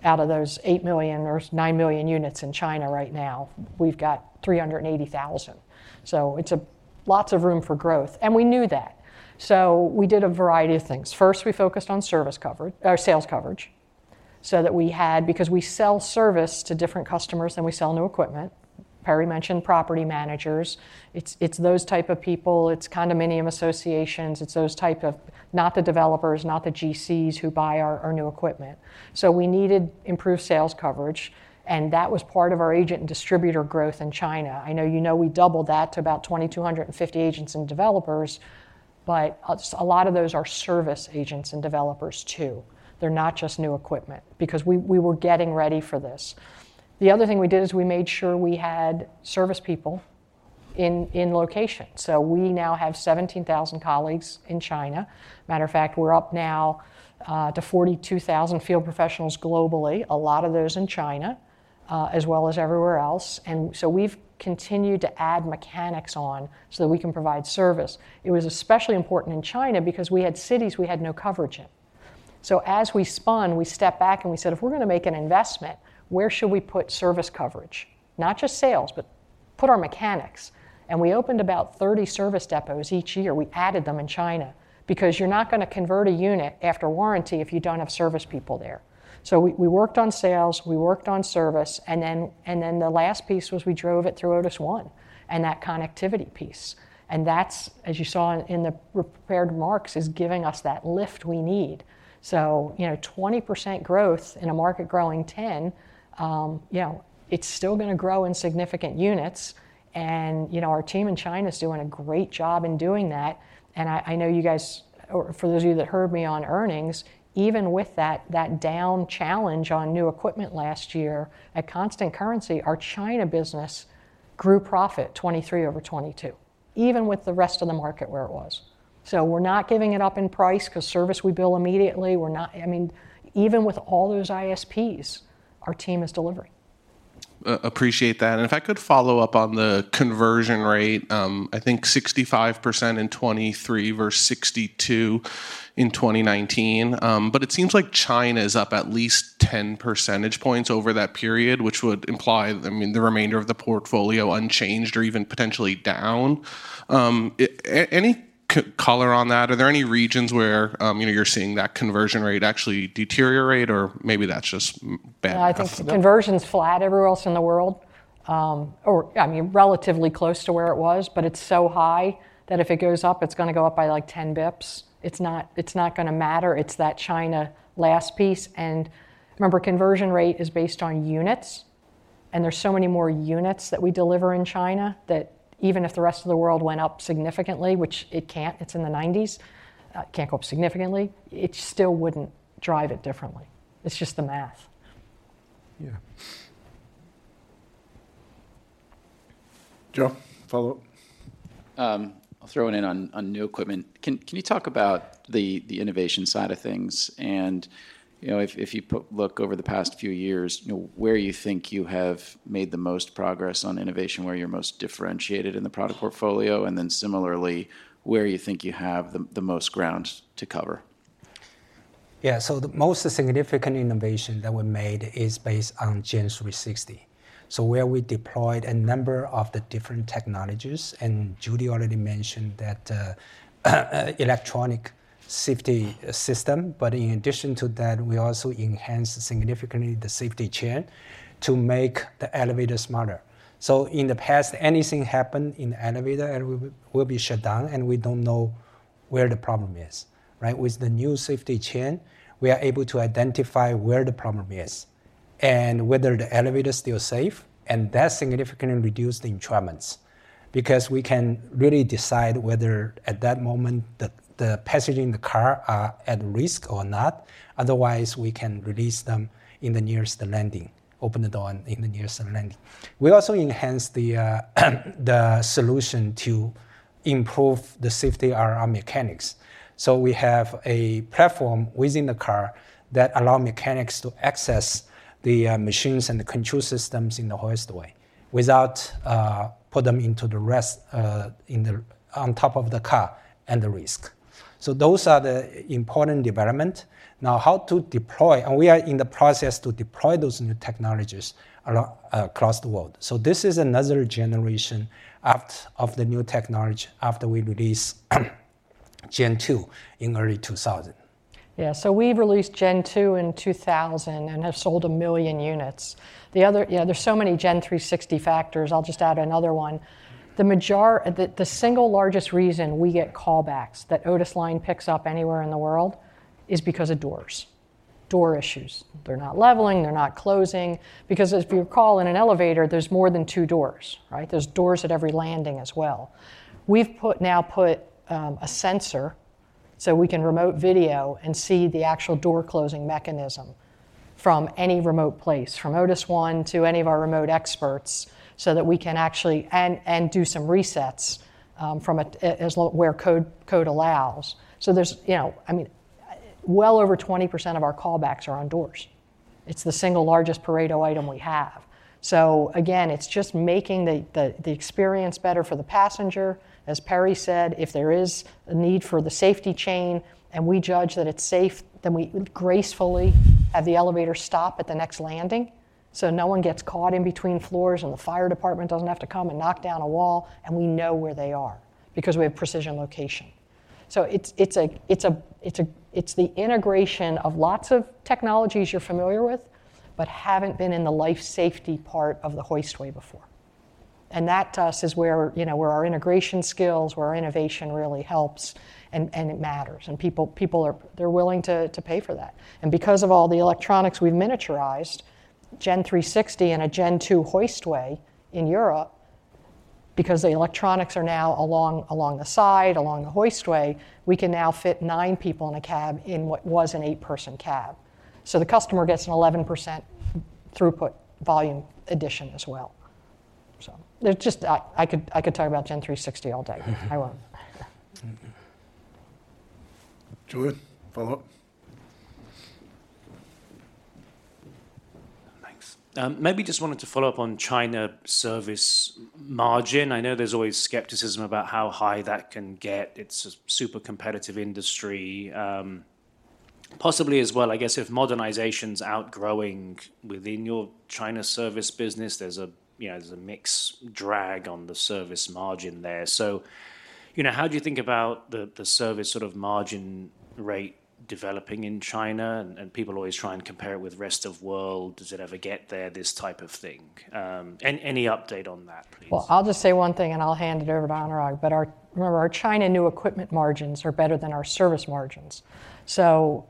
Out of those 8 million or 9 million units in China right now, we've got 380,000. So, it's lots of room for growth. And we knew that. So, we did a variety of things. First, we focused on sales coverage so that we had because we sell service to different customers than we sell new equipment. Perry mentioned property managers. It's those type of people. It's condominium associations. It's those type of not the developers, not the GCs who buy our new equipment. So, we needed improved sales coverage. And that was part of our agent and distributor growth in China. I know you know we doubled that to about 2,250 agents and developers, but a lot of those are service agents and developers too. They're not just new equipment because we were getting ready for this. The other thing we did is we made sure we had service people in location. So, we now have 17,000 colleagues in China. Matter of fact, we're up now to 42,000 field professionals globally, a lot of those in China as well as everywhere else. And so, we've continued to add mechanics on so that we can provide service. It was especially important in China because we had cities we had no coverage in. So, as we spun, we stepped back, and we said, "If we're going to make an investment, where should we put service coverage? Not just sales, but put our mechanics." And we opened about 30 service depots each year. We added them in China because you're not going to convert a unit after warranty if you don't have service people there. So, we worked on sales. We worked on service. And then the last piece was we drove it through Otis ONE and that connectivity piece. And that's, as you saw in the prepared remarks, is giving us that lift we need. So, 20% growth in a market growing 10%, it's still going to grow in significant units. And our team in China is doing a great job in doing that. And I know you guys or for those of you that heard me on earnings, even with that down challenge on new equipment last year at constant currency, our China business grew profit 2023 over 2022, even with the rest of the market where it was. So, we're not giving it up in price because service we bill immediately. I mean, even with all those ISPs, our team is delivering. Appreciate that. And if I could follow up on the conversion rate, I think 65% in 2023 versus 62% in 2019. But it seems like China is up at least 10 percentage points over that period, which would imply, I mean, the remainder of the portfolio unchanged or even potentially down. Any color on that? Are there any regions where you're seeing that conversion rate actually deteriorate, or maybe that's just bad? I think conversion's flat everywhere else in the world or, I mean, relatively close to where it was. But it's so high that if it goes up, it's going to go up by like 10 basis points. It's not going to matter. It's that China last piece. And remember, conversion rate is based on units. There's so many more units that we deliver in China that even if the rest of the world went up significantly, which it can't, it's in the 90s, can't go up significantly, it still wouldn't drive it differently. It's just the math. Yeah. Joe? Follow up. I'll throw it in on new equipment. Can you talk about the innovation side of things? And if you look over the past few years, where do you think you have made the most progress on innovation, where you're most differentiated in the product portfolio? And then similarly, where do you think you have the most ground to cover? Yeah. So, most significant innovation that we made is based on Gen360, so where we deployed a number of the different technologies. And Judy already mentioned that electronic safety system. But in addition to that, we also enhanced significantly the safety chain to make the elevator smarter. So, in the past, anything happened in the elevator, it will be shut down, and we don't know where the problem is, right? With the new safety chain, we are able to identify where the problem is and whether the elevator's still safe. And that significantly reduced the entrapments because we can really decide whether, at that moment, the passengers in the car are at risk or not. Otherwise, we can release them in the nearest landing, open the door in the nearest landing. We also enhanced the solution to improve the safety of our mechanics. So, we have a platform within the car that allows mechanics to access the machines and the control systems in the hoistway without putting them at risk on top of the car. So, those are the important developments. Now, how to deploy and we are in the process to deploy those new technologies across the world. So, this is another generation of the new technology after we released Gen2 in early 2000. Yeah. So, we've released Gen2 in 2000 and have sold 1 million units. Yeah, there's so many Gen360 factors. I'll just add another one. The single largest reason we get callbacks that OTISLiNE picks up anywhere in the world is because of doors, door issues. They're not leveling. They're not closing because, if you recall, in an elevator, there's more than 2 doors, right? There's doors at every landing as well. We've now put a sensor so we can remote video and see the actual door closing mechanism from any remote place, from Otis ONE to any of our remote experts so that we can actually and do some resets where code allows. So, I mean, well over 20% of our callbacks are on doors. It's the single largest Pareto item we have. So, again, it's just making the experience better for the passenger. As Perry said, if there is a need for the safety chain and we judge that it's safe, then we gracefully have the elevator stop at the next landing so no one gets caught in between floors and the fire department doesn't have to come and knock down a wall. And we know where they are because we have precision location. So, it's the integration of lots of technologies you're familiar with but haven't been in the life safety part of the hoistway before. And that, to us, is where our integration skills, where our innovation really helps, and it matters. And people, they're willing to pay for that. And because of all the electronics we've miniaturized, Gen360 and a Gen2 hoistway in Europe, because the electronics are now along the side, along the hoistway, we can now fit nine people in a cab in what was an eight-person cab. So, the customer gets an 11% throughput volume addition as well. So, I could talk about Gen360 all day. I won't. Joe? Follow up. Thanks. Maybe just wanted to follow up on China service margin. I know there's always skepticism about how high that can get. It's a super competitive industry. Possibly as well, I guess, if modernization's outgrowing within your China service business, there's a mixed drag on the service margin there. So, how do you think about the service sort of margin rate developing in China? And people always try and compare it with rest of the world. Does it ever get there, this type of thing? Any update on that, please? Well, I'll just say one thing, and I'll hand it over to Anurag. But remember, our China new equipment margins are better than our service margins. So,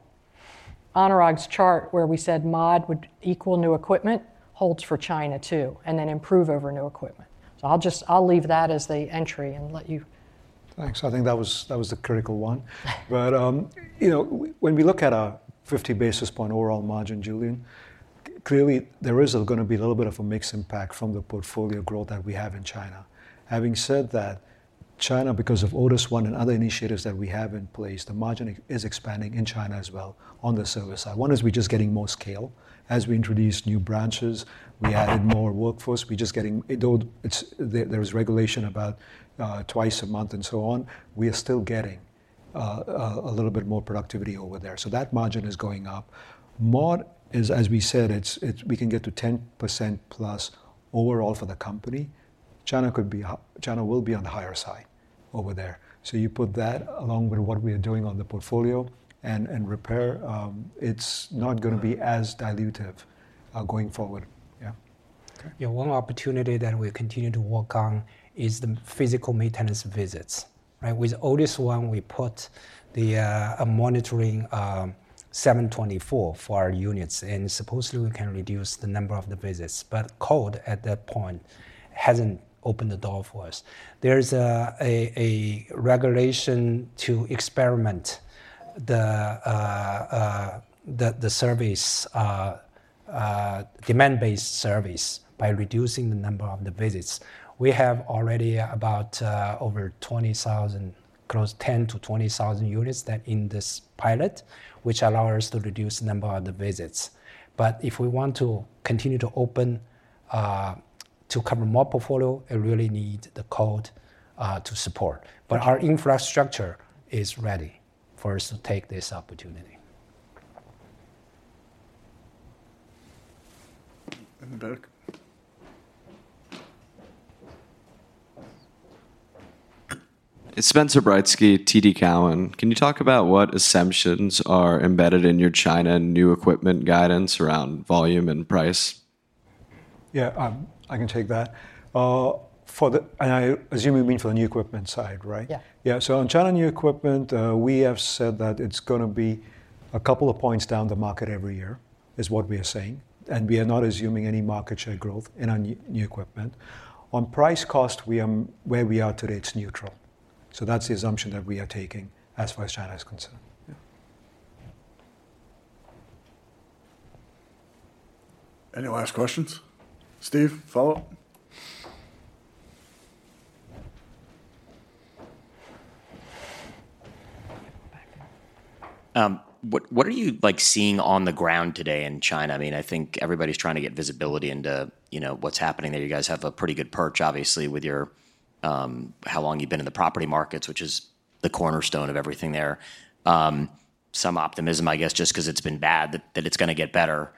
Anurag's chart where we said mod would equal new equipment holds for China too and then improve over new equipment. So, I'll leave that as the entry and let you. Thanks. I think that was the critical one. But when we look at our 50 basis points overall margin, Julian, clearly, there is going to be a little bit of a mixed impact from the portfolio growth that we have in China. Having said that, China, because of Otis ONE and other initiatives that we have in place, the margin is expanding in China as well on the service side. One is we're just getting more scale. As we introduced new branches, we added more workforce. We're just getting there's regulation about twice a month and so on. We are still getting a little bit more productivity over there. So, that margin is going up. Mod is, as we said, we can get to 10%+ overall for the company. China will be on the higher side over there. So, you put that along with what we are doing on the portfolio and repair, it's not going to be as dilutive going forward. Yeah? Yeah. One opportunity that we continue to work on is the physical maintenance visits, right? With Otis ONE, we put a monitoring 24/7 for our units. And supposedly, we can reduce the number of the visits. But code, at that point, hasn't opened the door for us. There's a regulation to experiment the demand-based service by reducing the number of the visits. We have already about over 20,000, close to 10,000 to 20,000 units in this pilot, which allows us to reduce the number of the visits. But if we want to continue to open to cover more portfolio, we really need the code to support. But our infrastructure is ready for us to take this opportunity. And then Derek. It's Spencer Breitzke, TD Cowen. Can you talk about what assumptions are embedded in your China new equipment guidance around volume and price? Yeah. I can take that. I assume you mean for the new equipment side, right? Yeah. Yeah. So, on China new equipment, we have said that it's going to be a couple of points down the market every year is what we are saying. We are not assuming any market share growth in our new equipment. On price cost, where we are today, it's neutral. So, that's the assumption that we are taking as far as China is concerned. Yeah. Any last questions? Steve? Follow up. I'll go back there. What are you seeing on the ground today in China? I mean, I think everybody's trying to get visibility into what's happening there. You guys have a pretty good perch, obviously, with how long you've been in the property markets, which is the cornerstone of everything there. Some optimism, I guess, just because it's been bad that it's going to get better.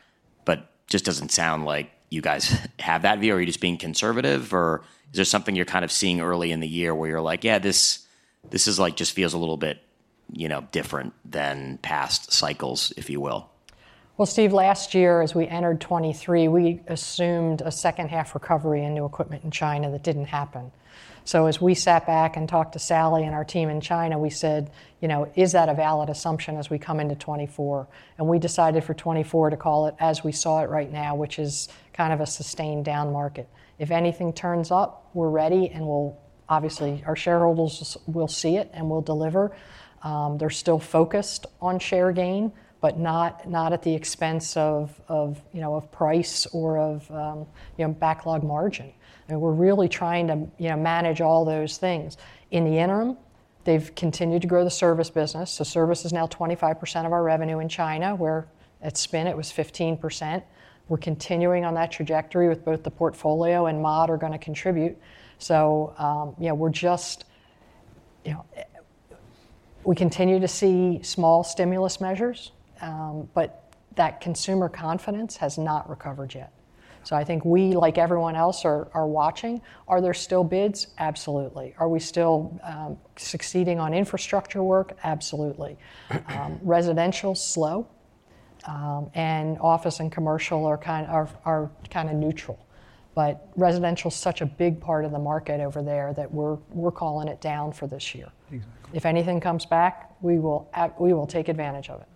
But just doesn't sound like you guys have that view. Are you just being conservative? Or is there something you're kind of seeing early in the year where you're like, "Yeah, this just feels a little bit different than past cycles," if you will? Well, Steve, last year, as we entered 2023, we assumed a second-half recovery in new equipment in China that didn't happen. So, as we sat back and talked to Sally and our team in China, we said, "Is that a valid assumption as we come into 2024?" And we decided for 2024 to call it as we saw it right now, which is kind of a sustained down market. If anything turns up, we're ready. And obviously, our shareholders will see it, and we'll deliver. They're still focused on share gain but not at the expense of price or of backlog margin. And we're really trying to manage all those things. In the interim, they've continued to grow the service business. So, service is now 25% of our revenue in China. At spin, it was 15%. We're continuing on that trajectory with both the portfolio and mod are going to contribute. So, we're just continue to see small stimulus measures. But that consumer confidence has not recovered yet. So, I think we, like everyone else, are watching. Are there still bids? Absolutely. Are we still succeeding on infrastructure work? Absolutely. Residential, slow. And office and commercial are kind of neutral. But residential's such a big part of the market over there that we're calling it down for this year. If anything comes back, we will take advantage of it.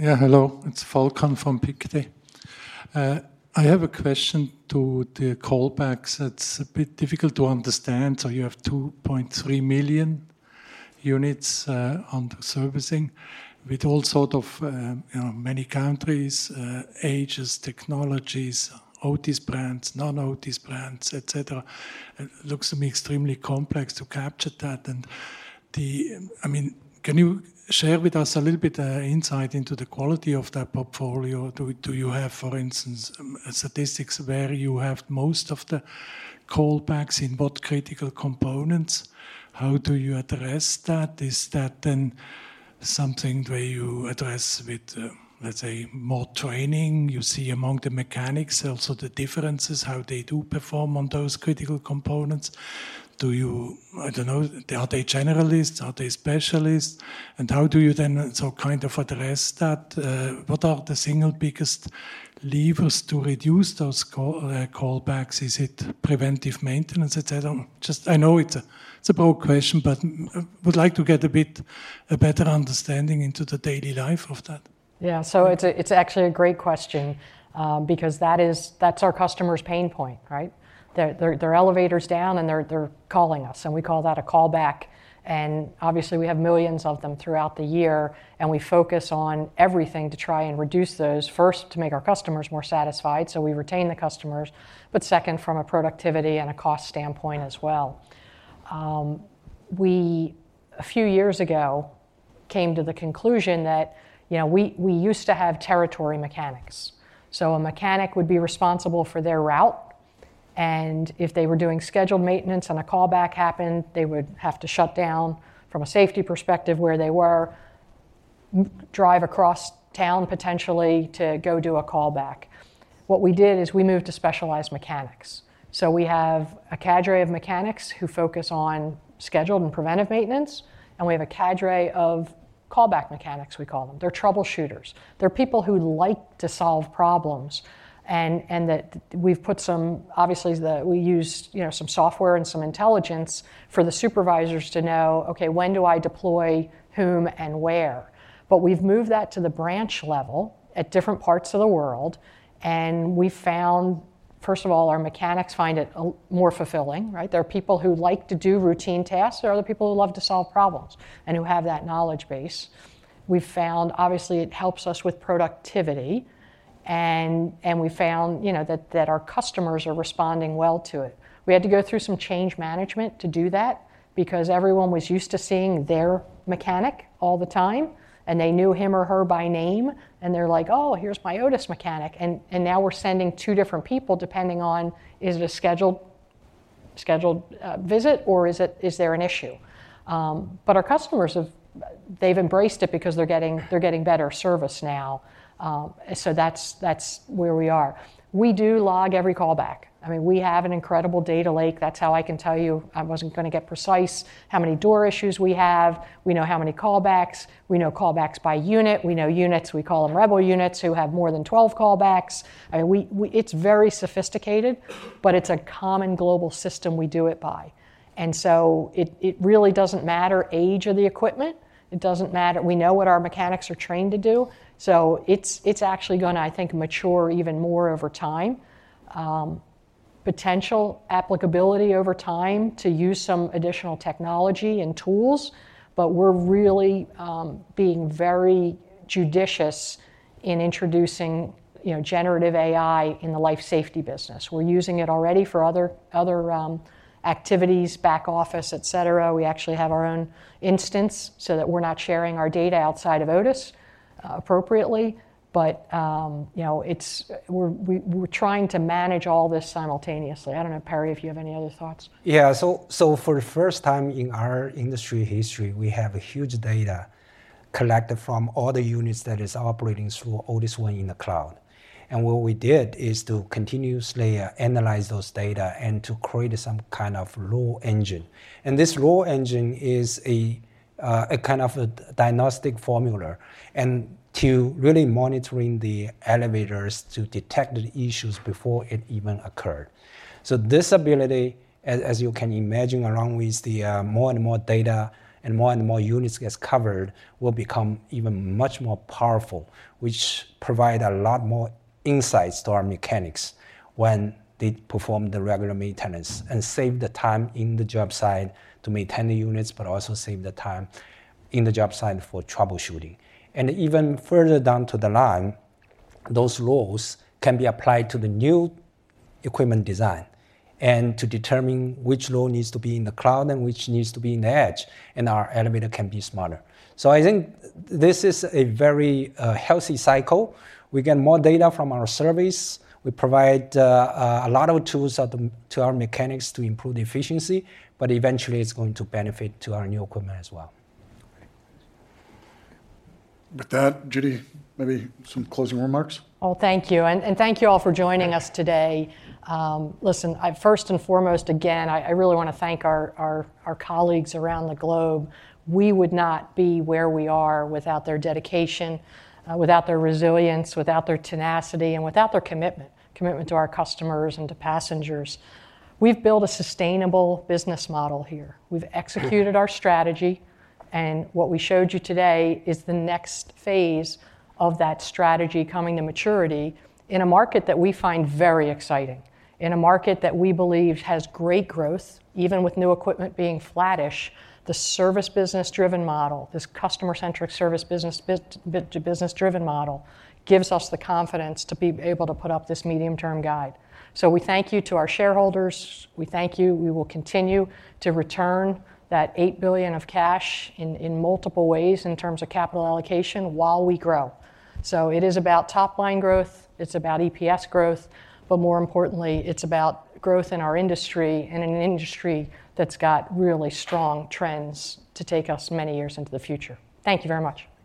Yeah. Hello. It's Falco from Pictet. I have a question to the callbacks. It's a bit difficult to understand. So, you have 2.3 million units under servicing with all sorts of many countries, ages, technologies, Otis brands, non-Otis brands, etc. It looks to me extremely complex to capture that. And I mean, can you share with us a little bit of insight into the quality of that portfolio? Do you have, for instance, statistics where you have most of the callbacks in what critical components? How do you address that? Is that then something where you address with, let's say, more training? You see among the mechanics also the differences, how they do perform on those critical components. I don't know. Are they generalists? Are they specialists? And how do you then kind of address that? What are the single biggest levers to reduce those callbacks? Is it preventive maintenance, etc.? I know it's a broad question, but I would like to get a bit a better understanding into the daily life of that. Yeah. So, it's actually a great question because that's our customer's pain point, right? Their elevator's down, and they're calling us. And we call that a callback. And obviously, we have millions of them throughout the year. And we focus on everything to try and reduce those, first, to make our customers more satisfied. So, we retain the customers. But second, from a productivity and a cost standpoint as well. We, a few years ago, came to the conclusion that we used to have territory mechanics. So, a mechanic would be responsible for their route. And if they were doing scheduled maintenance and a callback happened, they would have to shut down from a safety perspective where they were, drive across town, potentially, to go do a callback. What we did is we moved to specialized mechanics. So, we have a cadre of mechanics who focus on scheduled and preventive maintenance. And we have a cadre of callback mechanics, we call them. They're troubleshooters. They're people who like to solve problems. And we've put some, obviously, we use some software and some intelligence for the supervisors to know, "Okay, when do I deploy whom and where?" But we've moved that to the branch level at different parts of the world. And we found, first of all, our mechanics find it more fulfilling, right? There are people who like to do routine tasks. There are other people who love to solve problems and who have that knowledge base. We've found, obviously, it helps us with productivity. And we found that our customers are responding well to it. We had to go through some change management to do that because everyone was used to seeing their mechanic all the time. And they knew him or her by name. And they're like, "Oh, here's my Otis mechanic." And now we're sending two different people depending on, is it a scheduled visit, or is there an issue? But our customers, they've embraced it because they're getting better service now. So, that's where we are. We do log every callback. I mean, we have an incredible data lake. That's how I can tell you. I wasn't going to get precise how many door issues we have. We know how many callbacks. We know callbacks by unit. We know units. We call them rebel units who have more than 12 callbacks. I mean, it's very sophisticated. But it's a common global system we do it by. And so, it really doesn't matter age of the equipment. It doesn't matter. We know what our mechanics are trained to do. So, it's actually going to, I think, mature even more over time, potential applicability over time to use some additional technology and tools. But we're really being very judicious in introducing generative AI in the life safety business. We're using it already for other activities, back office, etc. We actually have our own instance so that we're not sharing our data outside of Otis appropriately. But we're trying to manage all this simultaneously. I don't know, Perry, if you have any other thoughts. Yeah. So, for the first time in our industry history, we have huge data collected from all the units that are operating through Otis ONE in the cloud. And what we did is to continuously analyze those data and to create some kind of rule engine. This rule engine is a kind of diagnostic formula to really monitor the elevators to detect the issues before it even occurred. So, this ability, as you can imagine, along with the more and more data and more and more units gets covered, will become even much more powerful, which provides a lot more insights to our mechanics when they perform the regular maintenance and save the time in the job site to maintain the units but also save the time in the job site for troubleshooting. And even further down the line, those rules can be applied to the new equipment design and to determine which rule needs to be in the cloud and which needs to be in the edge. And our elevator can be smarter. So, I think this is a very healthy cycle. We get more data from our service. We provide a lot of tools to our mechanics to improve the efficiency. But eventually, it's going to benefit our new equipment as well. Great. Thanks. With that, Judy, maybe some closing remarks? Oh, thank you. Thank you all for joining us today. Listen, first and foremost, again, I really want to thank our colleagues around the globe. We would not be where we are without their dedication, without their resilience, without their tenacity, and without their commitment, commitment to our customers and to passengers. We've built a sustainable business model here. We've executed our strategy. What we showed you today is the next phase of that strategy coming to maturity in a market that we find very exciting, in a market that we believe has great growth. Even with new equipment being flattish, the service business-driven model, this customer-centric service business-driven model gives us the confidence to be able to put up this medium-term guide. So, we thank you to our shareholders. We thank you. We will continue to return that $8 billion of cash in multiple ways in terms of capital allocation while we grow. So, it is about top-line growth. It's about EPS growth. But more importantly, it's about growth in our industry and an industry that's got really strong trends to take us many years into the future. Thank you very much. Thank you. Thank you.